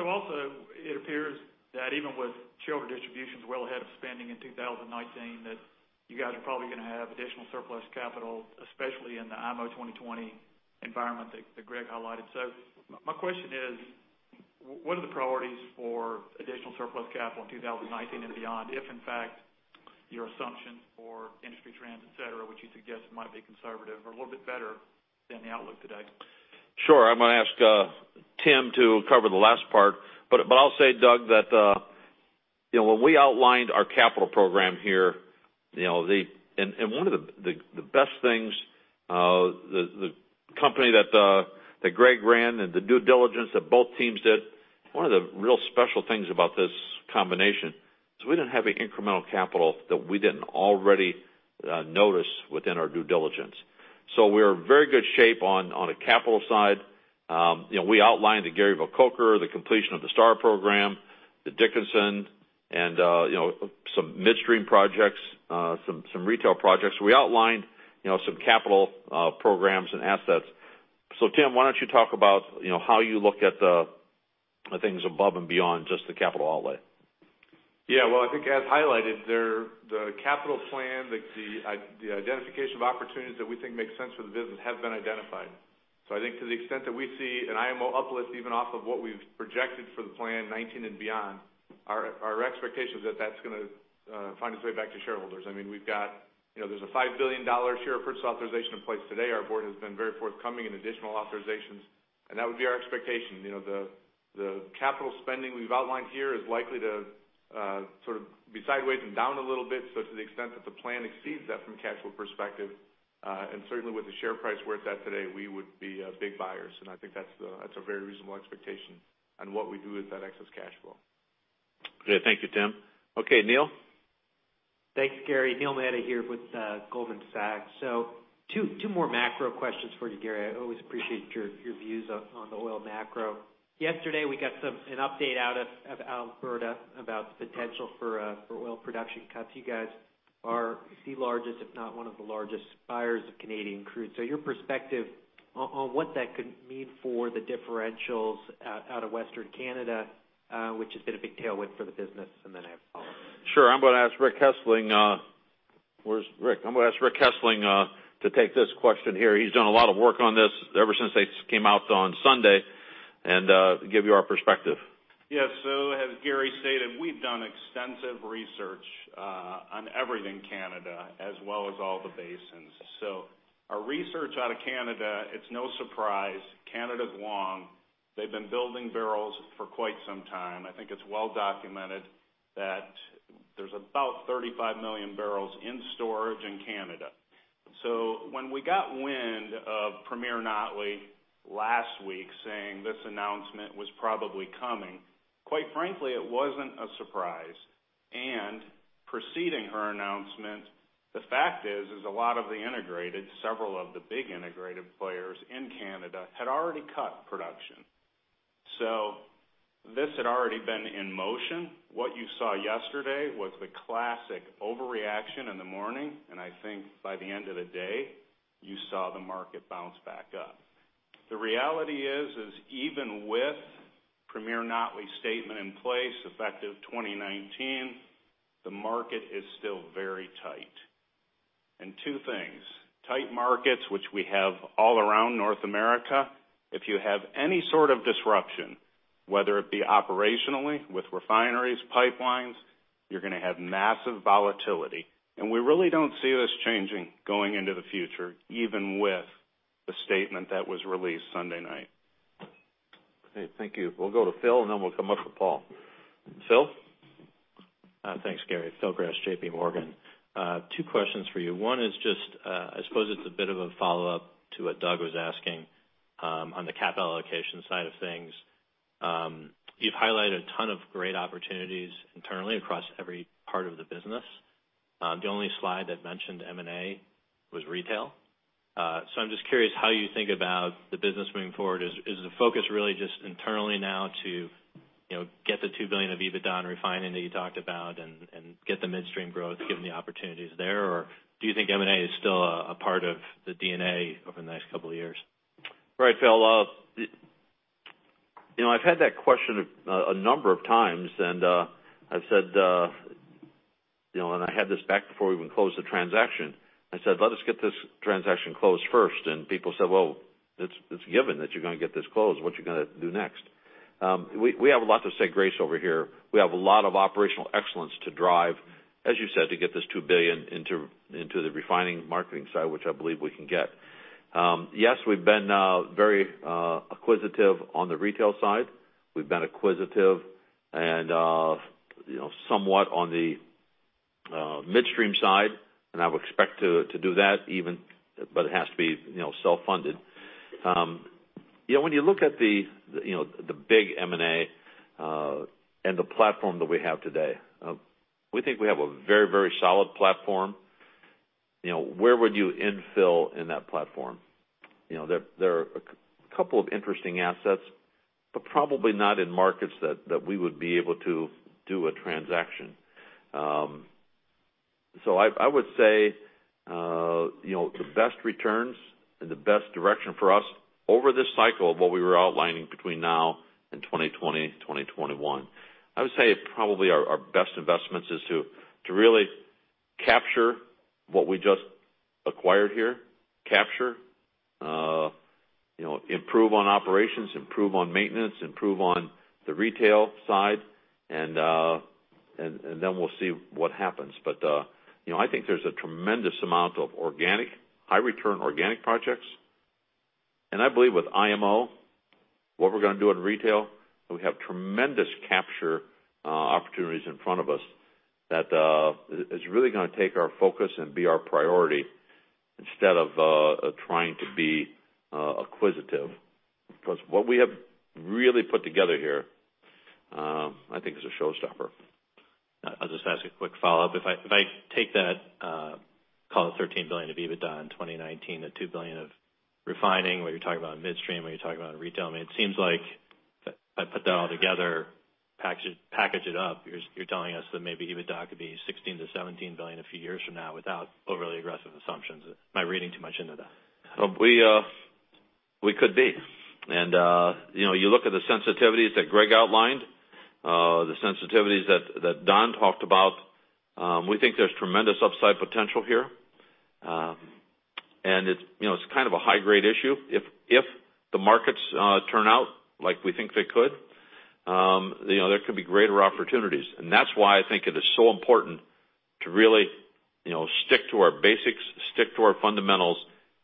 Also, it appears that even with shareholder distributions well ahead of spending in 2019, that you guys are probably going to have additional surplus capital, especially in the IMO 2020 environment that Greg highlighted. My question is, what are the priorities for additional surplus capital in 2019 and beyond if, in fact, your assumptions for industry trends, et cetera, which you suggest might be conservative or a little bit better than the outlook today? Sure. I'm going to ask Tim to cover the last part, but I'll say, Doug, that when we outlined our capital program here, one of the best things, the company that Greg ran and the due diligence that both teams did, one of the real special things about this combination is we didn't have any incremental capital that we didn't already notice within our due diligence. We're in very good shape on the capital side. We outlined the Garyville Coker, the completion of the STAR program, the Dickinson, and some midstream projects, some retail projects. We outlined some capital programs and assets. Tim, why don't you talk about how you look at things above and beyond just the capital outlay? I think as highlighted, the capital plan, the identification of opportunities that we think make sense for the business have been identified. I think to the extent that we see an IMO uplift even off of what we've projected for the plan 2019 and beyond, our expectation is that that's going to find its way back to shareholders. There's a $5 billion share repurchase authorization in place today. Our board has been very forthcoming in additional authorizations, and that would be our expectation. The capital spending we've outlined here is likely to be sideways and down a little bit. To the extent that the plan exceeds that from a cash flow perspective, and certainly with the share price where it's at today, we would be big buyers, and I think that's a very reasonable expectation on what we do with that excess cash flow. Good. Thank you, Tim. Okay, Neil? Thanks, Gary. Neil Mehta here with Goldman Sachs. Two more macro questions for you, Gary. I always appreciate your views on the oil macro. Yesterday, we got an update out of Alberta about the potential for oil production cuts. You guys are the largest, if not one of the largest buyers of Canadian crude. Your perspective on what that could mean for the differentials out of Western Canada, which has been a big tailwind for the business, and then I have a follow-up. Sure. I'm going to ask Rick Hessling. Where's Rick? I'm going to ask Rick Hessling to take this question here. He's done a lot of work on this ever since they came out on Sunday, and give you our perspective. Yes. As Gary stated, we've done extensive research on everything Canada as well as all the basins. Our research out of Canada, it's no surprise Canada's long. They've been building barrels for quite some time. I think it's well documented that there's about 35 million barrels in storage in Canada. When we got wind of Premier Notley last week saying this announcement was probably coming, quite frankly, it wasn't a surprise. Preceding her announcement, the fact is a lot of the integrated, several of the big integrated players in Canada had already cut production. This had already been in motion. What you saw yesterday was the classic overreaction in the morning, and I think by the end of the day, you saw the market bounce back up. The reality is even with Premier Notley's statement in place effective 2019, the market is still very tight. Two things, tight markets, which we have all around North America, if you have any sort of disruption, whether it be operationally with refineries, pipelines, you are going to have massive volatility. We really do not see this changing going into the future, even with the statement that was released Sunday night. Okay, thank you. We will go to Phil, and then we will come up to Paul. Phil? Thanks, Gary. Phil Gresh, J.P. Morgan. Two questions for you. One is just, I suppose it is a bit of a follow-up to what Doug was asking on the capital allocation side of things. You have highlighted a ton of great opportunities internally across every part of the business. The only slide that mentioned M&A was retail. I am just curious how you think about the business moving forward. Is the focus really just internally now to get the $2 billion of EBITDA in refining that you talked about and get the midstream growth, given the opportunities there? Or do you think M&A is still a part of the DNA over the next couple of years? Right, Phil. I have had that question a number of times, and I had this back before we even closed the transaction. I said, "Let us get this transaction closed first." People said, "Well, it is given that you are going to get this closed. What you going to do next?" We have a lot to say grace over here. We have a lot of operational excellence to drive, as you said, to get this $2 billion into the refining marketing side, which I believe we can get. Yes, we have been very acquisitive on the retail side. We have been acquisitive and somewhat on the midstream side, and I would expect to do that, but it has to be self-funded. When you look at the big M&A and the platform that we have today, we think we have a very solid platform. Where would you infill in that platform? There are a couple of interesting assets, probably not in markets that we would be able to do a transaction. I would say the best returns and the best direction for us over this cycle of what we were outlining between now and 2020-2021, I would say probably our best investments is to really capture what we just acquired here. Capture, improve on operations, improve on maintenance, improve on the retail side, we'll see what happens. I think there's a tremendous amount of high-return organic projects. I believe with IMO, what we're going to do in retail, we have tremendous capture opportunities in front of us that is really going to take our focus and be our priority instead of trying to be acquisitive. What we have really put together here I think is a showstopper. I'll just ask a quick follow-up. If I take that call it $13 billion of EBITDA in 2019, the $2 billion of refining, whether you're talking about midstream, whether you're talking about retail, it seems like if I put that all together, package it up, you're telling us that maybe EBITDA could be $16 billion-$17 billion a few years from now without overly aggressive assumptions. Am I reading too much into that? We could be. You look at the sensitivities that Greg outlined, the sensitivities that Don talked about. We think there's tremendous upside potential here, and it's kind of a high-grade issue. If the markets turn out like we think they could, there could be greater opportunities. That's why I think it is so important to really stick to our basics, stick to our fundamentals,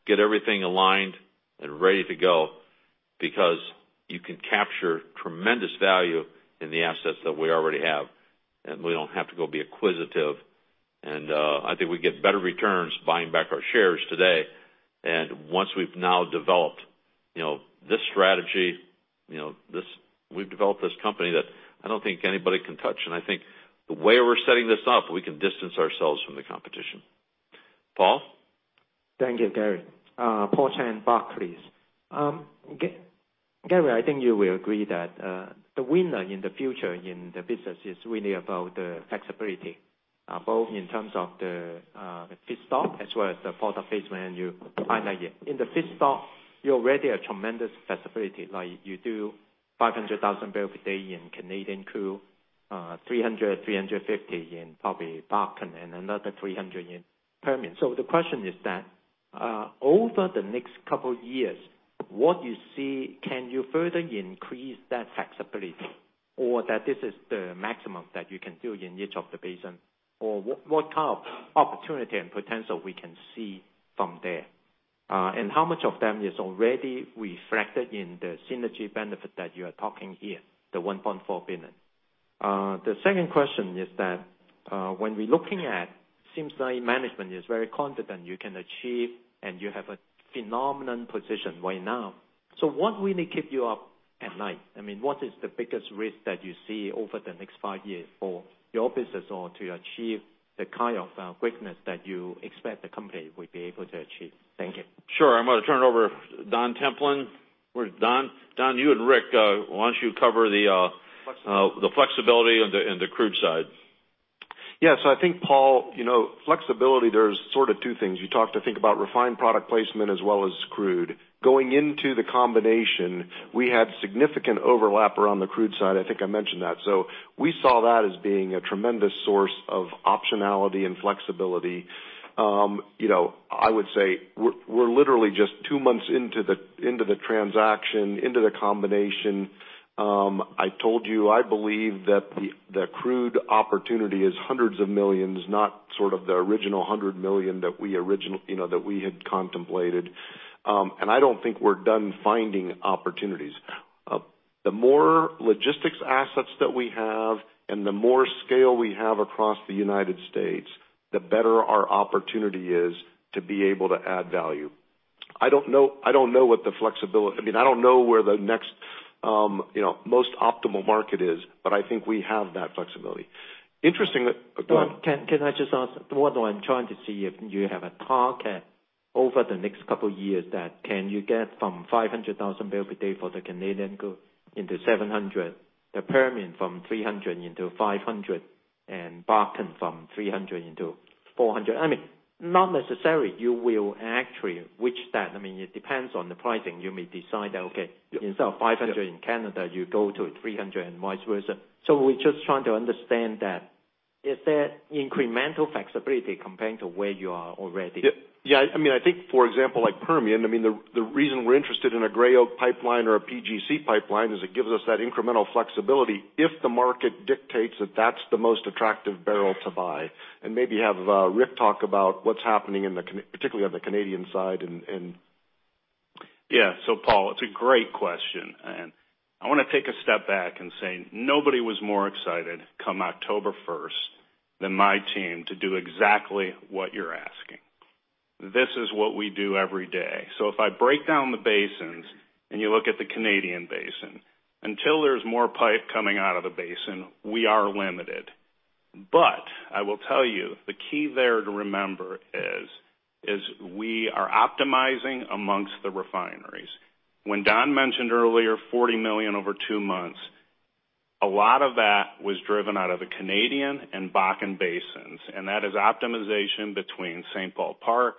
get everything aligned and ready to go, because you can capture tremendous value in the assets that we already have, and we don't have to go be acquisitive. I think we get better returns buying back our shares today. Once we've now developed this strategy, we've developed this company that I don't think anybody can touch. I think the way we're setting this up, we can distance ourselves from the competition. Paul? Thank you, Gary. Paul Y. Cheng, Barclays. Gary, I think you will agree that the winner in the future in the business is really about the flexibility both in terms of the feedstock as well as the product placement you highlight here. In the feedstock, you already have tremendous flexibility. You do 500,000 barrel per day in Canadian crude, 300,000-350,000 in probably Bakken, another 300,000 in Permian. The question is that over the next couple of years, what you see, can you further increase that flexibility? That this is the maximum that you can do in each of the basins? What kind of opportunity and potential we can see from there? How much of them is already reflected in the synergy benefit that you are talking here, the $1.4 billion? The second question is that when we're looking at seems like management is very confident you can achieve and you have a phenomenal position right now. What really keeps you up at night? What is the biggest risk that you see over the next five years for your business, or to achieve the kind of greatness that you expect the company will be able to achieve? Thank you. Sure. I'm going to turn it over to Don Templin. Don, you and Rick, why don't you cover the flexibility in the crude side? Yes. I think, Paul, flexibility, there's sort of two things. You talked, I think, about refined product placement as well as crude. Going into the combination, we had significant overlap around the crude side. I think I mentioned that. We saw that as being a tremendous source of optionality and flexibility. I would say we're literally just two months into the transaction, into the combination. I told you, I believe that the crude opportunity is $hundreds of millions, not sort of the original $100 million that we had contemplated. I don't think we're done finding opportunities. The more logistics assets that we have and the more scale we have across the U.S., the better our opportunity is to be able to add value. I don't know where the next most optimal market is, but I think we have that flexibility. Don, can I just ask? What I'm trying to see if you have a target over the next couple of years that can you get from 500,000 barrel per day for the Canadian crude into 700,000? The Permian from 300,000 into 500,000, and Bakken from 300,000 into 400,000. Not necessarily you will actually reach that. It depends on the pricing. You may decide that, okay, instead of 500,000 in Canada, you go to 300,000 and vice versa. We're just trying to understand that. Is there incremental flexibility comparing to where you are already? Yeah. I think, for example, like Permian, the reason we're interested in a Gray Oak Pipeline or a PGC Pipeline is it gives us that incremental flexibility if the market dictates that that's the most attractive barrel to buy. Maybe have Rick talk about what's happening particularly on the Canadian side and Yeah. Paul, it's a great question, and I want to take a step back and say nobody was more excited come October 1st than my team to do exactly what you're asking. This is what we do every day. If I break down the basins and you look at the Canadian basin, until there's more pipe coming out of the basin, we are limited. I will tell you, the key there to remember is, we are optimizing amongst the refineries. When Don mentioned earlier, $40 million over two months, a lot of that was driven out of the Canadian and Bakken basins, and that is optimization between St. Paul Park,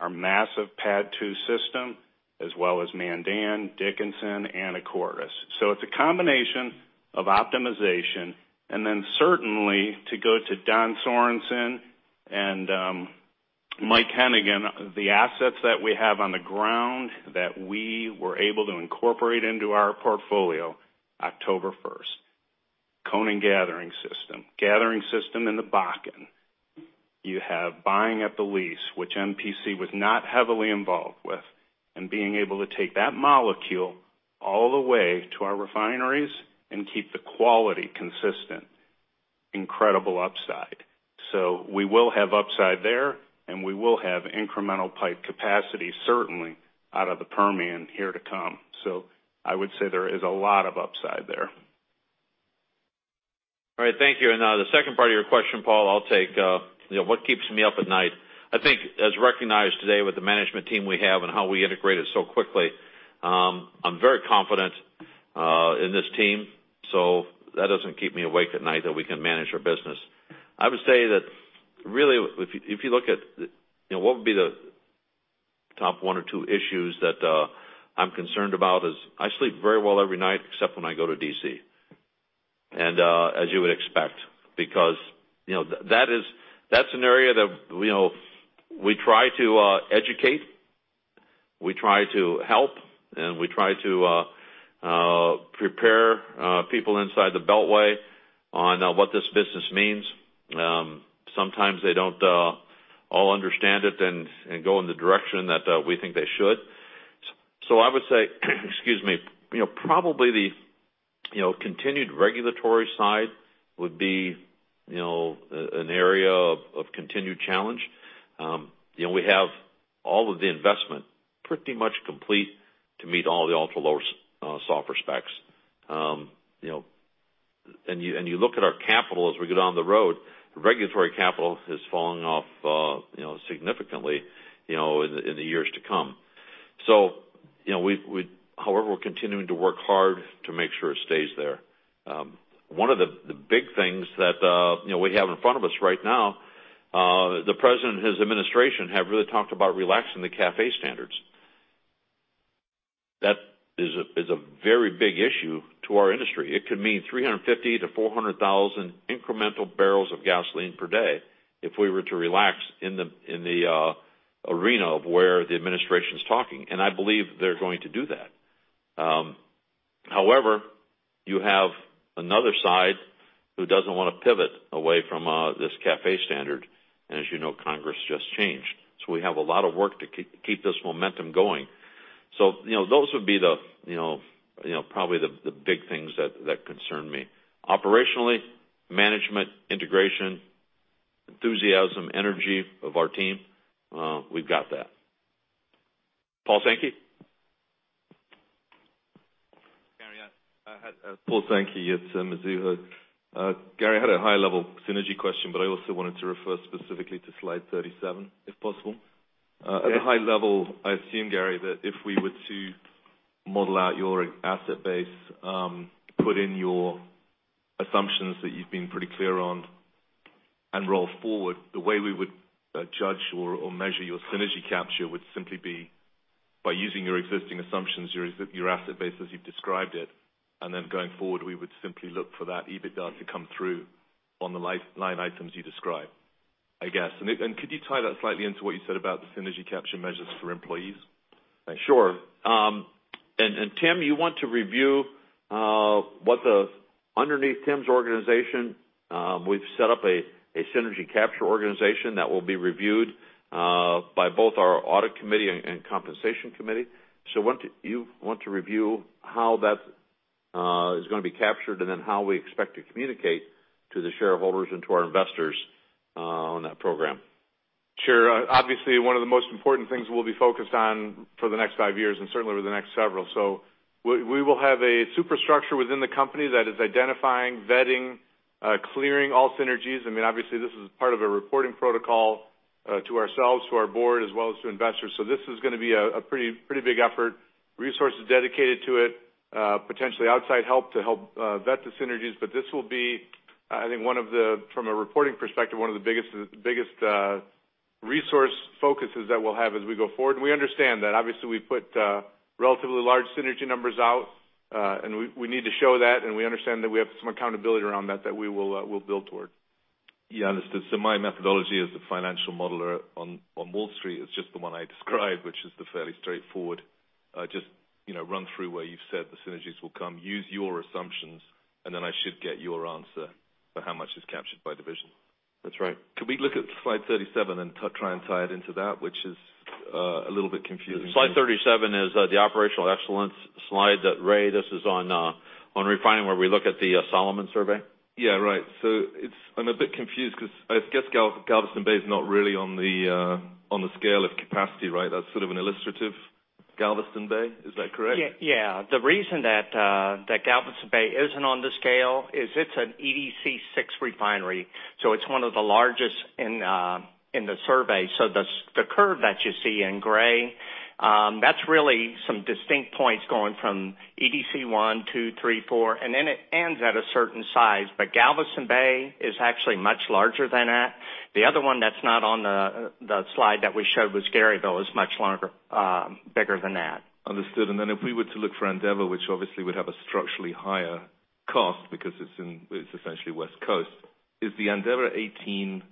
our massive PADD II system, as well as Mandan, Dickinson, and Anacortes. It's a combination of optimization, and then certainly to go to Don Templin and Mike Hennigan, the assets that we have on the ground that we were able to incorporate into our portfolio October 1st. Conan gathering system, gathering system in the Bakken. You have buying at the lease, which MPC was not heavily involved with, and being able to take that molecule all the way to our refineries and keep the quality consistent. Incredible upside. We will have upside there, and we will have incremental pipe capacity, certainly out of the Permian here to come. I would say there is a lot of upside there. All right. Thank you. Now the second part of your question, Paul, I'll take. What keeps me up at night? I think as recognized today with the management team we have and how we integrated so quickly, I'm very confident in this team. That doesn't keep me awake at night that we can manage our business. I would say that really if you look at what would be the top one or two issues that I'm concerned about is I sleep very well every night except when I go to D.C. As you would expect, because that's an area that we try to educate, we try to help, and we try to prepare people inside the beltway on what this business means. Sometimes they don't all understand it and go in the direction that we think they should. I would say excuse me, probably the continued regulatory side would be an area of continued challenge. We have all of the investment pretty much complete to meet all the ultra-low sulfur specs. You look at our capital as we go down the road, regulatory capital is falling off significantly in the years to come. However, we're continuing to work hard to make sure it stays there. One of the big things that we have in front of us right now, the President and his administration have really talked about relaxing the CAFE standards. That is a very big issue to our industry. It could mean 350,000-400,000 incremental barrels of gasoline per day if we were to relax in the arena of where the administration's talking. I believe they're going to do that. However, you have another side who doesn't want to pivot away from this CAFE standard, and as you know, Congress just changed. We have a lot of work to keep this momentum going. Those would be probably the big things that concern me. Operationally, management, integration, enthusiasm, energy of our team, we've got that. Paul Sankey? Gary, Paul Sankey at Mizuho. Gary, I had a high-level synergy question, but I also wanted to refer specifically to slide 37, if possible. Okay. At a high level, I assume, Gary, that if we were to model out your asset base, put in your assumptions that you've been pretty clear on and roll forward, the way we would judge or measure your synergy capture would simply be by using your existing assumptions, your asset base as you've described it, and then going forward, we would simply look for that EBITDA to come through on the line items you described, I guess. Could you tie that slightly into what you said about the synergy capture measures for employees? Thanks. Sure. Tim, you want to review underneath Tim's organization, we've set up a synergy capture organization that will be reviewed by both our Audit Committee and Compensation Committee. You want to review how that is going to be captured, and then how we expect to communicate to the shareholders and to our investors on that program? Sure. Obviously, one of the most important things we'll be focused on for the next 5 years and certainly over the next several. We will have a superstructure within the company that is identifying, vetting, clearing all synergies. Obviously, this is part of a reporting protocol to ourselves, to our Board, as well as to investors. This is going to be a pretty big effort. Resources dedicated to it, potentially outside help to help vet the synergies. This will be, I think from a reporting perspective, one of the biggest Resource focuses that we'll have as we go forward. We understand that obviously we put relatively large synergy numbers out, and we need to show that, and we understand that we have some accountability around that we'll build toward. Yeah, understood. My methodology as a financial modeler on Wall Street is just the one I described, which is the fairly straightforward, just run through where you've said the synergies will come, use your assumptions, and then I should get your answer for how much is captured by division. That's right. Could we look at slide 37 and try and tie it into that, which is a little bit confusing? Slide 37 is the operational excellence slide. This is on refining, where we look at the Solomon survey. I'm a bit confused because I guess Galveston Bay is not really on the scale of capacity, right? That's sort of an illustrative Galveston Bay. Is that correct? Yeah. The reason that Galveston Bay isn't on the scale is it's an EDC 6 refinery, it's one of the largest in the survey. The curve that you see in gray, that's really some distinct points going from EDC 1, 2, 3, 4, and then it ends at a certain size. Galveston Bay is actually much larger than that. The other one that's not on the slide that we showed was Garyville, is much bigger than that. Understood. Then if we were to look for Andeavor, which obviously would have a structurally higher cost because it's essentially West Coast, is the Andeavor 18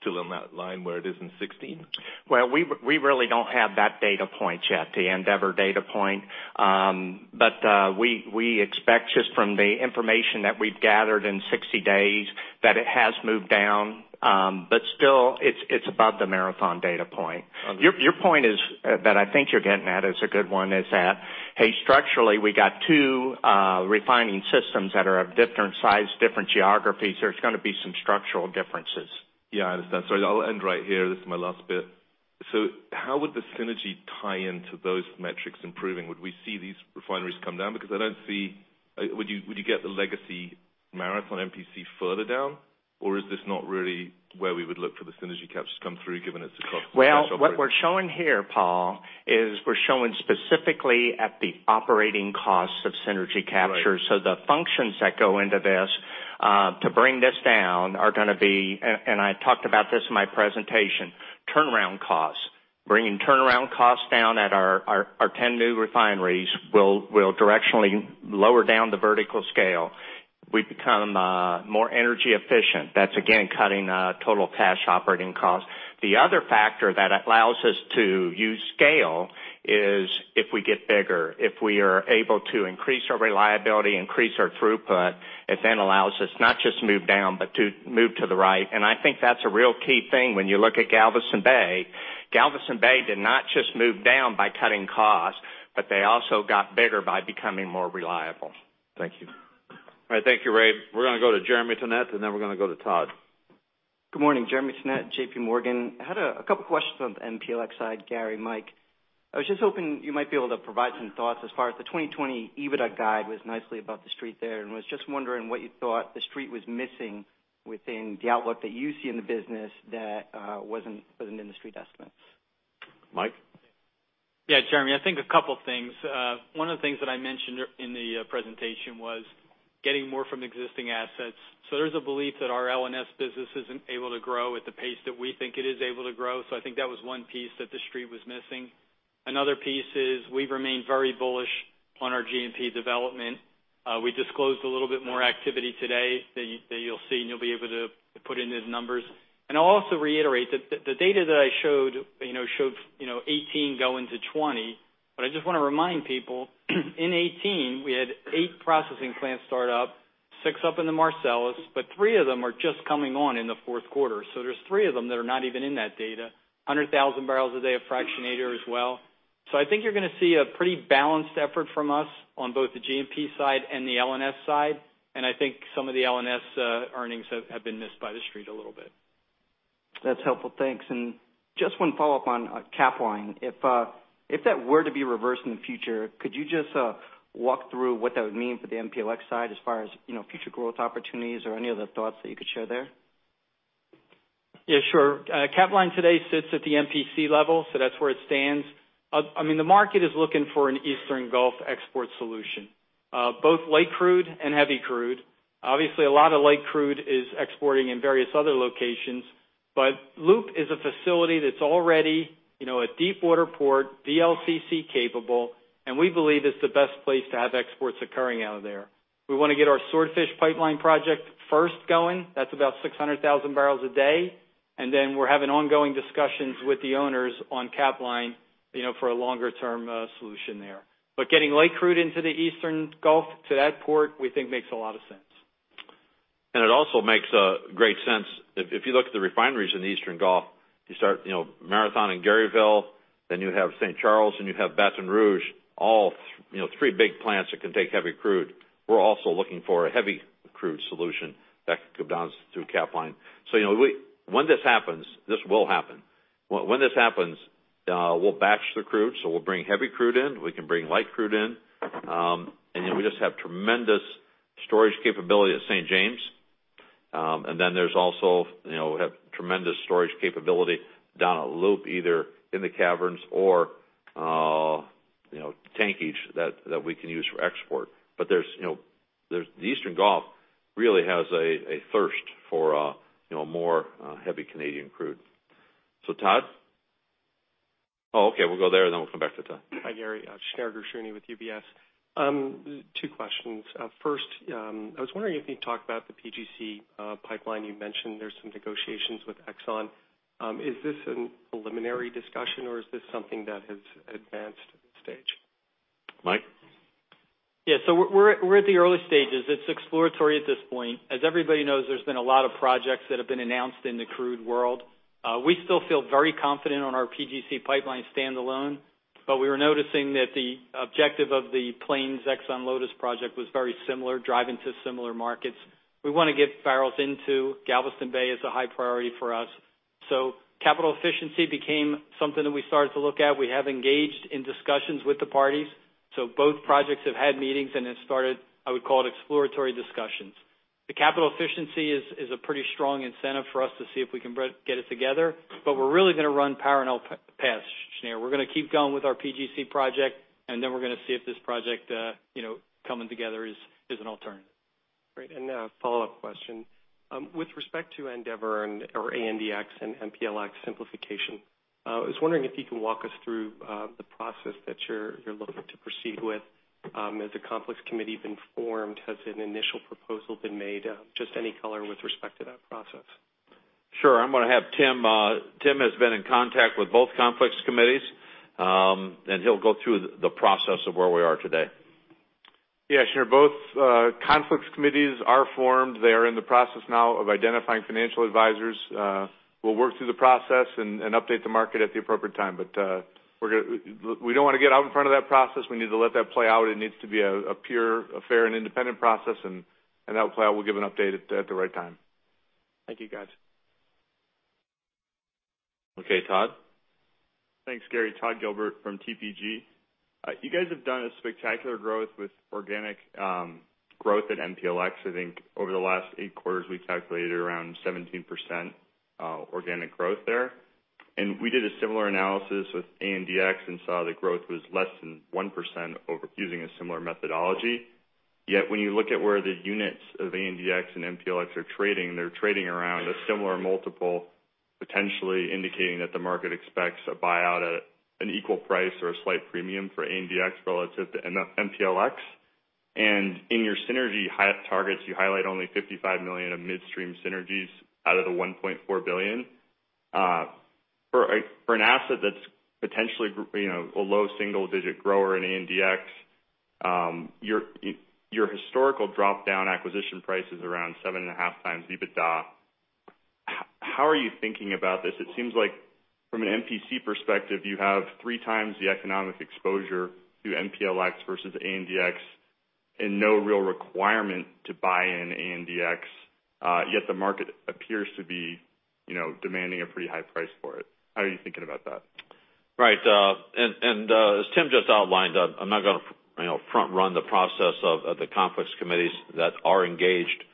still in that line where it is in 16? Well, we really don't have that data point yet, the Andeavor data point. We expect just from the information that we've gathered in 60 days that it has moved down. Still, it's above the Marathon data point. Understood. Your point is that I think you're getting at is a good one, is that, structurally, we got two refining systems that are of different size, different geographies. There's gonna be some structural differences. Yeah, understood. I'll end right here. This is my last bit. How would the synergy tie into those metrics improving? Would we see these refineries come down? Would you get the legacy Marathon MPC further down, or is this not really where we would look for the synergy captures come through given it's the cost? Well, what we're showing here, Paul, is we're showing specifically at the operating costs of synergy capture. Right. The functions that go into this to bring this down are gonna be, and I talked about this in my presentation, turnaround costs. Bringing turnaround costs down at our 10 new refineries will directionally lower down the vertical scale. We become more energy efficient. That's again cutting total cash operating costs. The other factor that allows us to use scale is if we get bigger. If we are able to increase our reliability, increase our throughput, it then allows us not just to move down, but to move to the right. I think that's a real key thing when you look at Galveston Bay. Galveston Bay did not just move down by cutting costs, but they also got bigger by becoming more reliable. Thank you. All right. Thank you, Ray. We're gonna go to Jeremy Tonet, and then we're gonna go to Todd. Good morning. Jeremy Tonet, JPMorgan. I had a couple questions on the MPLX side, Gary, Mike. I was just hoping you might be able to provide some thoughts as far as the 2020 EBITDA guide was nicely above the Street there, and was just wondering what you thought the Street was missing within the outlook that you see in the business that wasn't in the Street estimates. Mike? Yeah, Jeremy, I think a couple things. One of the things that I mentioned in the presentation was getting more from existing assets. There's a belief that our L&S business isn't able to grow at the pace that we think it is able to grow. I think that was one piece that the Street was missing. Another piece is we've remained very bullish on our G&P development. We disclosed a little bit more activity today that you'll see, and you'll be able to put in those numbers. I'll also reiterate that the data that I showed showed 2018 going to 2020, but I just wanna remind people, in 2018, we had eight processing plants start up, six up in the Marcellus, but three of them are just coming on in the fourth quarter. There's three of them that are not even in that data. 100,000 barrels a day of fractionator as well. I think you're gonna see a pretty balanced effort from us on both the G&P side and the L&S side, and I think some of the L&S earnings have been missed by the Street a little bit. That's helpful. Thanks. Just one follow-up on Capline. If that were to be reversed in the future, could you just walk through what that would mean for the MPLX side as far as future growth opportunities or any other thoughts that you could share there? Yeah, sure. Capline today sits at the MPC level, so that's where it stands. The market is looking for an Eastern Gulf export solution, both light crude and heavy crude. Obviously, a lot of light crude is exporting in various other locations, but LOOP is a facility that's already a deepwater port, VLCC-capable, and we believe it's the best place to have exports occurring out of there. We want to get our Swordfish Pipeline project first going. That's about 600,000 barrels a day, then we're having ongoing discussions with the owners on Capline for a longer-term solution there. Getting light crude into the Eastern Gulf to that port, we think makes a lot of sense. It also makes great sense if you look at the refineries in the Eastern Gulf. You start Marathon in Garyville, then you have St. Charles, and you have Baton Rouge, all three big plants that can take heavy crude. We're also looking for a heavy crude solution that could go down through Capline. When this happens, this will happen. When this happens, we'll batch the crude, we'll bring heavy crude in, we can bring light crude in. We just have tremendous storage capability at St. James. There's also, we have tremendous storage capability down at LOOP, either in the caverns or tankage that we can use for export. The Eastern Gulf really has a thirst for more heavy Canadian crude. Todd? Okay, we'll go there then we'll come back to Todd. Hi Gary. Shneur Gershuni with UBS. Two questions. First, I was wondering if you could talk about the PGC Pipeline. You mentioned there's some negotiations with ExxonMobil. Is this a preliminary discussion or is this something that has advanced stage? Mike? Yes. We're at the early stages. It's exploratory at this point. As everybody knows, there's been a lot of projects that have been announced in the crude world. We still feel very confident on our PGC Pipeline standalone, but we were noticing that the objective of the Plains Exxon Lotus project was very similar, driving to similar markets. We want to get barrels into Galveston Bay is a high priority for us. Capital efficiency became something that we started to look at. We have engaged in discussions with the parties. Both projects have had meetings and have started, I would call it exploratory discussions. The capital efficiency is a pretty strong incentive for us to see if we can get it together. We're really going to run parallel paths, Shneur. We're going to keep going with our PGC Pipeline project, and then we're going to see if this project coming together is an alternative. Great. A follow-up question. With respect to Andeavor or ANDX and MPLX simplification, I was wondering if you can walk us through the process that you're looking to proceed with. Has a conflicts committee been formed? Has an initial proposal been made? Just any color with respect to that process. Sure. I'm going to have Tim has been in contact with both conflicts committees, and he'll go through the process of where we are today. Yes, Shneur, both conflicts committees are formed. They are in the process now of identifying financial advisors. We'll work through the process and update the market at the appropriate time. We don't want to get out in front of that process. We need to let that play out. It needs to be a pure, a fair, and independent process, and that will play out. We'll give an update at the right time. Thank you, guys. Okay, Todd? Thanks, Gary. Todd Gilbert from TPG. You guys have done a spectacular growth with organic growth at MPLX. I think over the last 8 quarters, we calculated around 17% organic growth there. We did a similar analysis with ANDX and saw the growth was less than 1% using a similar methodology. When you look at where the units of ANDX and MPLX are trading, they're trading around a similar multiple, potentially indicating that the market expects a buyout at an equal price or a slight premium for ANDX relative to MPLX. In your synergy targets, you highlight only $55 million of midstream synergies out of the $1.4 billion. For an asset that's potentially a low single-digit grower in ANDX, your historical drop-down acquisition price is around 7.5 times EBITDA. How are you thinking about this? It seems like from an MPC perspective, you have three times the economic exposure to MPLX versus ANDX and no real requirement to buy in ANDX. The market appears to be demanding a pretty high price for it. How are you thinking about that? Right. As Tim just outlined, I'm not going to front run the process of the conflicts committees that are engaged.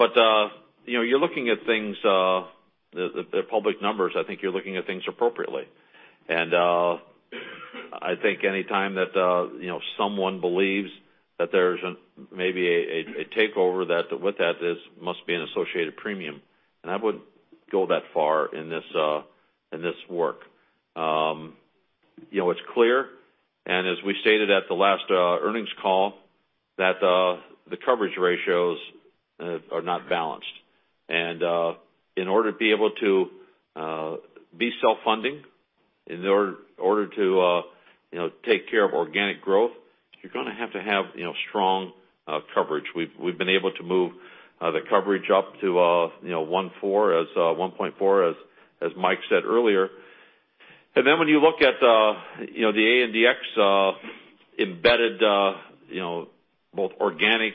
You're looking at things, the public numbers, I think you're looking at things appropriately. I think any time that someone believes that there's maybe a takeover, that with that there must be an associated premium. I wouldn't go that far in this work. It's clear, as we stated at the last earnings call, that the coverage ratios are not balanced. In order to be able to be self-funding, in order to take care of organic growth, you're going to have to have strong coverage. We've been able to move the coverage up to 1.4, as Mike said earlier. When you look at the ANDX embedded both organic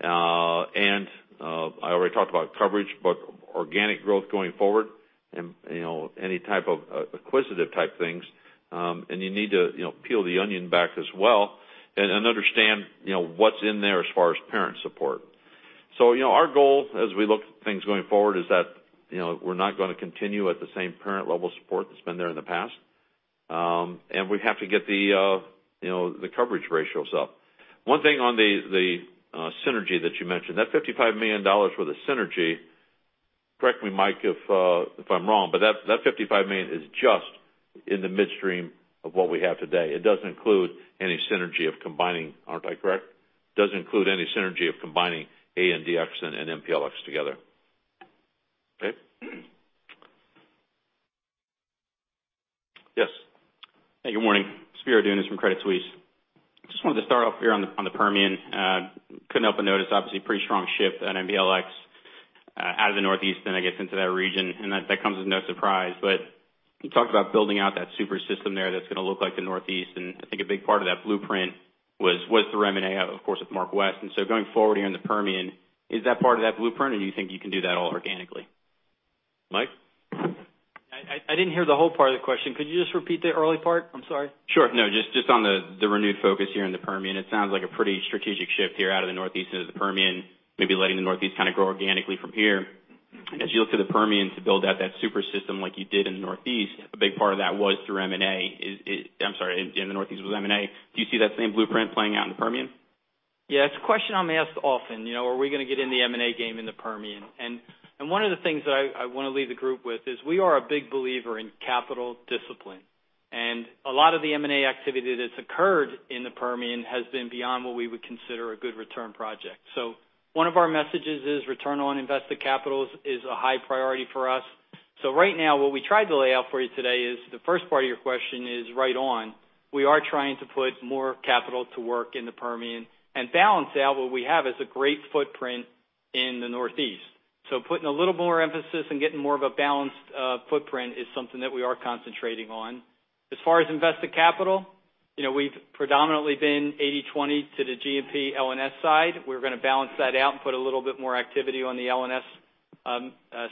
and I already talked about coverage, but organic growth going forward and any type of acquisitive type things, you need to peel the onion back as well and understand what's in there as far as parent support. Our goal as we look at things going forward is that we're not going to continue at the same parent level support that's been there in the past. We have to get the coverage ratios up. One thing on the synergy that you mentioned, that $55 million for the synergy, correct me, Mike, if I'm wrong, but that $55 million is just in the midstream of what we have today. It doesn't include any synergy of combining, aren't I correct? It doesn't include any synergy of combining ANDX and MPLX together. Okay? Yes. Hey, good morning. Spiro Dounis from Credit Suisse. Just wanted to start off here on the Permian. Couldn't help but notice, obviously, pretty strong shift at MPLX out of the Northeast, I guess into that region. That comes as no surprise, but you talked about building out that super system there that's going to look like the Northeast, and I think a big part of that blueprint was the remnant, of course, with MarkWest. Going forward here in the Permian, is that part of that blueprint, or do you think you can do that all organically? Mike? I didn't hear the whole part of the question. Could you just repeat the early part? I'm sorry. Sure. No, just on the renewed focus here in the Permian. It sounds like a pretty strategic shift here out of the Northeast into the Permian, maybe letting the Northeast kind of grow organically from here. As you look to the Permian to build out that super system like you did in the Northeast, a big part of that was through M&A. I'm sorry, in the Northeast was M&A. Do you see that same blueprint playing out in the Permian? Yeah, it's a question I'm asked often. Are we going to get in the M&A game in the Permian? One of the things that I want to leave the group with is we are a big believer in capital discipline. A lot of the M&A activity that's occurred in the Permian has been beyond what we would consider a good return project. One of our messages is return on invested capital is a high priority for us. Right now, what we tried to lay out for you today is the first part of your question is right on. We are trying to put more capital to work in the Permian and balance out what we have as a great footprint in the Northeast. Putting a little more emphasis and getting more of a balanced footprint is something that we are concentrating on. As far as invested capital, we've predominantly been 80/20 to the G&P L&S side. We're going to balance that out and put a little bit more activity on the L&S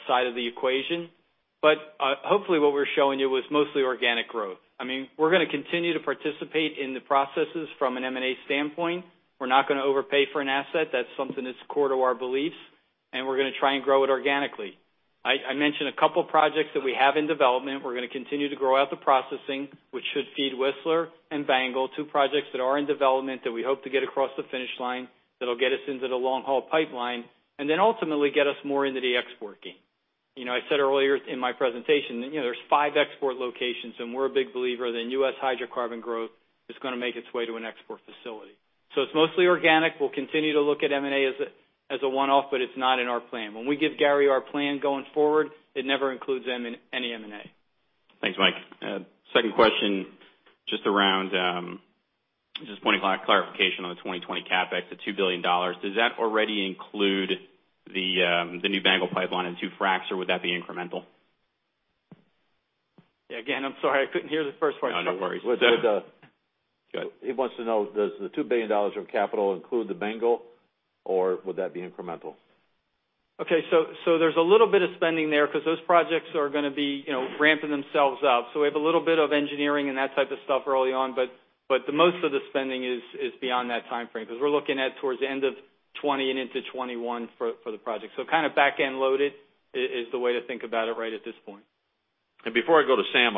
side of the equation. Hopefully what we're showing you was mostly organic growth. We're going to continue to participate in the processes from an M&A standpoint. We're not going to overpay for an asset. That's something that's core to our beliefs, and we're going to try and grow it organically. I mentioned a couple projects that we have in development. We're going to continue to grow out the processing, which should feed Whistler and BANGL, two projects that are in development that we hope to get across the finish line that'll get us into the long-haul pipeline, ultimately get us more into the export game. I said earlier in my presentation, there's five export locations. We're a big believer that U.S. hydrocarbon growth is going to make its way to an export facility. It's mostly organic. We'll continue to look at M&A as a one-off, but it's not in our plan. When we give Gary our plan going forward, it never includes any M&A. Thanks, Mike. Second question, just wanting clarification on the 2020 CapEx, the $2 billion. Does that already include the new BANGL Pipeline and two fracs, or would that be incremental? Yeah, again, I'm sorry, I couldn't hear the first part. No, no worries. He wants to know, does the $2 billion of capital include the BANGL, or would that be incremental? Okay. There's a little bit of spending there because those projects are going to be ramping themselves up. We have a little bit of engineering and that type of stuff early on, but the most of the spending is beyond that timeframe. We're looking at towards the end of 2020 and into 2021 for the project. Kind of back-end loaded is the way to think about it right at this point. Before I go to Sam,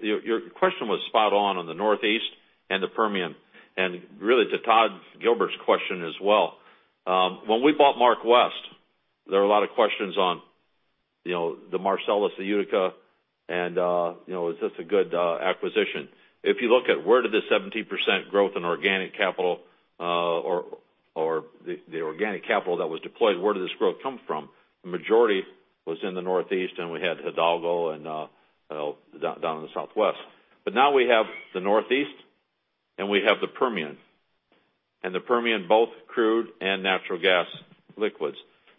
your question was spot on the Northeast and the Permian, and really to Todd Gilbert's question as well. When we bought MarkWest, there were a lot of questions on the Marcellus, the Utica, and is this a good acquisition? If you look at where did the 17% growth in organic capital or the organic capital that was deployed, where did this growth come from? The majority was in the Northeast, and we had Hidalgo down in the Southwest. Now we have the Northeast and we have the Permian. The Permian, both crude and natural gas liquids.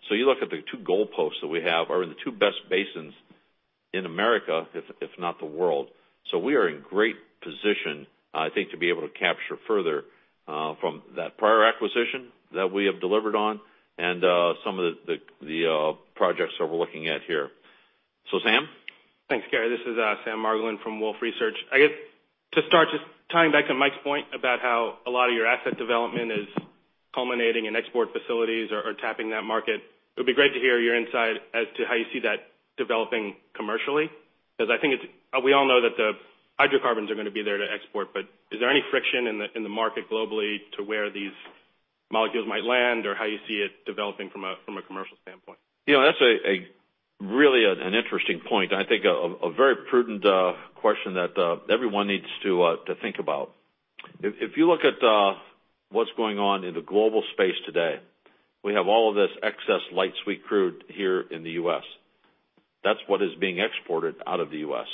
You look at the two goalposts that we have are in the two best basins in America, if not the world. We are in great position, I think, to be able to capture further from that prior acquisition that we have delivered on and some of the projects that we're looking at here. Sam? Thanks, Gary. This is Sam Margolin from Wolfe Research. I guess to start, just tying back to Mike's point about how a lot of your asset development is culminating in export facilities or tapping that market, it would be great to hear your insight as to how you see that developing commercially. We all know that the hydrocarbons are going to be there to export, is there any friction in the market globally to where these molecules might land or how you see it developing from a commercial standpoint? That's really an interesting point, I think a very prudent question that everyone needs to think about. If you look at what's going on in the global space today, we have all of this excess light sweet crude here in the U.S. That's what is being exported out of the U.S.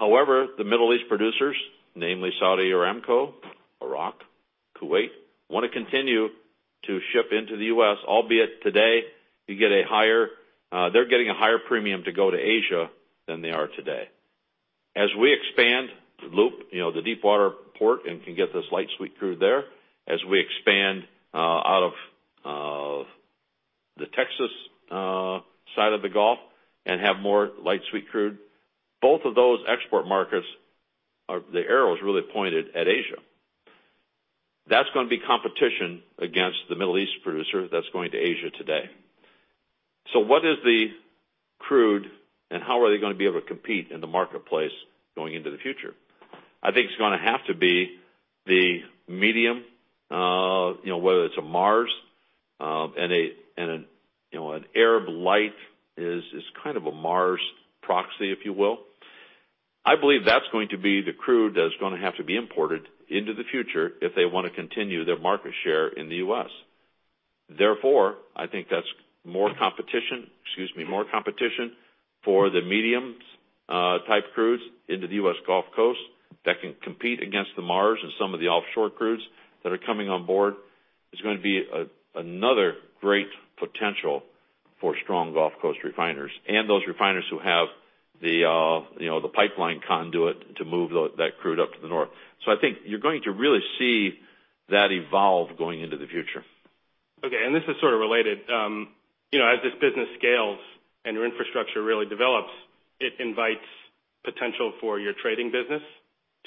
The Middle East producers, namely Saudi Aramco, Iraq, Kuwait, want to continue to ship into the U.S., albeit today they're getting a higher premium to go to Asia than they are today. As we expand the LOOP, the deepwater port, and can get this light sweet crude there, as we expand out of the Texas side of the Gulf and have more light sweet crude, both of those export markets, the arrow is really pointed at Asia. That's going to be competition against the Middle East producer that's going to Asia today. What is the crude and how are they going to be able to compete in the marketplace going into the future? I think it's going to have to be the medium, whether it's a Mars and an Arab Light is kind of a Mars proxy, if you will. I believe that's going to be the crude that is going to have to be imported into the future if they want to continue their market share in the U.S. I think that's more competition for the medium type crudes into the U.S. Gulf Coast that can compete against the Mars and some of the offshore crudes that are coming on board. It's going to be another great potential for strong Gulf Coast refiners and those refiners who have the pipeline conduit to move that crude up to the north. I think you're going to really see that evolve going into the future. Okay, this is sort of related. As this business scales and your infrastructure really develops, it invites potential for your trading business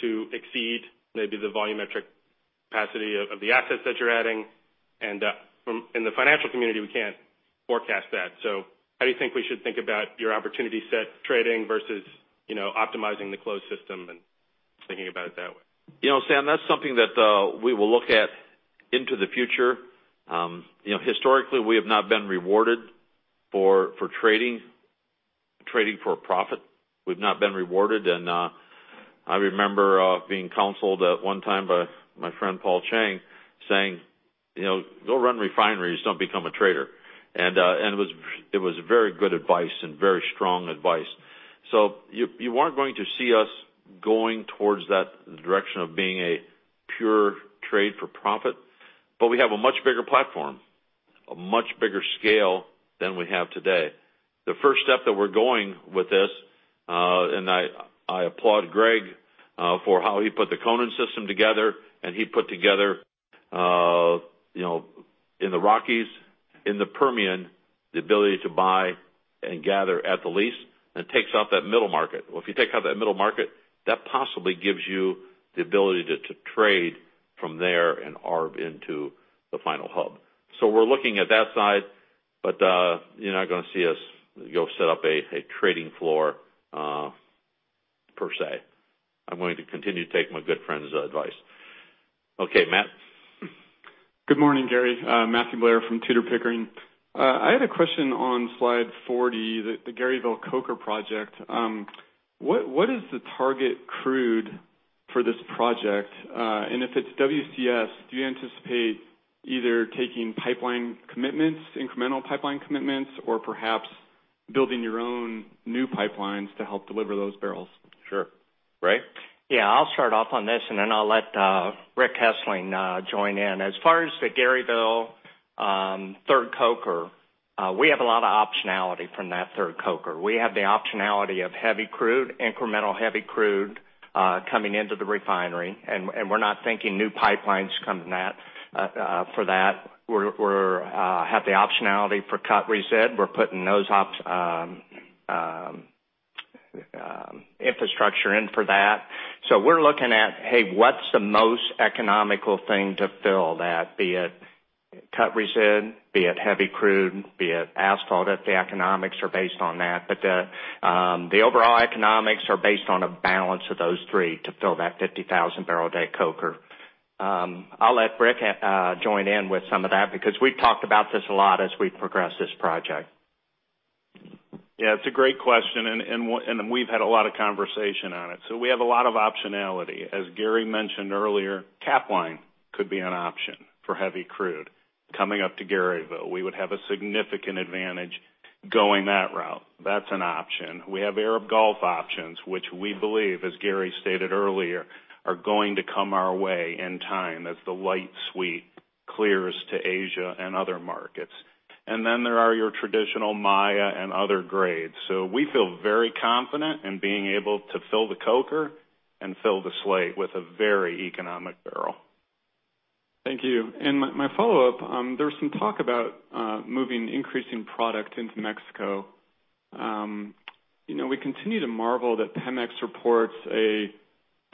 to exceed maybe the volumetric capacity of the assets that you're adding. In the financial community, we can't forecast that. How do you think we should think about your opportunity set trading versus optimizing the closed system and thinking about it that way? Sam Margolin, that's something that we will look at into the future. Historically, we have not been rewarded for trading for a profit. We've not been rewarded. I remember being counseled at one time by my friend Paul Y. Cheng, saying, "Go run refineries, don't become a trader." It was very good advice and very strong advice. You aren't going to see us going towards that direction of being a pure trade for profit, but we have a much bigger platform, a much bigger scale than we have today. The first step that we're going with this. I applaud Greg Goff for how he put the Conan Crude Oil Gathering System together, and he put together in the Rockies, in the Permian Basin, the ability to buy and gather at the lease and takes out that middle market. If you take out that middle market, that possibly gives you the ability to trade from there and arb into the final hub. We're looking at that side, but you're not going to see us go set up a trading floor per se. I'm going to continue to take my good friend's advice. Okay, Matthew? Good morning, Gary Heminger. Matthew Blair from Tudor, Pickering, Holt & Co. I had a question on slide 40, the Garyville coker project. What is the target crude for this project? If it's WCS, do you anticipate either taking incremental pipeline commitments or perhaps building your own new pipelines to help deliver those barrels? Sure. Ray? Yeah. I'll start off on this, then I'll let Rick Hessling join in. As far as the Garyville third coker, we have a lot of optionality from that third coker. We have the optionality of incremental heavy crude coming into the refinery, and we're not thinking new pipelines for that. We have the optionality for cut resid. We're putting those infrastructure in for that. We're looking at, hey, what's the most economical thing to fill that, be it cut resid, be it heavy crude, be it asphalt, if the economics are based on that. The overall economics are based on a balance of those three to fill that 50,000-barrel-a-day coker. I'll let Rick join in with some of that because we've talked about this a lot as we progress this project. Yeah. It's a great question, and we've had a lot of conversation on it. We have a lot of optionality. As Gary mentioned earlier, Capline could be an option for heavy crude coming up to Garyville. We would have a significant advantage going that route. That's an option. We have Arab Gulf options, which we believe, as Gary stated earlier, are going to come our way in time as the light sweep clears to Asia and other markets. Then there are your traditional Maya and other grades. We feel very confident in being able to fill the coker and fill the slate with a very economic barrel. Thank you. My follow-up, there was some talk about moving increasing product into Mexico. We continue to marvel that PEMEX reports a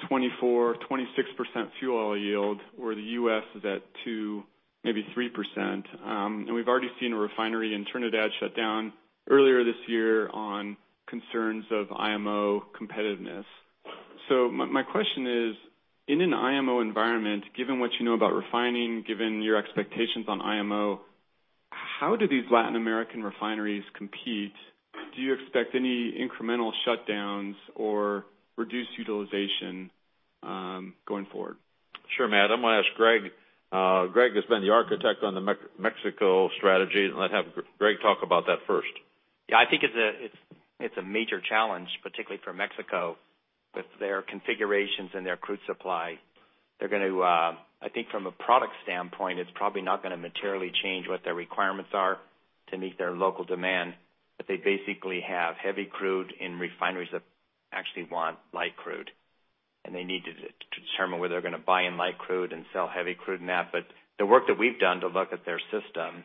24, 26% fuel oil yield, where the U.S. is at 2, maybe 3%. We've already seen a refinery in Trinidad shut down earlier this year on concerns of IMO competitiveness. My question is, in an IMO environment, given what you know about refining, given your expectations on IMO, how do these Latin American refineries compete? Do you expect any incremental shutdowns or reduced utilization going forward? Sure, Matt. I'm going to ask Greg. Greg has been the architect on the Mexico strategy, and let have Greg talk about that first. Yeah. I think it's a major challenge, particularly for Mexico with their configurations and their crude supply. I think from a product standpoint, it's probably not going to materially change what their requirements are to meet their local demand. They basically have heavy crude in refineries that actually want light crude, and they need to determine where they're going to buy in light crude and sell heavy crude and that. The work that we've done to look at their system,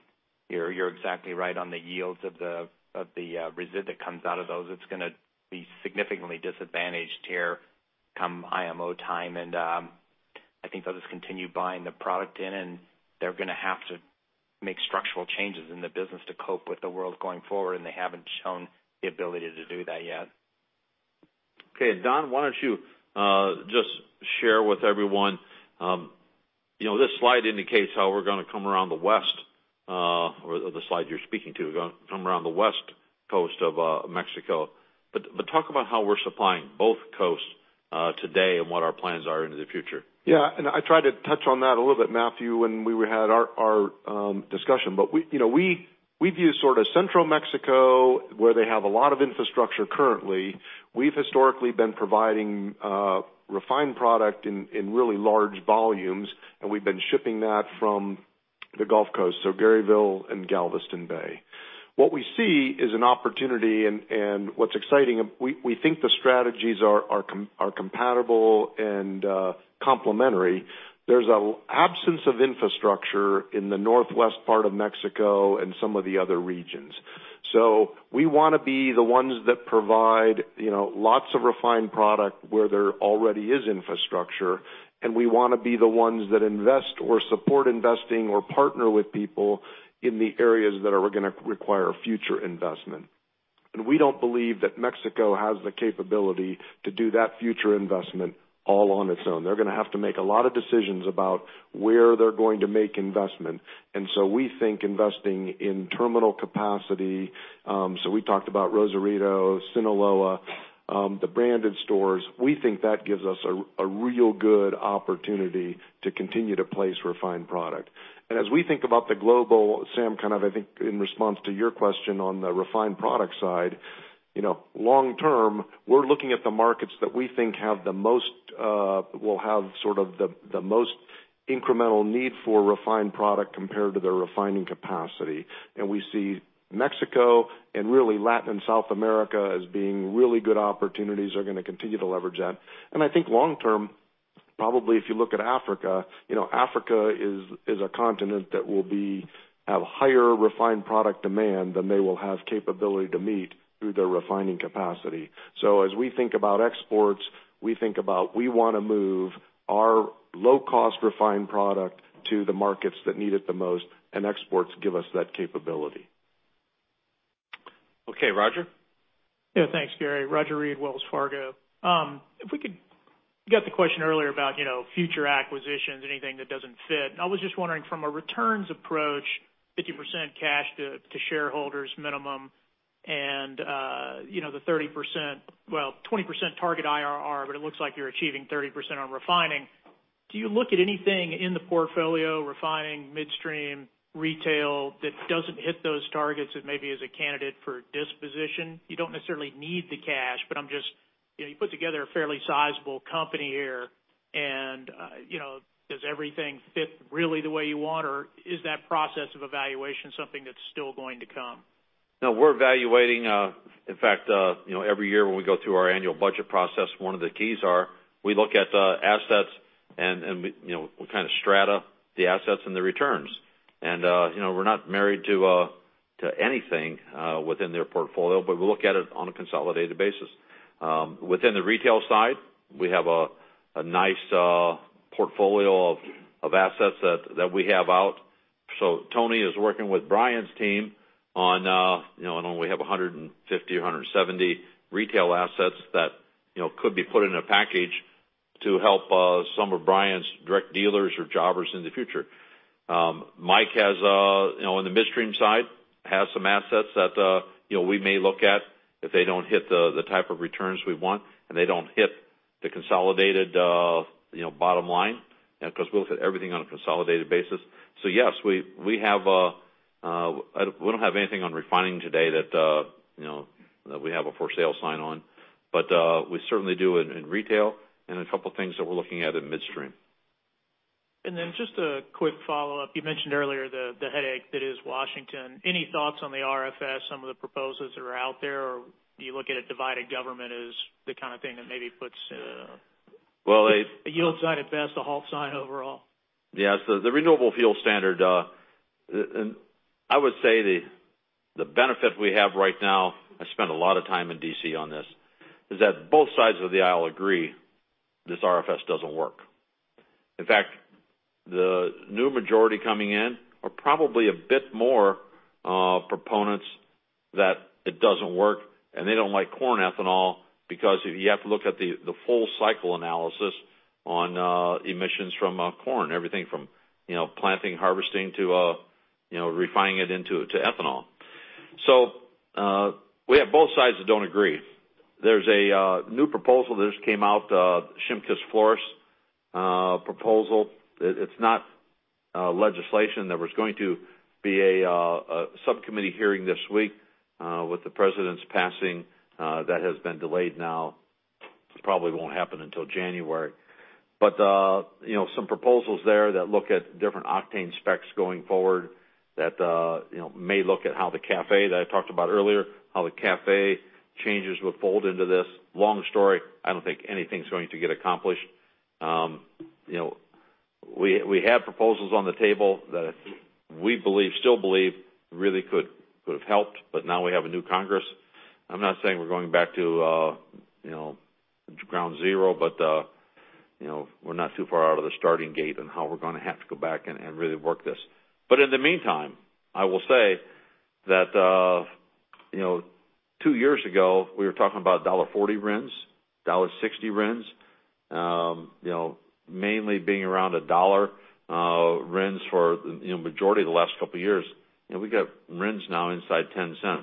you're exactly right on the yields of the resid that comes out of those. It's going to be significantly disadvantaged here come IMO time, and I think they'll just continue buying the product in, and they're going to have to make structural changes in the business to cope with the world going forward, and they haven't shown the ability to do that yet. Okay, Don, why don't you just share with everyone. This slide indicates how we're going to come around the west, or the slide you're speaking to, come around the west coast of Mexico. Talk about how we're supplying both coasts today and what our plans are into the future. Yeah. I tried to touch on that a little bit, Matthew, when we had our discussion. We view sort of central Mexico, where they have a lot of infrastructure currently. We've historically been providing refined product in really large volumes, and we've been shipping that from the Gulf Coast, so Garyville and Galveston Bay. What we see is an opportunity, and what's exciting, we think the strategies are compatible and complementary. There's an absence of infrastructure in the northwest part of Mexico and some of the other regions. We want to be the ones that provide lots of refined product where there already is infrastructure, and we want to be the ones that invest or support investing or partner with people in the areas that are going to require future investment. We don't believe that Mexico has the capability to do that future investment all on its own. They're going to have to make a lot of decisions about where they're going to make investment. We think investing in terminal capacity, so we talked about Rosarito, Sinaloa, the branded stores, we think that gives us a real good opportunity to continue to place refined product. As we think about the global, Sam, I think in response to your question on the refined product side, long term, we're looking at the markets that we think will have the most incremental need for refined product compared to their refining capacity. We see Mexico and really Latin and South America as being really good opportunities, are going to continue to leverage that. I think long term, probably if you look at Africa is a continent that will have higher refined product demand than they will have capability to meet through their refining capacity. As we think about exports, we think about we want to move our low-cost refined product to the markets that need it the most, exports give us that capability. Okay, Roger? Yeah, thanks, Gary. Roger Read, Wells Fargo. I was just wondering from a returns approach, 50% cash to shareholders minimum and the 30%, well, 20% target IRR, but it looks like you're achieving 30% on refining. Do you look at anything in the portfolio, refining, midstream, retail, that doesn't hit those targets that maybe is a candidate for disposition? You don't necessarily need the cash, you put together a fairly sizable company here, does everything fit really the way you want or is that process of evaluation something that's still going to come? We're evaluating. In fact every year when we go through our annual budget process, one of the keys are we look at the assets and we kind of strata the assets and the returns. We're not married to anything within their portfolio, but we look at it on a consolidated basis. Within the retail side, we have a nice portfolio of assets that we have out. Tony is working with Brian's team on. I know we have 150 or 170 retail assets that could be put in a package to help some of Brian's direct dealers or jobbers in the future. Mike on the midstream side, has some assets that we may look at if they don't hit the type of returns we want and they don't hit the consolidated bottom line, because we look at everything on a consolidated basis. Yes, we don't have anything on refining today that we have a for sale sign on. We certainly do in retail and a couple of things that we're looking at in midstream. Just a quick follow-up. You mentioned earlier the headache that is Washington. Any thoughts on the RFS, some of the proposals that are out there? Do you look at a divided government as the kind of thing that maybe puts? Well. a yield sign at best, a halt sign overall? Yes. The Renewable Fuel Standard, I would say the benefit we have right now, I spent a lot of time in D.C. on this, is that both sides of the aisle agree this RFS doesn't work. In fact, the new majority coming in are probably a bit more proponents that it doesn't work and they don't like corn ethanol because you have to look at the full cycle analysis on emissions from corn, everything from planting, harvesting to refining it into ethanol. We have both sides that don't agree. There's a new proposal that just came out, Shimkus-Flores proposal. It's not legislation. There was going to be a subcommittee hearing this week. With the president's passing, that has been delayed now. It probably won't happen until January. Some proposals there that look at different octane specs going forward that may look at how the CAFE that I talked about earlier, how the CAFE changes would fold into this. Long story, I don't think anything's going to get accomplished. We had proposals on the table that we still believe really could have helped, now we have a new Congress. I'm not saying we're going back to ground zero, we're not too far out of the starting gate and how we're going to have to go back and really work this. In the meantime, I will say that two years ago, we were talking about $1.40 RINs, $1.60 RINs, mainly being around $1 RINs for the majority of the last couple of years. We got RINs now inside $0.10.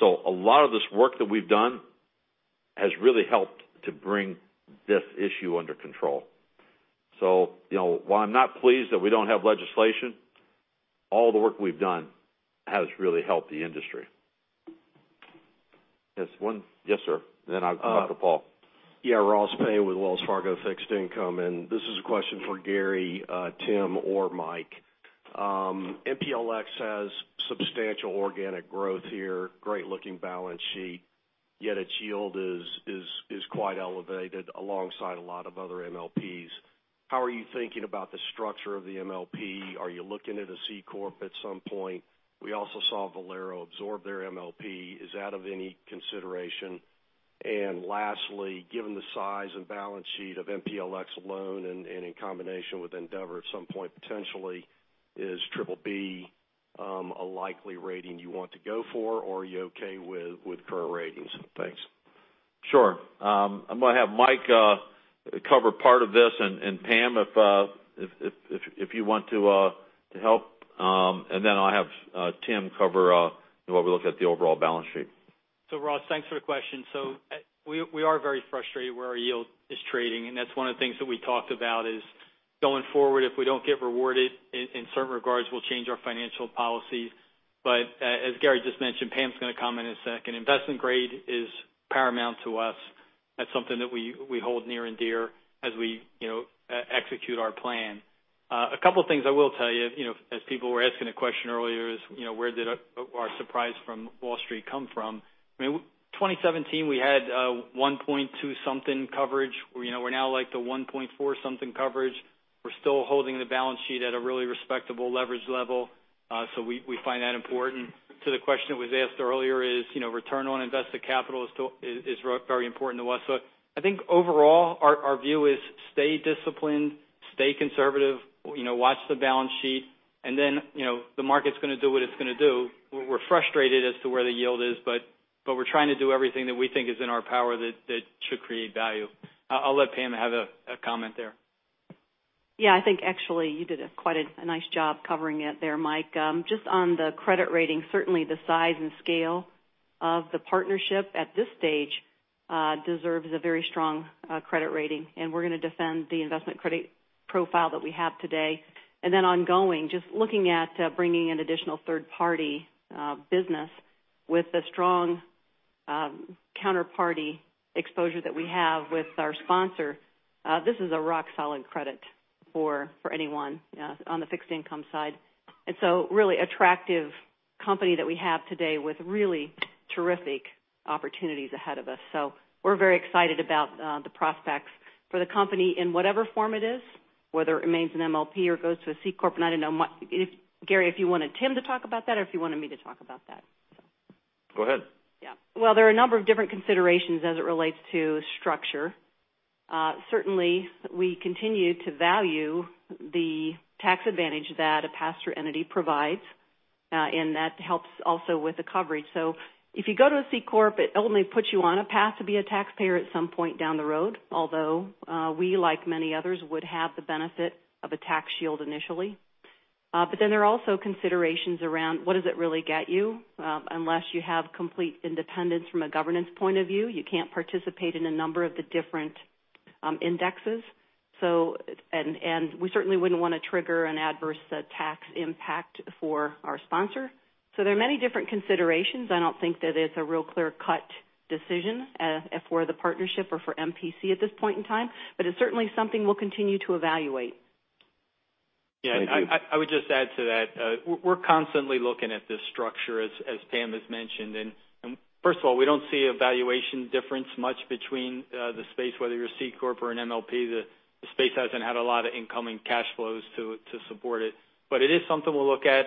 A lot of this work that we've done has really helped to bring this issue under control. While I'm not pleased that we don't have legislation, all the work we've done has really helped the industry. Yes, sir, and then back to Paul. Yeah, Ross Pay with Wells Fargo Fixed Income, this is a question for Gary, Tim, or Mike. MPLX has substantial organic growth here, great looking balance sheet. Its yield is quite elevated alongside a lot of other MLPs. How are you thinking about the structure of the MLP? Are you looking at a C corp at some point? We also saw Valero absorb their MLP. Is that of any consideration? Lastly, given the size and balance sheet of MPLX alone and in combination with Andeavor at some point potentially, is BBB a likely rating you want to go for, or are you okay with current ratings? Thanks. Sure. I'm going to have Mike cover part of this, and Pam, if you want to help, and then I'll have Tim cover when we look at the overall balance sheet. Ross, thanks for the question. We are very frustrated where our yield is trading, and that's one of the things that we talked about is, going forward, if we don't get rewarded in certain regards, we'll change our financial policies. As Gary just mentioned, Pam's going to comment in a second. Investment grade is paramount to us. That's something that we hold near and dear as we execute our plan. A couple of things I will tell you, as people were asking a question earlier is, where did our surprise from Wall Street come from? 2017, we had a 1.2 something coverage. We're now like the 1.4 something coverage. We're still holding the balance sheet at a really respectable leverage level. We find that important. To the question that was asked earlier is, return on invested capital is very important to us. I think overall, our view is stay disciplined, stay conservative, watch the balance sheet, the market's going to do what it's going to do. We're frustrated as to where the yield is, we're trying to do everything that we think is in our power that should create value. I'll let Pam have a comment there. I think actually you did quite a nice job covering it there, Mike. Just on the credit rating, certainly the size and scale of the partnership at this stage deserves a very strong credit rating, we're going to defend the investment credit profile that we have today. Ongoing, just looking at bringing in additional third-party business with the strong counterparty exposure that we have with our sponsor. This is a rock-solid credit for anyone on the fixed income side. Really attractive company that we have today with really terrific opportunities ahead of us. We're very excited about the prospects for the company in whatever form it is, whether it remains an MLP or goes to a C corp. I don't know, Gary, if you wanted Tim to talk about that or if you wanted me to talk about that. Go ahead. Well, there are a number of different considerations as it relates to structure. Certainly, we continue to value the tax advantage that a pass-through entity provides, that helps also with the coverage. If you go to a C corp, it only puts you on a path to be a taxpayer at some point down the road, although we, like many others, would have the benefit of a tax shield initially. There are also considerations around what does it really get you? Unless you have complete independence from a governance point of view, you can't participate in a number of the different indexes. We certainly wouldn't want to trigger an adverse tax impact for our sponsor. There are many different considerations. I don't think that it's a real clear-cut decision for the partnership or for MPC at this point in time, but it's certainly something we'll continue to evaluate. Thank you. Yeah, I would just add to that. We're constantly looking at this structure, as Pam has mentioned. First of all, we don't see a valuation difference much between the space, whether you're a C corp or an MLP. The space hasn't had a lot of incoming cash flows to support it. It is something we'll look at.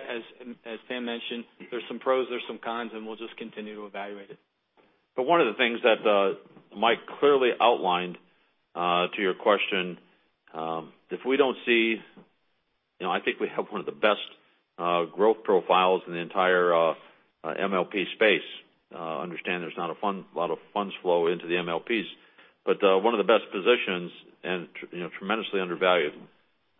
As Pam mentioned, there's some pros, there's some cons, we'll just continue to evaluate it. One of the things that Mike clearly outlined to your question, I think we have one of the best growth profiles in the entire MLP space. Understand there's not a lot of funds flow into the MLPs. One of the best positions and tremendously undervalued.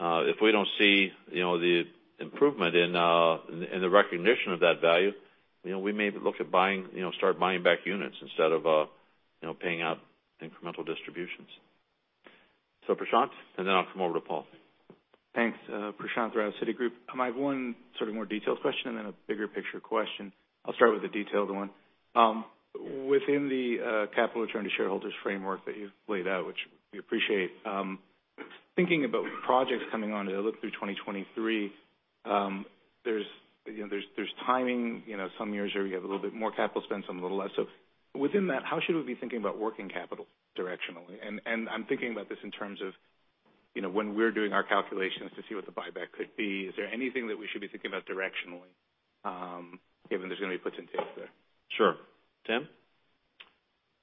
If we don't see the improvement in the recognition of that value, we may look at start buying back units instead of paying out incremental distributions. Prashant, and then I'll come over to Paul. Thanks. Prashant Rao, Citigroup. I have one sort of more detailed question and then a bigger picture question. I'll start with the detailed one. Within the capital return to shareholders framework that you've laid out, which we appreciate, thinking about projects coming on to look through 2023, there's timing. Some years you have a little bit more capital spend, some a little less. Within that, how should we be thinking about working capital directionally? I'm thinking about this in terms of when we're doing our calculations to see what the buyback could be. Is there anything that we should be thinking about directionally, given there's going to be puts and takes there? Sure. Tim?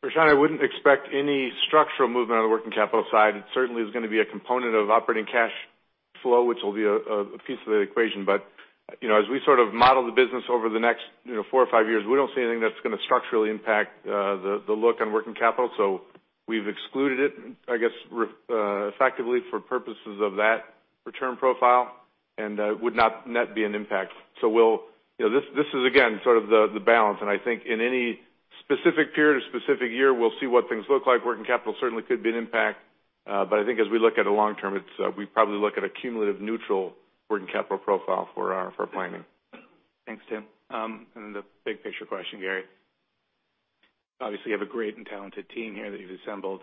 Prashant, I wouldn't expect any structural movement on the working capital side. It certainly is going to be a component of operating cash flow, which will be a piece of the equation. As we sort of model the business over the next four or five years, we don't see anything that's going to structurally impact the look on working capital. We've excluded it, I guess, effectively for purposes of that return profile, and would not net be an impact. This is, again, sort of the balance. I think in any specific period or specific year, we'll see what things look like. Working capital certainly could be an impact. But I think as we look at the long term, we probably look at a cumulative neutral working capital profile for our planning. Thanks, Tim. Then the big picture question, Gary. Obviously, you have a great and talented team here that you've assembled.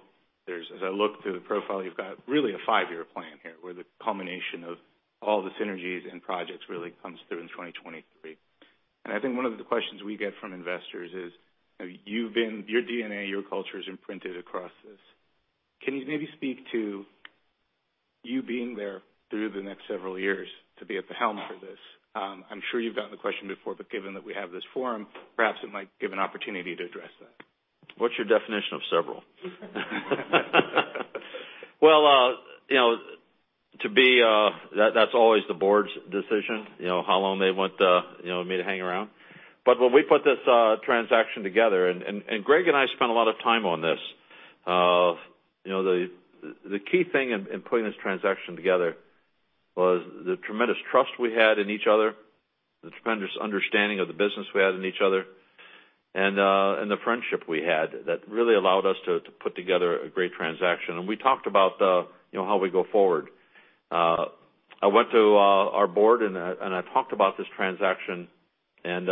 As I look through the profile, you've got really a five-year plan here where the culmination of all the synergies and projects really comes through in 2023. I think one of the questions we get from investors is, your DNA, your culture is imprinted across this. Can you maybe speak to you being there through the next several years to be at the helm for this? I'm sure you've gotten the question before, but given that we have this forum, perhaps it might give an opportunity to address that. What's your definition of several? That's always the board's decision, how long they want me to hang around. When we put this transaction together, Greg and I spent a lot of time on this. The key thing in putting this transaction together was the tremendous trust we had in each other, the tremendous understanding of the business we had in each other, and the friendship we had that really allowed us to put together a great transaction. We talked about how we go forward. I went to our board, and I talked about this transaction, and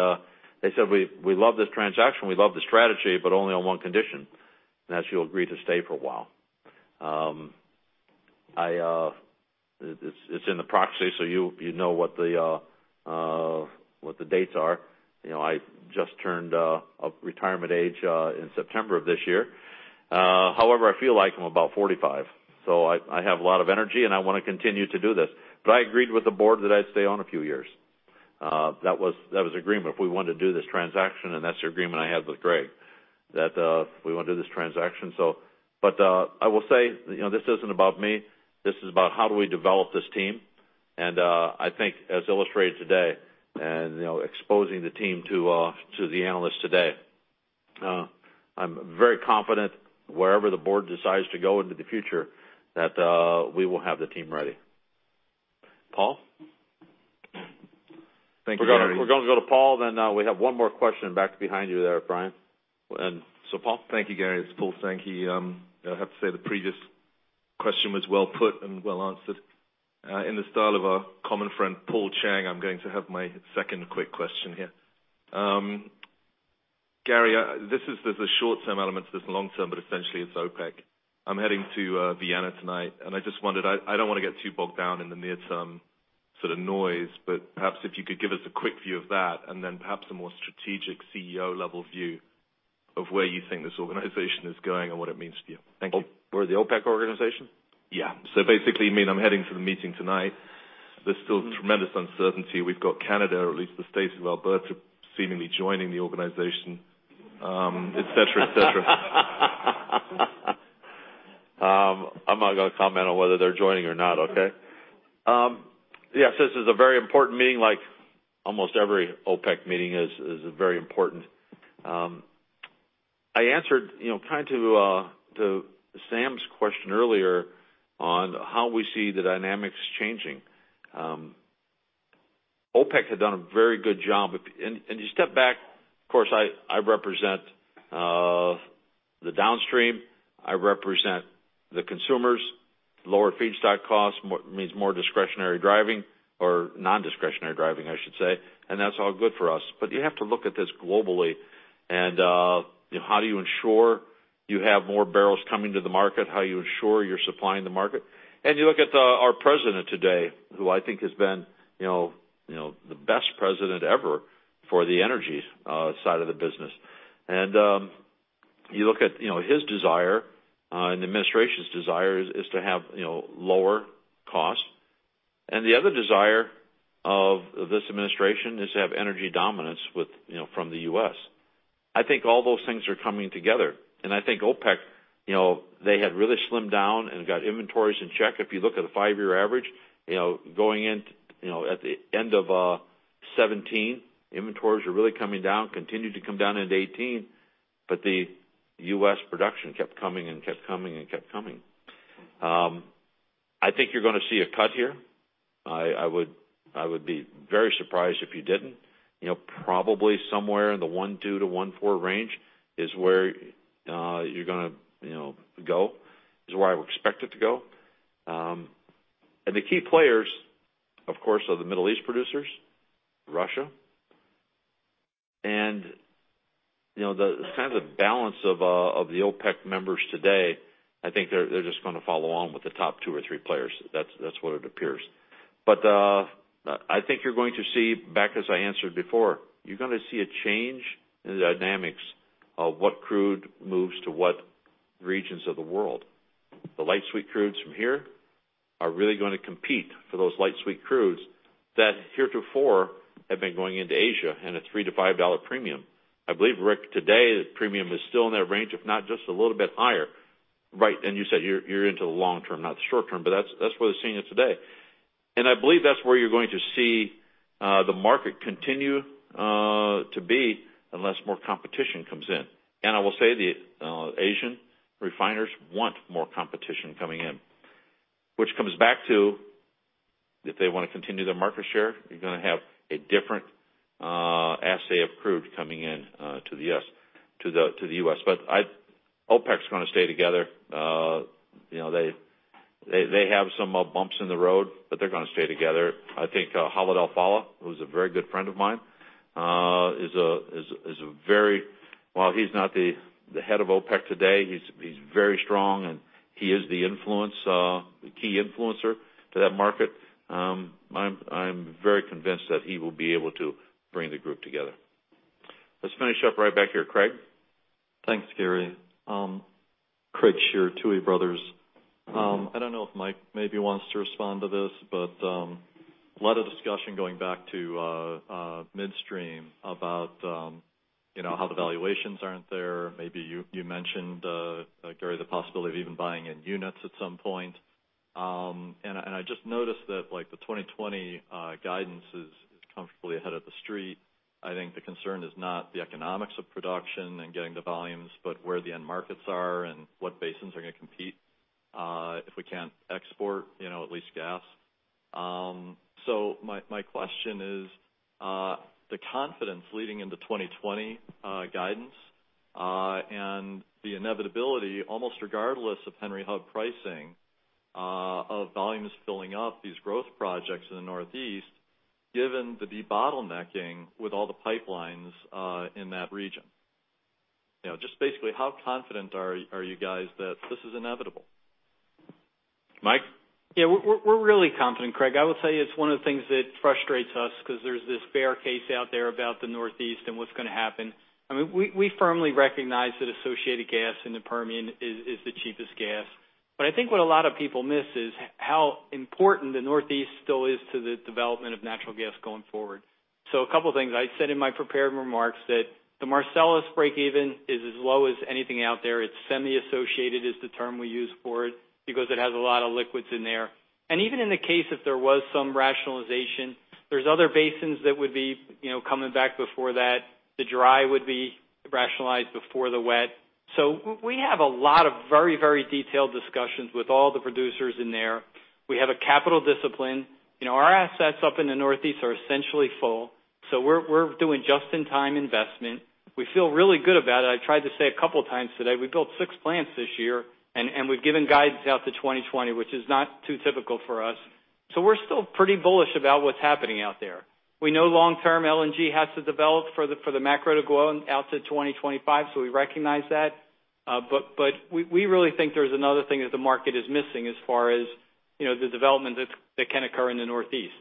they said, "We love this transaction, we love the strategy, but only on one condition, and that's you'll agree to stay for a while." It's in the proxy, so you know what the dates are. I just turned retirement age in September of this year. However, I feel like I'm about 45, so I have a lot of energy, and I want to continue to do this. I agreed with the board that I'd stay on a few years. That was the agreement if we wanted to do this transaction, and that's the agreement I had with Greg, that if we want to do this transaction. I will say, this isn't about me. This is about how do we develop this team, and I think as illustrated today and exposing the team to the analysts today, I'm very confident wherever the board decides to go into the future, that we will have the team ready. Paul? Thank you, Gary. We're going to go to Paul, then we have one more question back behind you there, Brian. Paul. Thank you, Gary. It's Paul Sankey. I have to say the previous question was well put and well answered. In the style of our common friend, Paul Cheng, I'm going to have my second quick question here. Gary, this is the short-term element to this long-term, essentially it's OPEC. I'm heading to Vienna tonight, I just wondered, I don't want to get too bogged down in the near-term sort of noise, perhaps if you could give us a quick view of that and then perhaps a more strategic CEO level view of where you think this organization is going and what it means to you. Thank you. For the OPEC organization? Yeah. Basically, I mean, I'm heading for the meeting tonight. There's still tremendous uncertainty. We've got Canada, or at least the states of Alberta seemingly joining the organization, et cetera, et cetera. I'm not going to comment on whether they're joining or not, okay? Yes, this is a very important meeting, like almost every OPEC meeting is very important. I answered to Sam's question earlier on how we see the dynamics changing. OPEC had done a very good job. You step back, of course, I represent the downstream. I represent the consumers. Lower feedstock costs means more discretionary driving or non-discretionary driving, I should say. That's all good for us. You have to look at this globally and how do you ensure you have more barrels coming to the market, how you ensure you're supplying the market. You look at our president today, who I think has been the best president ever for the energy side of the business. You look at his desire and the administration's desire is to have lower costs. The other desire of this administration is to have energy dominance from the U.S. I think all those things are coming together. I think OPEC, they had really slimmed down and got inventories in check. If you look at the five-year average, going in at the end of 2017, inventories are really coming down, continued to come down into 2018, but the U.S. production kept coming and kept coming and kept coming. I think you're going to see a cut here. I would be very surprised if you didn't. Probably somewhere in the 1.2-1.4 range is where you're going to go, is where I would expect it to go. The key players, of course, are the Middle East producers, Russia. The balance of the OPEC members today, I think they're just going to follow along with the top two or three players. That's what it appears. I think you're going to see back as I answered before, you're going to see a change in the dynamics of what crude moves to what regions of the world. The light sweet crudes from here are really going to compete for those light sweet crudes that heretofore have been going into Asia and a $3-$5 premium. I believe, Rick, today the premium is still in that range, if not just a little bit higher. Right. You said you're into the long term, not the short term, but that's where they're seeing it today. I believe that's where you're going to see the market continue to be unless more competition comes in. I will say the Asian refiners want more competition coming in, which comes back to if they want to continue their market share, you're going to have a different assay of crude coming in to the U.S. But OPEC's going to stay together. They have some bumps in the road, but they're going to stay together. I think Khalid Al-Falih, who's a very good friend of mine. While he's not the head of OPEC today, he's very strong, and he is the key influencer to that market. I'm very convinced that he will be able to bring the group together. Let's finish up right back here. Craig? Thanks, Gary. Craig Shere, Tuohy Brothers. I don't know if Mike maybe wants to respond to this, but a lot of discussion going back to midstream about how the valuations aren't there. Maybe you mentioned, Gary, the possibility of even buying in units at some point. I just noticed that the 2020 guidance is comfortably ahead of the street. I think the concern is not the economics of production and getting the volumes, but where the end markets are and what basins are going to compete, if we can't export at least gas. My question is the confidence leading into 2020 guidance and the inevitability, almost regardless of Henry Hub pricing, of volumes filling up these growth projects in the Northeast, given the de-bottlenecking with all the pipelines in that region. Just basically, how confident are you guys that this is inevitable? Mike? Yeah. We're really confident, Craig. I will tell you it's one of the things that frustrates us because there's this bear case out there about the Northeast and what's going to happen. We firmly recognize that associated gas in the Permian is the cheapest gas. I think what a lot of people miss is how important the Northeast still is to the development of natural gas going forward. A couple of things. I said in my prepared remarks that the Marcellus breakeven is as low as anything out there. It's semi-associated, is the term we use for it, because it has a lot of liquids in there. Even in the case if there was some rationalization, there's other basins that would be coming back before that. The dry would be rationalized before the wet. We have a lot of very detailed discussions with all the producers in there. We have a capital discipline. Our assets up in the Northeast are essentially full, so we're doing just-in-time investment. We feel really good about it. I tried to say a couple of times today, we built six plants this year, and we've given guidance out to 2020, which is not too typical for us. We're still pretty bullish about what's happening out there. We know long-term LNG has to develop for the macro to go out to 2025. We recognize that. We really think there's another thing that the market is missing as far as the development that can occur in the Northeast.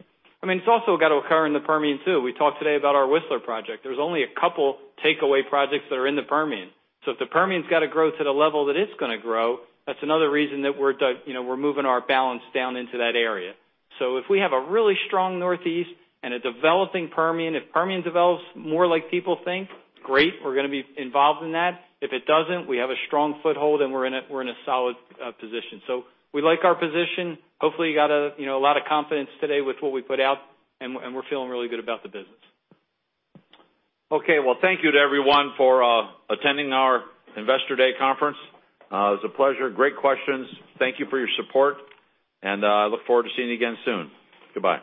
It's also got to occur in the Permian, too. We talked today about our Whistler project. There's only a couple takeaway projects that are in the Permian. If the Permian's got to grow to the level that it's going to grow, that's another reason that we're moving our balance down into that area. If we have a really strong Northeast and a developing Permian. If Permian develops more like people think, great, we're going to be involved in that. If it doesn't, we have a strong foothold, and we're in a solid position. We like our position. Hopefully, you got a lot of confidence today with what we put out, and we're feeling really good about the business. Okay. Thank you to everyone for attending our Investor Day conference. It was a pleasure. Great questions. Thank you for your support, I look forward to seeing you again soon. Goodbye.